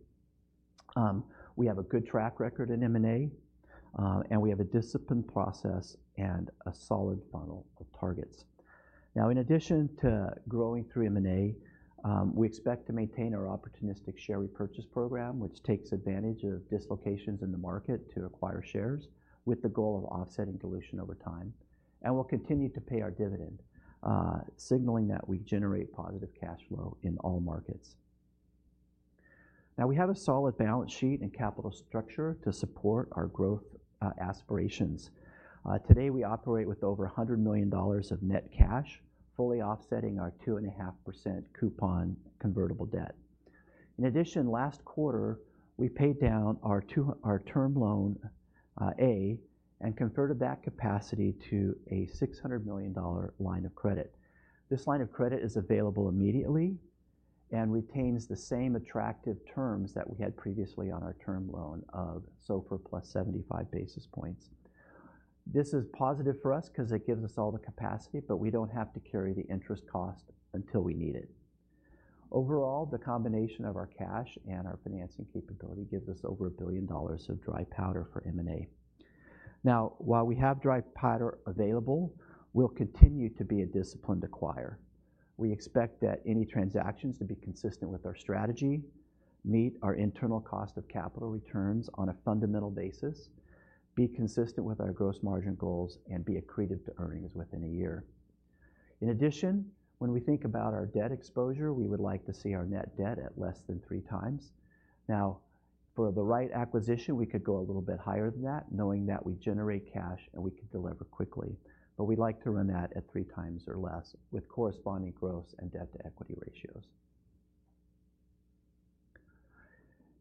We have a good track record in M&A, and we have a disciplined process and a solid funnel of targets. Now, in addition to growing through M&A, we expect to maintain our opportunistic share repurchase program, which takes advantage of dislocations in the market to acquire shares with the goal of offsetting dilution over time, and we'll continue to pay our dividend, signaling that we generate positive cash flow in all markets. Now, we have a solid balance sheet and capital structure to support our growth aspirations. Today, we operate with over $100 million of net cash, fully offsetting our 2.5% coupon convertible debt. In addition, last quarter, we paid down our Term Loan A and converted that capacity to a $600 million line of credit. This line of credit is available immediately and retains the same attractive terms that we had previously on our term loan of SOFR +75 basis points. This is positive for us because it gives us all the capacity. But we don't have to carry the interest cost until we need it. Overall, the combination of our cash and our financing capability gives us over $1 billion of dry powder for M&A. Now, while we have dry powder available, we'll continue to be a disciplined acquirer. We expect that any transactions to be consistent with our strategy, meet our internal cost of capital returns on a fundamental basis, be consistent with our gross margin goals, and be accretive to earnings within a year. In addition, when we think about our debt exposure, we would like to see our net debt at less than 3x. Now, for the right acquisition, we could go a little bit higher than that, knowing that we generate cash and we could deliver quickly. But we'd like to run that at 3x or less with corresponding gross and debt to equity ratios.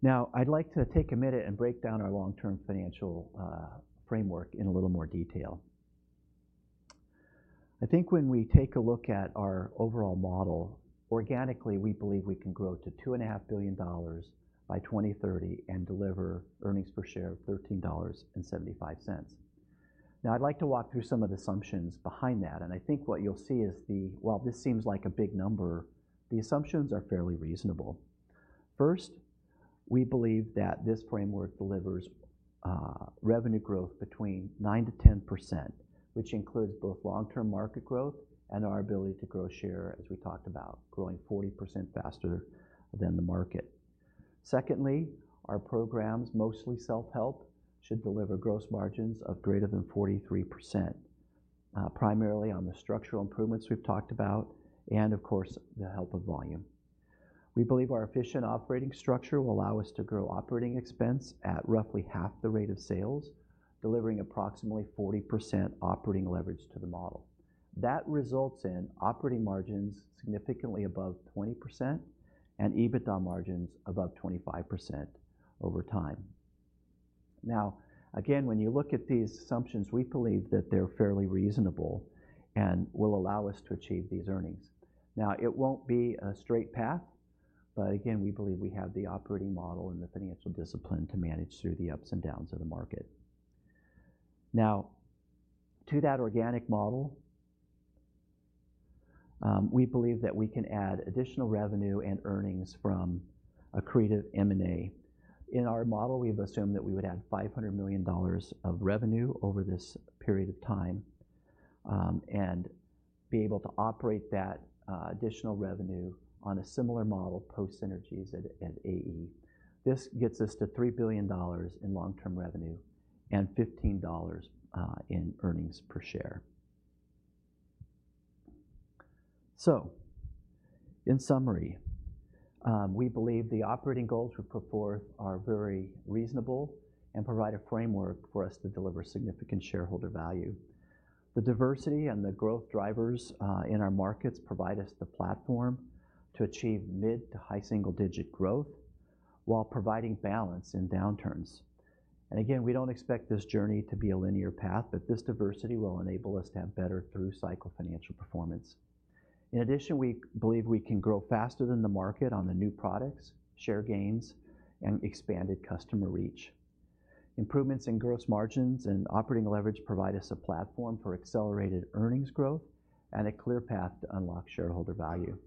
Now, I'd like to take a minute and break down our long-term financial framework in a little more detail. I think when we take a look at our overall model, organically, we believe we can grow to $2.5 billion by 2030 and deliver earnings per share of $13.75. Now, I'd like to walk through some of the assumptions behind that. And I think what you'll see is, while this seems like a big number, the assumptions are fairly reasonable. First, we believe that this framework delivers revenue growth between 9%-10%, which includes both long-term market growth and our ability to grow share, as we talked about, growing 40% faster than the market. Secondly, our programs, mostly self-help, should deliver gross margins of greater than 43%, primarily on the structural improvements we've talked about and, of course, the help of volume. We believe our efficient operating structure will allow us to grow operating expense at roughly half the rate of sales, delivering approximately 40% operating leverage to the model. That results in operating margins significantly above 20% and EBITDA margins above 25% over time. Now, again, when you look at these assumptions, we believe that they're fairly reasonable and will allow us to achieve these earnings. Now, it won't be a straight path. But again, we believe we have the operating model and the financial discipline to manage through the ups and downs of the market. Now, to that organic model, we believe that we can add additional revenue and earnings from accretive M&A. In our model, we've assumed that we would add $500 million of revenue over this period of time and be able to operate that additional revenue on a similar model post-synergies at AE. This gets us to $3 billion in long-term revenue and $15 in earnings per share. So, in summary, we believe the operating goals we put forth are very reasonable and provide a framework for us to deliver significant shareholder value. The diversity and the growth drivers in our markets provide us the platform to achieve mid to high single-digit growth while providing balance in downturns. And again, we don't expect this journey to be a linear path. But this diversity will enable us to have better through-cycle financial performance. In addition, we believe we can grow faster than the market on the new products, share gains, and expanded customer reach. Improvements in gross margins and operating leverage provide us a platform for accelerated earnings growth and a clear path to unlock shareholder value.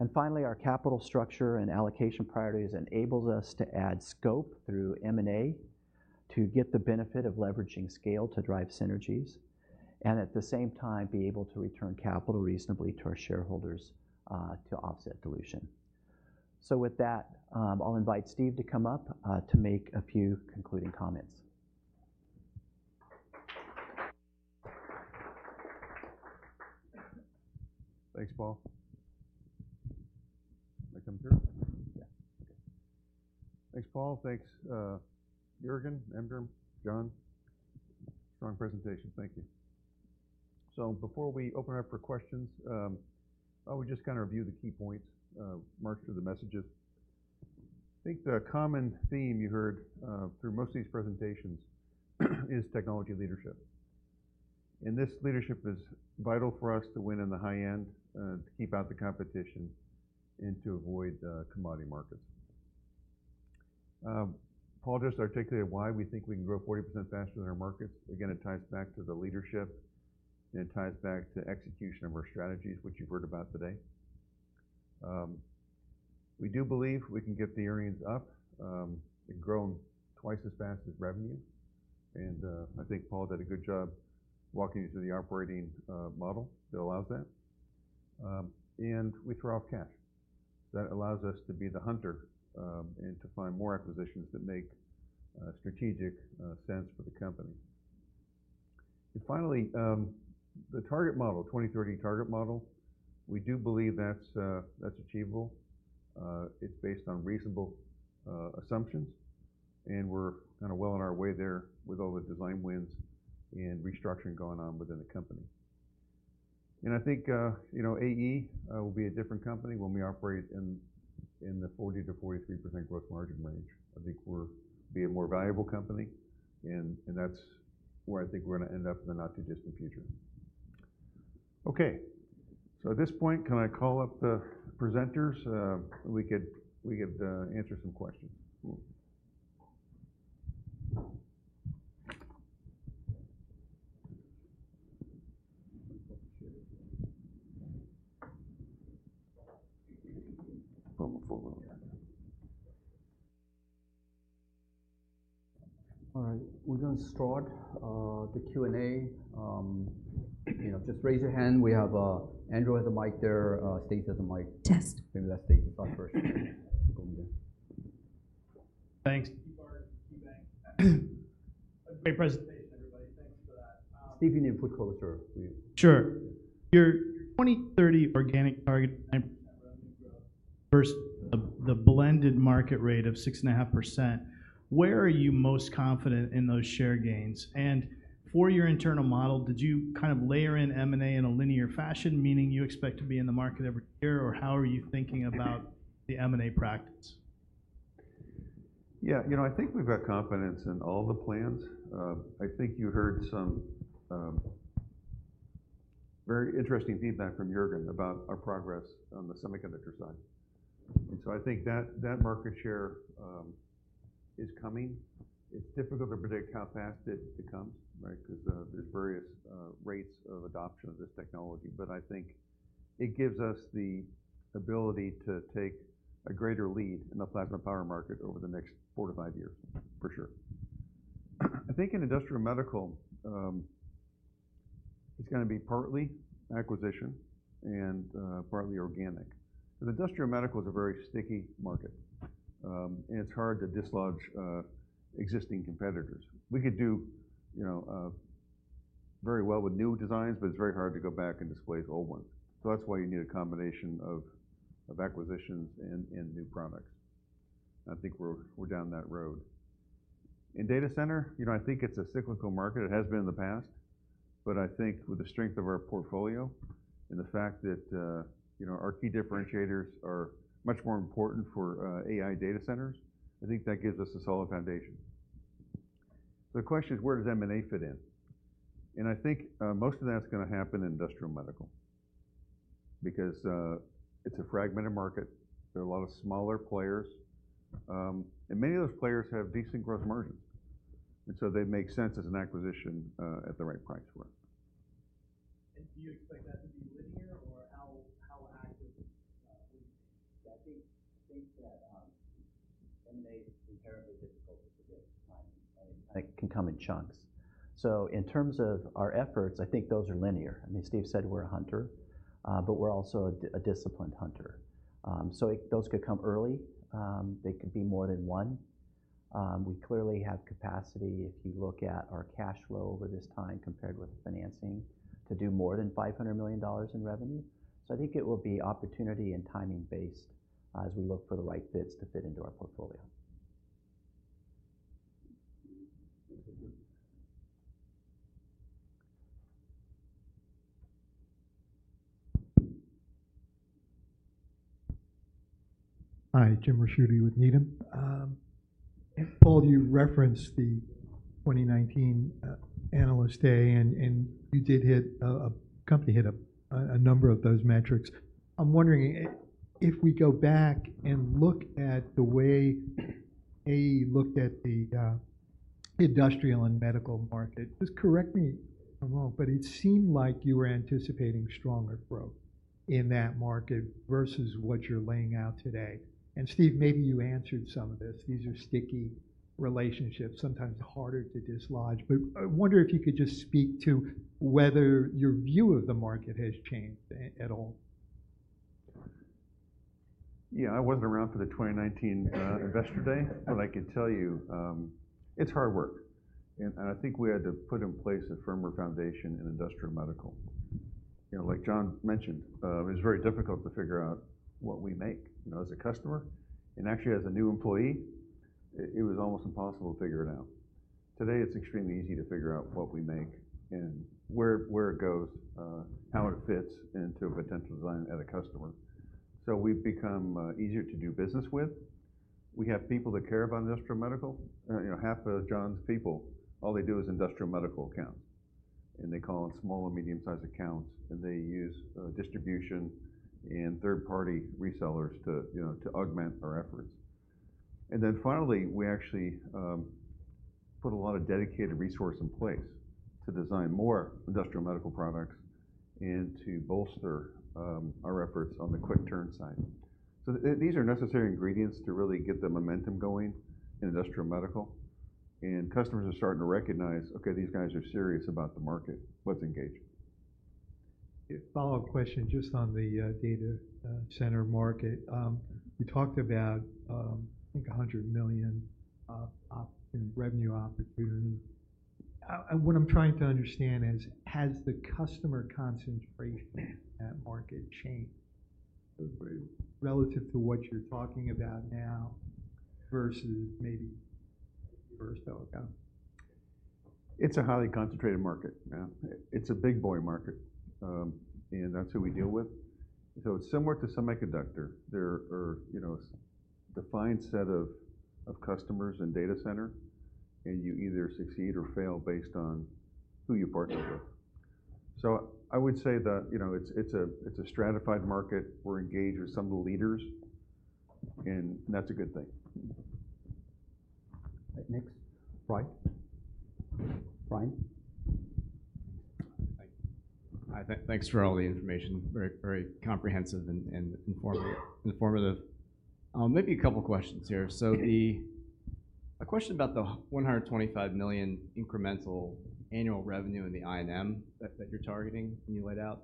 And finally, our capital structure and allocation priorities enable us to add scope through M&A to get the benefit of leveraging scale to drive synergies and, at the same time, be able to return capital reasonably to our shareholders to offset dilution. So, with that, I'll invite Steve to come up to make a few concluding comments. Thanks, Paul. Can I come through? Yeah. Thanks, Paul. Thanks, Juergen, Emdrem, John. Strong presentation. Thank you. So, before we open it up for questions, I would just kind of review the key points, march through the messages. I think the common theme you heard through most of these presentations is technology leadership. And this leadership is vital for us to win in the high end, to keep out the competition, and to avoid commodity markets. Paul just articulated why we think we can grow 40% faster than our markets. Again, it ties back to the leadership, and it ties back to execution of our strategies, which you've heard about today. We do believe we can get the earnings up and grow twice as fast as revenue. And I think Paul did a good job walking us through the operating model that allows that. And we throw off cash. That allows us to be the hunter and to find more acquisitions that make strategic sense for the company. Finally, the target model, 2030 target model, we do believe that's achievable. It's based on reasonable assumptions. We're kind of well on our way there with all the design wins and restructuring going on within the company. I think AE will be a different company when we operate in the 40%-43% gross margin range. I think we'll be a more valuable company. That's where I think we're going to end up in the not-too-distant future. Okay. So, at this point, can I call up the presenters? We could answer some questions. All right. We're going to start the Q&A. Just raise your hand. We have Andrew at the mic there. Stacy at the mic. Test. Maybe let Stacy talk first. Thanks. Thank you, Ben. A great presentation, everybody. Thanks for that. Stacy, you need to put closer. Sure. Your 2030 organic target 9% revenue growth versus the blended market rate of 6.5%, where are you most confident in those share gains? And for your internal model, did you kind of layer in M&A in a linear fashion, meaning you expect to be in the market every year? Or how are you thinking about the M&A practice? Yeah. You know, I think we've got confidence in all the plans. I think you heard some very interesting feedback from Juergen about our progress on the semiconductor side. And so, I think that market share is coming. It's difficult to predict how fast it comes, right, because there's various rates of adoption of this technology. But I think it gives us the ability to take a greater lead in the plasma power market over the next four to five years, for sure. I think in industrial medical, it's going to be partly acquisition and partly organic. But industrial medical is a very sticky market. And it's hard to dislodge existing competitors. We could do very well with new designs, but it's very hard to go back and displace old ones. So, that's why you need a combination of acquisitions and new products. I think we're down that road. In data center, I think it's a cyclical market. It has been in the past. But I think with the strength of our portfolio and the fact that our key differentiators are much more important for AI data centers, I think that gives us a solid foundation. The question is, where does M&A fit in? And I think most of that's going to happen in industrial medical because it's a fragmented market. There are a lot of smaller players. And many of those players have decent gross margins. And so, they make sense as an acquisition at the right price for us. Do you expect that to be linear? Or how accurate would you? I think that M&A is inherently difficult to predict finally. That can come in chunks. So, in terms of our efforts, I think those are linear. I mean, Steve said we're a hunter. But we're also a disciplined hunter. So, those could come early. They could be more than one. We clearly have capacity, if you look at our cash flow over this time compared with financing, to do more than $500 million in revenue. So, I think it will be opportunity and timing-based as we look for the right bits to fit into our portfolio. Hi, Jim Ricchiuti with Needham. Paul, you referenced the 2019 Analyst Day. You did hit a number of those metrics. I'm wondering if we go back and look at the way AE looked at the industrial and medical market. Just correct me if I'm wrong, but it seemed like you were anticipating stronger growth in that market versus what you're laying out today. Steve, maybe you answered some of this. These are sticky relationships, sometimes harder to dislodge. I wonder if you could just speak to whether your view of the market has changed at all. Yeah. I wasn't around for the 2019 Investor Day. But I can tell you, it's hard work. And I think we had to put in place a firmer foundation in industrial medical. Like John mentioned, it was very difficult to figure out what we make as a customer. And actually, as a new employee, it was almost impossible to figure it out. Today, it's extremely easy to figure out what we make and where it goes, how it fits into a potential design at a customer. So, we've become easier to do business with. We have people that care about industrial medical. Half of John's people, all they do is industrial medical accounts. And they call them small and medium-sized accounts. And they use distribution and third-party resellers to augment our efforts. And then, finally, we actually put a lot of dedicated resources in place to design more industrial medical products and to bolster our efforts on the quick-turn side. So, these are necessary ingredients to really get the momentum going in industrial medical. And customers are starting to recognize, okay, these guys are serious about the market. Let's engage. Follow-up question just on the data center market. You talked about, I think, $100 million in revenue opportunity. What I'm trying to understand is, has the customer concentration in that market changed relative to what you're talking about now versus maybe a year or so ago? It's a highly concentrated market. It's a big boy market. And that's who we deal with. So, it's similar to semiconductor. There are a defined set of customers and data center. And you either succeed or fail based on who you partner with. So, I would say that it's a stratified market. We're engaged with some of the leaders. And that's a good thing. All right. Next, Brian. Brian. Hi. Thanks for all the information. Very comprehensive and informative. Maybe a couple of questions here. So, a question about the $125 million incremental annual revenue in the I&M that you're targeting and you laid out.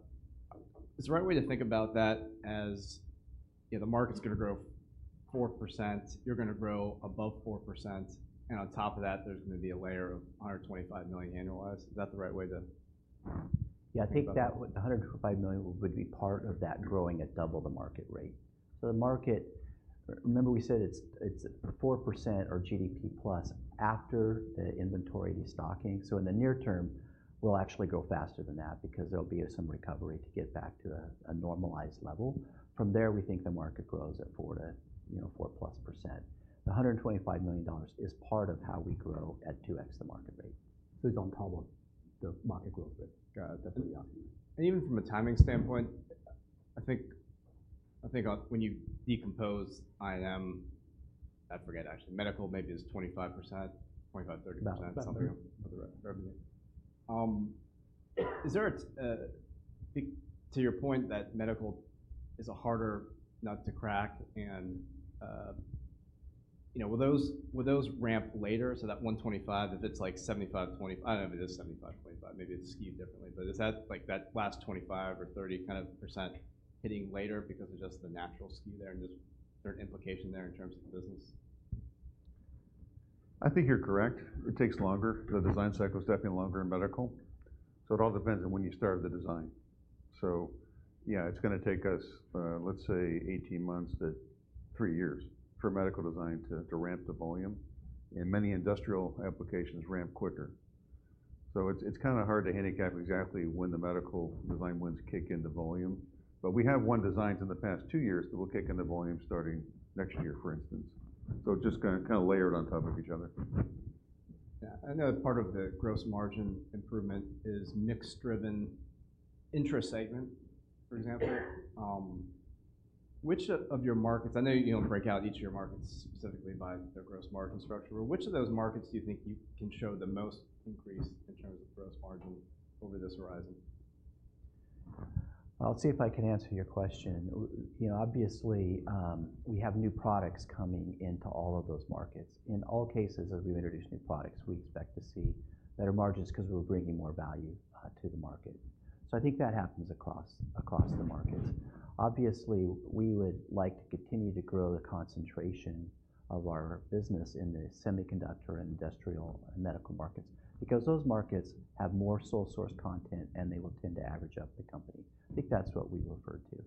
Is the right way to think about that as the market's going to grow 4%, you're going to grow above 4%, and on top of that, there's going to be a layer of $125 million annualized? Is that the right way to? Yeah. I think that $125 million would be part of that growing at double the market rate. So, the market, remember we said it's 4% or GDP plus after the inventory destocking. So, in the near term, we'll actually go faster than that because there'll be some recovery to get back to a normalized level. From there, we think the market grows at 4% to 4%+. The $125 million is part of how we grow at 2x the market rate. It's on top of the market growth rate. Got it. Definitely the optimum. And even from a timing standpoint, I think when you decompose I&M, I forget, actually, medical maybe is 25%-30%, something of the revenue. Is there, to your point, that medical is harder not to crack? And will those ramp later? So, that 125, if it's like 75, 20, I don't know if it is 75, 25. Maybe it's skewed differently. But is that like that last 25% or 30% kind of percent hitting later because of just the natural skew there and just certain implication there in terms of the business? I think you're correct. It takes longer. The design cycle is definitely longer in medical. So, it all depends on when you start the design. So, yeah, it's going to take us, let's say, 18 months to three years for medical design to ramp the volume. And many industrial applications ramp quicker. So, it's kind of hard to handicap exactly when the medical design wins kick into volume. But we have one design in the past two years that will kick into volume starting next year, for instance. So, just kind of layered on top of each other. Yeah. I know part of the gross margin improvement is mix-driven, in this statement, for example. Which of your markets? I know you don't break out each of your markets specifically by their gross margin structure. But which of those markets do you think you can show the most increase in terms of gross margin over this horizon? I'll see if I can answer your question. Obviously, we have new products coming into all of those markets. In all cases, as we've introduced new products, we expect to see better margins because we're bringing more value to the market. I think that happens across the markets. Obviously, we would like to continue to grow the concentration of our business in the semiconductor and industrial and medical markets because those markets have more sole-source content, and they will tend to average up the company. I think that's what we refer to.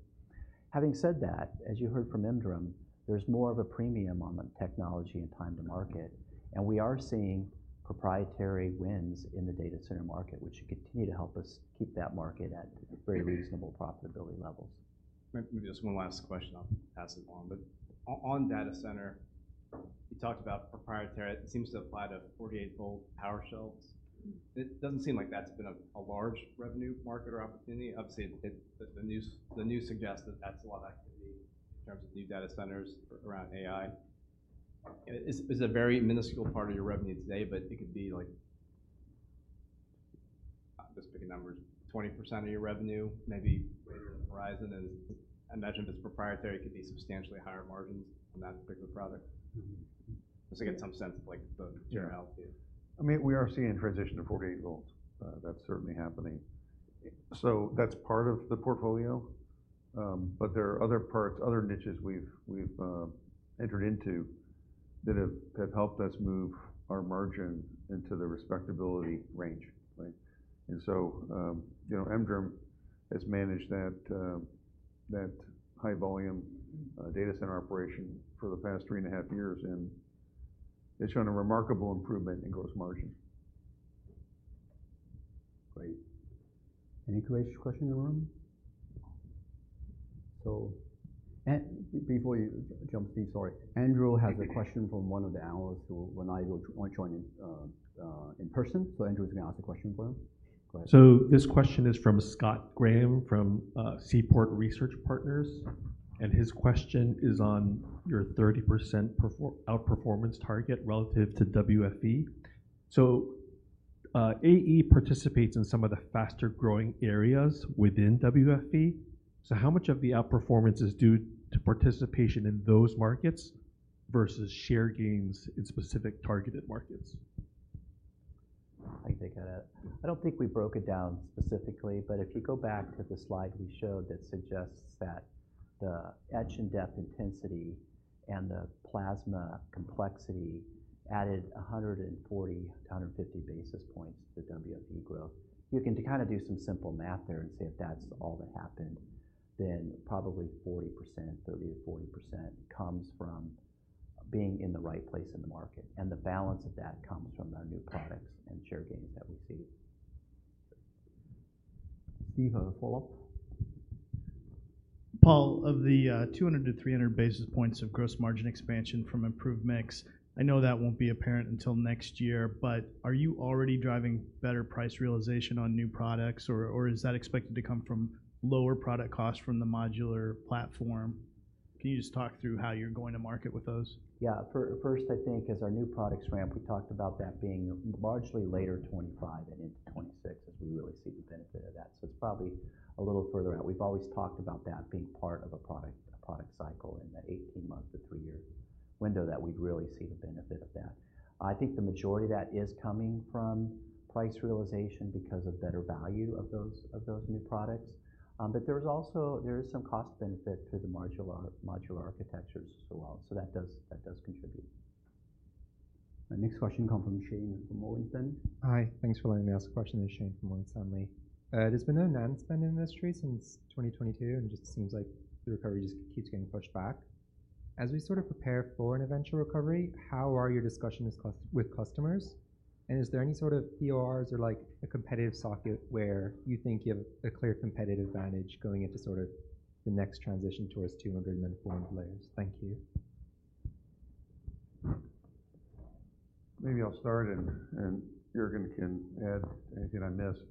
Having said that, as you heard from Emdrem, there's more of a premium on the technology and time to market. We are seeing proprietary wins in the data center market, which should continue to help us keep that market at very reasonable profitability levels. Maybe just one last question. I'll pass it along. But on data center, you talked about proprietary. It seems to apply to 48-volt power shelves. It doesn't seem like that's been a large revenue market or opportunity. Obviously, the news suggests that that's a lot of activity in terms of new data centers around AI. Is it a very minuscule part of your revenue today? But it could be, I'm just picking numbers, 20% of your revenue, maybe later in the horizon. And I imagine if it's proprietary, it could be substantially higher margins on that particular product. Just to get some sense of the materiality. I mean, we are seeing a transition to 48 volts. That's certainly happening. So, that's part of the portfolio. But there are other parts, other niches we've entered into that have helped us move our margin into the respectability range, right, and so Emdrem has managed that high-volume data center operation for the past three and a half years, and it's shown a remarkable improvement in gross margin. Great. Any questions in the room? So, before you jump, Steve, sorry. Andrew has a question from one of the analysts who will not join in person. So, Andrew is going to ask a question for him. Go ahead. So, this question is from Scott Graham from Seaport Research Partners. And his question is on your 30% outperformance target relative to WFE. So, AE participates in some of the faster-growing areas within WFE. So, how much of the outperformance is due to participation in those markets versus share gains in specific targeted markets? I take that out. I don't think we broke it down specifically. But if you go back to the slide we showed that suggests that the etch and dep intensity and the plasma complexity added 140-150 basis points to WFE growth, you can kind of do some simple math there and see if that's all that happened. Then probably 40%, 30%-40% comes from being in the right place in the market. And the balance of that comes from our new products and share gains that we see. Steve, a follow-up? Paul, of the 200-300 basis points of gross margin expansion from improved mix, I know that won't be apparent until next year. But are you already driving better price realization on new products? Or is that expected to come from lower product costs from the modular platform? Can you just talk through how you're going to market with those? Yeah. First, I think, as our new products ramp, we talked about that being largely later 2025 and into 2026 as we really see the benefit of that. So, it's probably a little further out. We've always talked about that being part of a product cycle in the 18-month to 3-year window that we'd really see the benefit of that. I think the majority of that is coming from price realization because of better value of those new products. But there is also some cost benefit to the modular architectures as well. So, that does contribute. Next question comes from Shane from Morgan Stanley. Hi. Thanks for letting me ask a question. This is Shane from Morgan Stanley. There's been no NAND spend in the industry since 2022, and it just seems like the recovery just keeps getting pushed back. As we sort of prepare for an eventual recovery, how are your discussions with customers? And is there any sort of PORs or a competitive socket where you think you have a clear competitive advantage going into sort of the next transition towards 200 and then 400 layers? Thank you. Maybe I'll start. And Juergen can add anything I missed.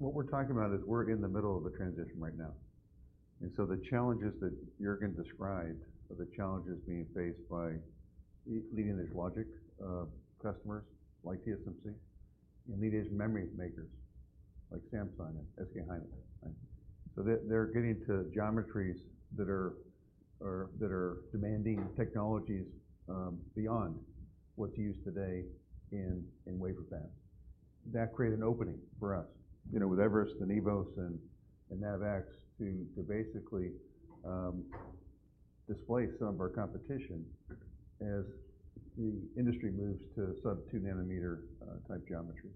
But what we're talking about is we're in the middle of a transition right now. And so, the challenges that Juergen described are the challenges being faced by leading-edge logic customers like TSMC and leading-edge memory makers like Samsung and SK Hynix. So, they're getting to geometries that are demanding technologies beyond what's used today in wafer fabs. That created an opening for us with Everest, and eVoS, and NavX to basically displace some of our competition as the industry moves to sub-2 nanometer type geometries.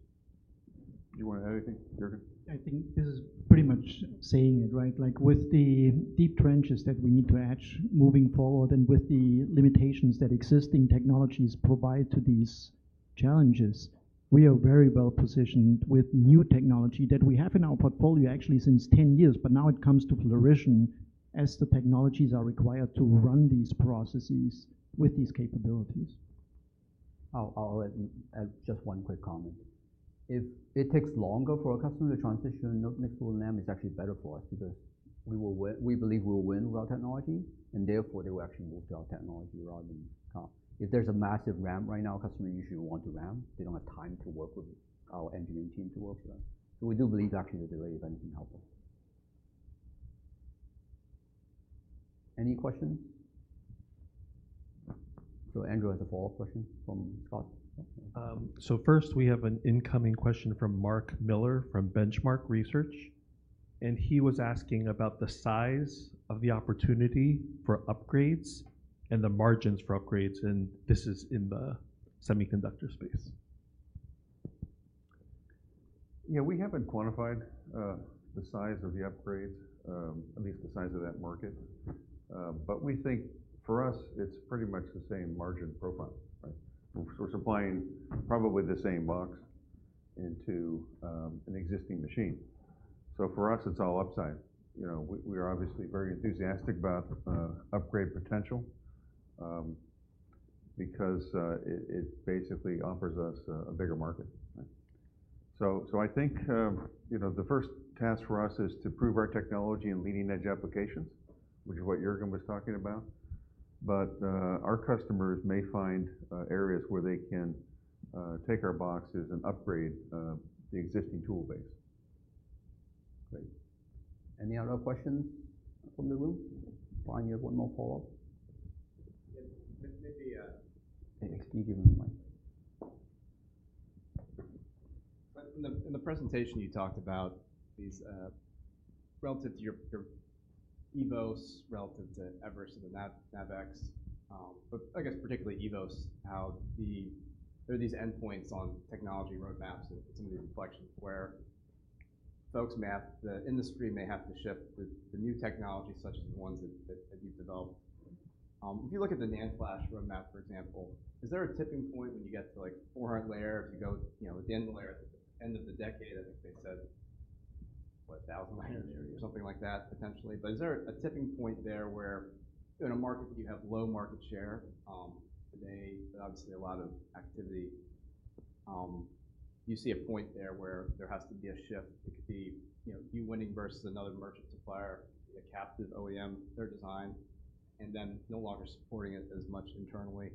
Do you want to add anything, Juergen? I think this is pretty much saying it, right? Like with the deep trenches that we need to etch moving forward and with the limitations that existing technologies provide to these challenges, we are very well positioned with new technology that we have in our portfolio actually since 10 years, but now it comes to flourishing as the technologies are required to run these processes with these capabilities. I'll add just one quick comment. If it takes longer for a customer to transition to the next level, then it's actually better for us because we believe we will win with our technology. And therefore, they will actually move to our technology rather than if there's a massive ramp right now, a customer usually won't do ramp. They don't have time to work with our engineering team to work with us, so we do believe actually the delay, if anything, helps us. Any questions, so Andrew has a follow-up question from Scott. So, first, we have an incoming question from Mark Miller from The Benchmark Company. And he was asking about the size of the opportunity for upgrades and the margins for upgrades. And this is in the semiconductor space. Yeah. We haven't quantified the size of the upgrades, at least the size of that market. But we think for us, it's pretty much the same margin profile, right? We're supplying probably the same box into an existing machine. So, for us, it's all upside. We are obviously very enthusiastic about upgrade potential because it basically offers us a bigger market, right? So, I think the first task for us is to prove our technology in leading-edge applications, which is what Juergen was talking about. But our customers may find areas where they can take our boxes and upgrade the existing tool base. Great. Any other questions from the room? Brian, you have one more follow-up. Maybe Steve, you have the mic. In the presentation, you talked about these relative to your eVoS, relative to Everest, and the NavX. But I guess particularly eVoS, how there are these endpoints on technology roadmaps and some of these inflections where folks map the industry may have to shift to the new technology, such as the ones that you've developed. If you look at the NAND flash roadmap, for example, is there a tipping point when you get to like 400 layers? You go at the end of the layer, at the end of the decade, I think they said, what, 1,000 layers or something like that potentially. But is there a tipping point there where in a market where you have low market share today, but obviously a lot of activity, you see a point there where there has to be a shift? It could be you winning versus another merchant supplier, a captive OEM, their design, and then no longer supporting it as much internally.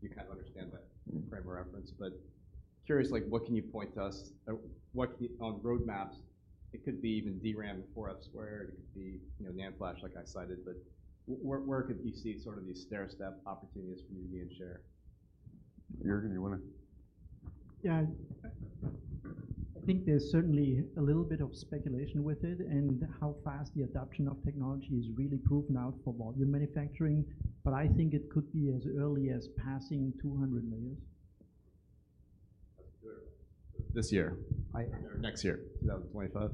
You kind of understand that frame of reference. But curious, what can you point to us on roadmaps? It could be even DRAM and 4F squared. It could be NAND flash, like I cited. But where could you see sort of these stair-step opportunities for you to gain share? Juergen, you want to? Yeah. I think there's certainly a little bit of speculation with it and how fast the adoption of technology is really proven out for volume manufacturing. But I think it could be as early as passing 200 layers. This year, next year, 2025.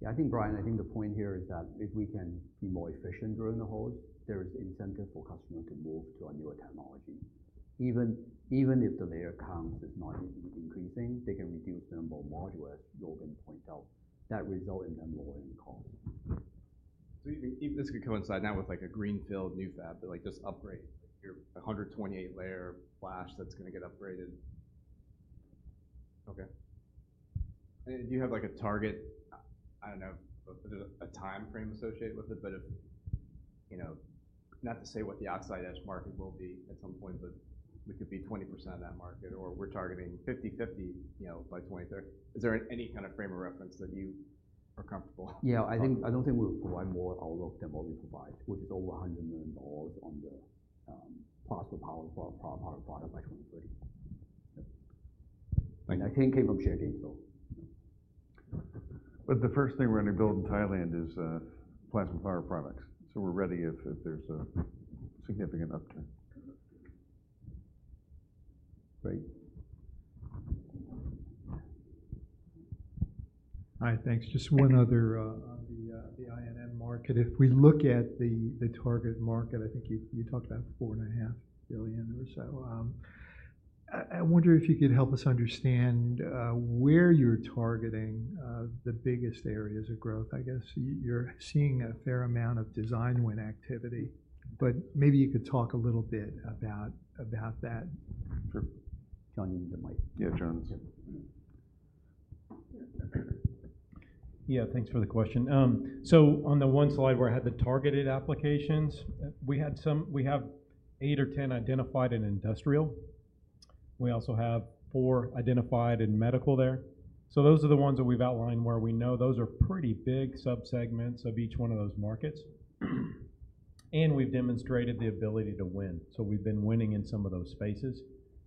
Yeah. I think, Brian, I think the point here is that if we can be more efficient during the holds, there is incentive for customers to move to a newer technology. Even if the layer count is not increasing, they can reduce the number of modules, as Juergen pointed out, that result in them lowering costs. So even this could coincide now with like a greenfield new fab, like just upgrade your 128-layer flash that's going to get upgraded. Okay. And do you have like a target? I don't know if there's a time frame associated with it. But if not to say what the outside-edge market will be at some point, but we could be 20% of that market or we're targeting 50/50 by 2030. Is there any kind of frame of reference that you are comfortable with? Yeah. I don't think we will provide more out of the volume provided, which is over $100 million on the plasma power product by 2030, and I think came from share gains, though. But the first thing we're going to build in Thailand is plasma power products. So, we're ready if there's a significant upturn. Great. Hi. Thanks. Just one other on the I&M market. If we look at the target market, I think you talked about $4.5 billion or so. I wonder if you could help us understand where you're targeting the biggest areas of growth. I guess you're seeing a fair amount of design win activity. But maybe you could talk a little bit about that. Sure. John, you need the mic. Yeah. John. Yeah. Thanks for the question, so on the one slide where I had the targeted applications, we have eight or 10 identified in industrial. We also have four identified in medical there, so those are the ones that we've outlined where we know those are pretty big subsegments of each one of those markets, and we've demonstrated the ability to win, so we've been winning in some of those spaces,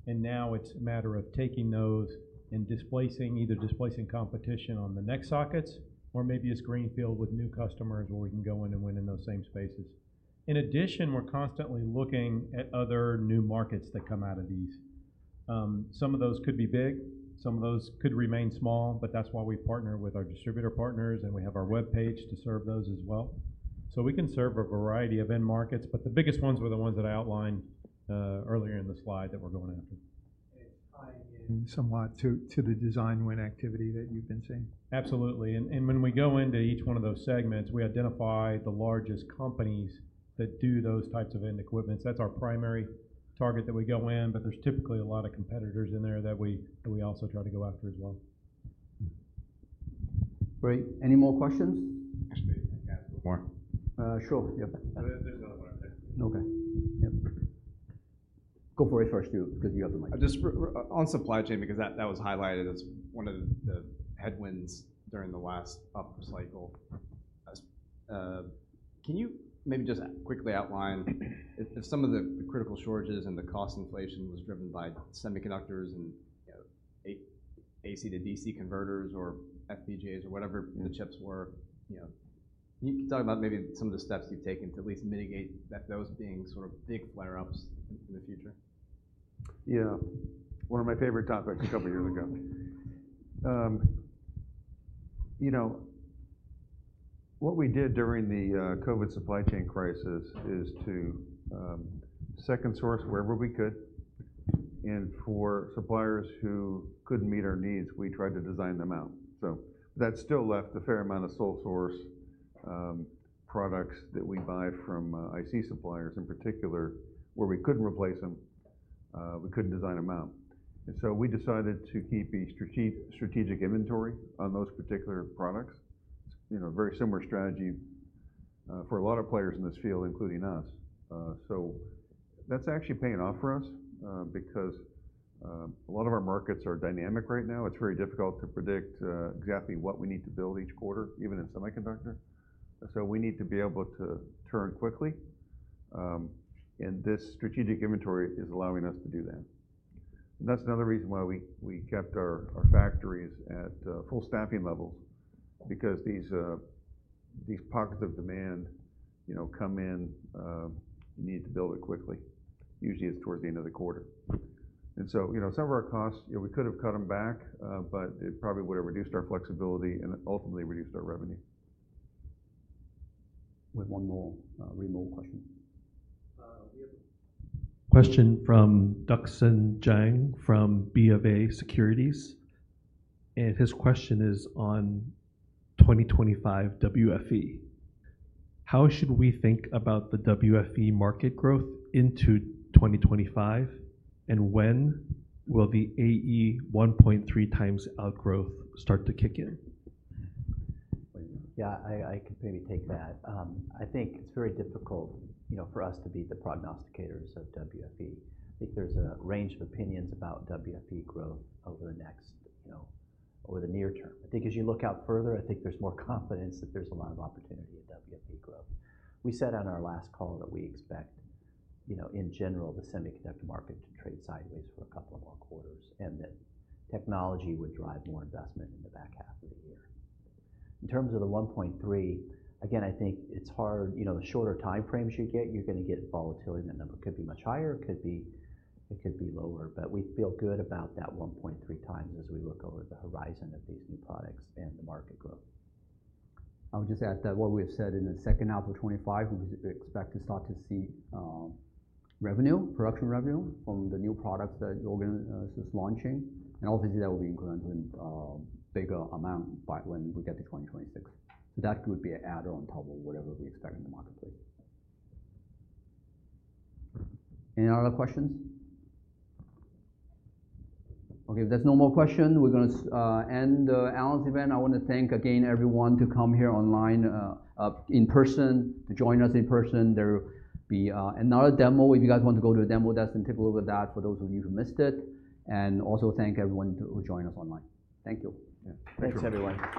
and now it's a matter of taking those and displacing, either displacing competition on the next sockets or maybe a greenfield with new customers where we can go in and win in those same spaces. In addition, we're constantly looking at other new markets that come out of these. Some of those could be big. Some of those could remain small, but that's why we partner with our distributor partners. We have our web page to serve those as well. We can serve a variety of end markets. The biggest ones were the ones that I outlined earlier in the slide that we're going after. Somewhat to the design win activity that you've been seeing. Absolutely. And when we go into each one of those segments, we identify the largest companies that do those types of end equipment. That's our primary target that we go in. But there's typically a lot of competitors in there that we also try to go after as well. Great. Any more questions? Sure. Yeah. There's another one up there. Okay. Yeah. Go for it first, Juergen, because you have the mic. Just on supply chain, because that was highlighted as one of the headwinds during the last up cycle. Can you maybe just quickly outline if some of the critical shortages and the cost inflation was driven by semiconductors and AC to DC converters or FPGAs or whatever the chips were? You can talk about maybe some of the steps you've taken to at least mitigate those being sort of big flare-ups in the future. Yeah. One of my favorite topics a couple of years ago. What we did during the COVID supply chain crisis is to second source wherever we could. And for suppliers who couldn't meet our needs, we tried to design them out. So, that still left a fair amount of sole source products that we buy from IC suppliers in particular where we couldn't replace them, we couldn't design them out. And so, we decided to keep a strategic inventory on those particular products. It's a very similar strategy for a lot of players in this field, including us. So, that's actually paying off for us because a lot of our markets are dynamic right now. It's very difficult to predict exactly what we need to build each quarter, even in semiconductor. So, we need to be able to turn quickly. And this strategic inventory is allowing us to do that. And that's another reason why we kept our factories at full staffing levels because these pockets of demand come in. You need to build it quickly. Usually, it's towards the end of the quarter. And so, some of our costs, we could have cut them back, but it probably would have reduced our flexibility and ultimately reduced our revenue. We have one more question. We have a question from Duksan Jang from BofA Securities, and his question is on 2025 WFE. How should we think about the WFE market growth into 2025? And when will the AE 1.3x outgrowth start to kick in? Yeah. I can maybe take that. I think it's very difficult for us to be the prognosticators of WFE. I think there's a range of opinions about WFE growth over the near term. I think as you look out further, I think there's more confidence that there's a lot of opportunity in WFE growth. We said on our last call that we expect, in general, the semiconductor market to trade sideways for a couple more quarters and that technology would drive more investment in the back half of the year. In terms of the 1.3, again, I think it's hard. The shorter time frames you get, you're going to get volatility. That number could be much higher. It could be lower. But we feel good about that 1.3x as we look over the horizon of these new products and the market growth. I would just add that what we have said in the second half of 2025, we expect to start to see revenue, production revenue from the new products that Juergen is launching, and obviously, that will be incrementally a bigger amount when we get to 2026, so that would be an add-on top of whatever we expect in the marketplace. Great. Any other questions? Okay. If there's no more questions, we're going to end Analyst event. I want to thank again everyone to come here online in person, to join us in person. There will be another demo. If you guys want to go to the demo desk and take a look at that for those of you who missed it, and also thank everyone who joined us online. Thank you. Thanks, everyone.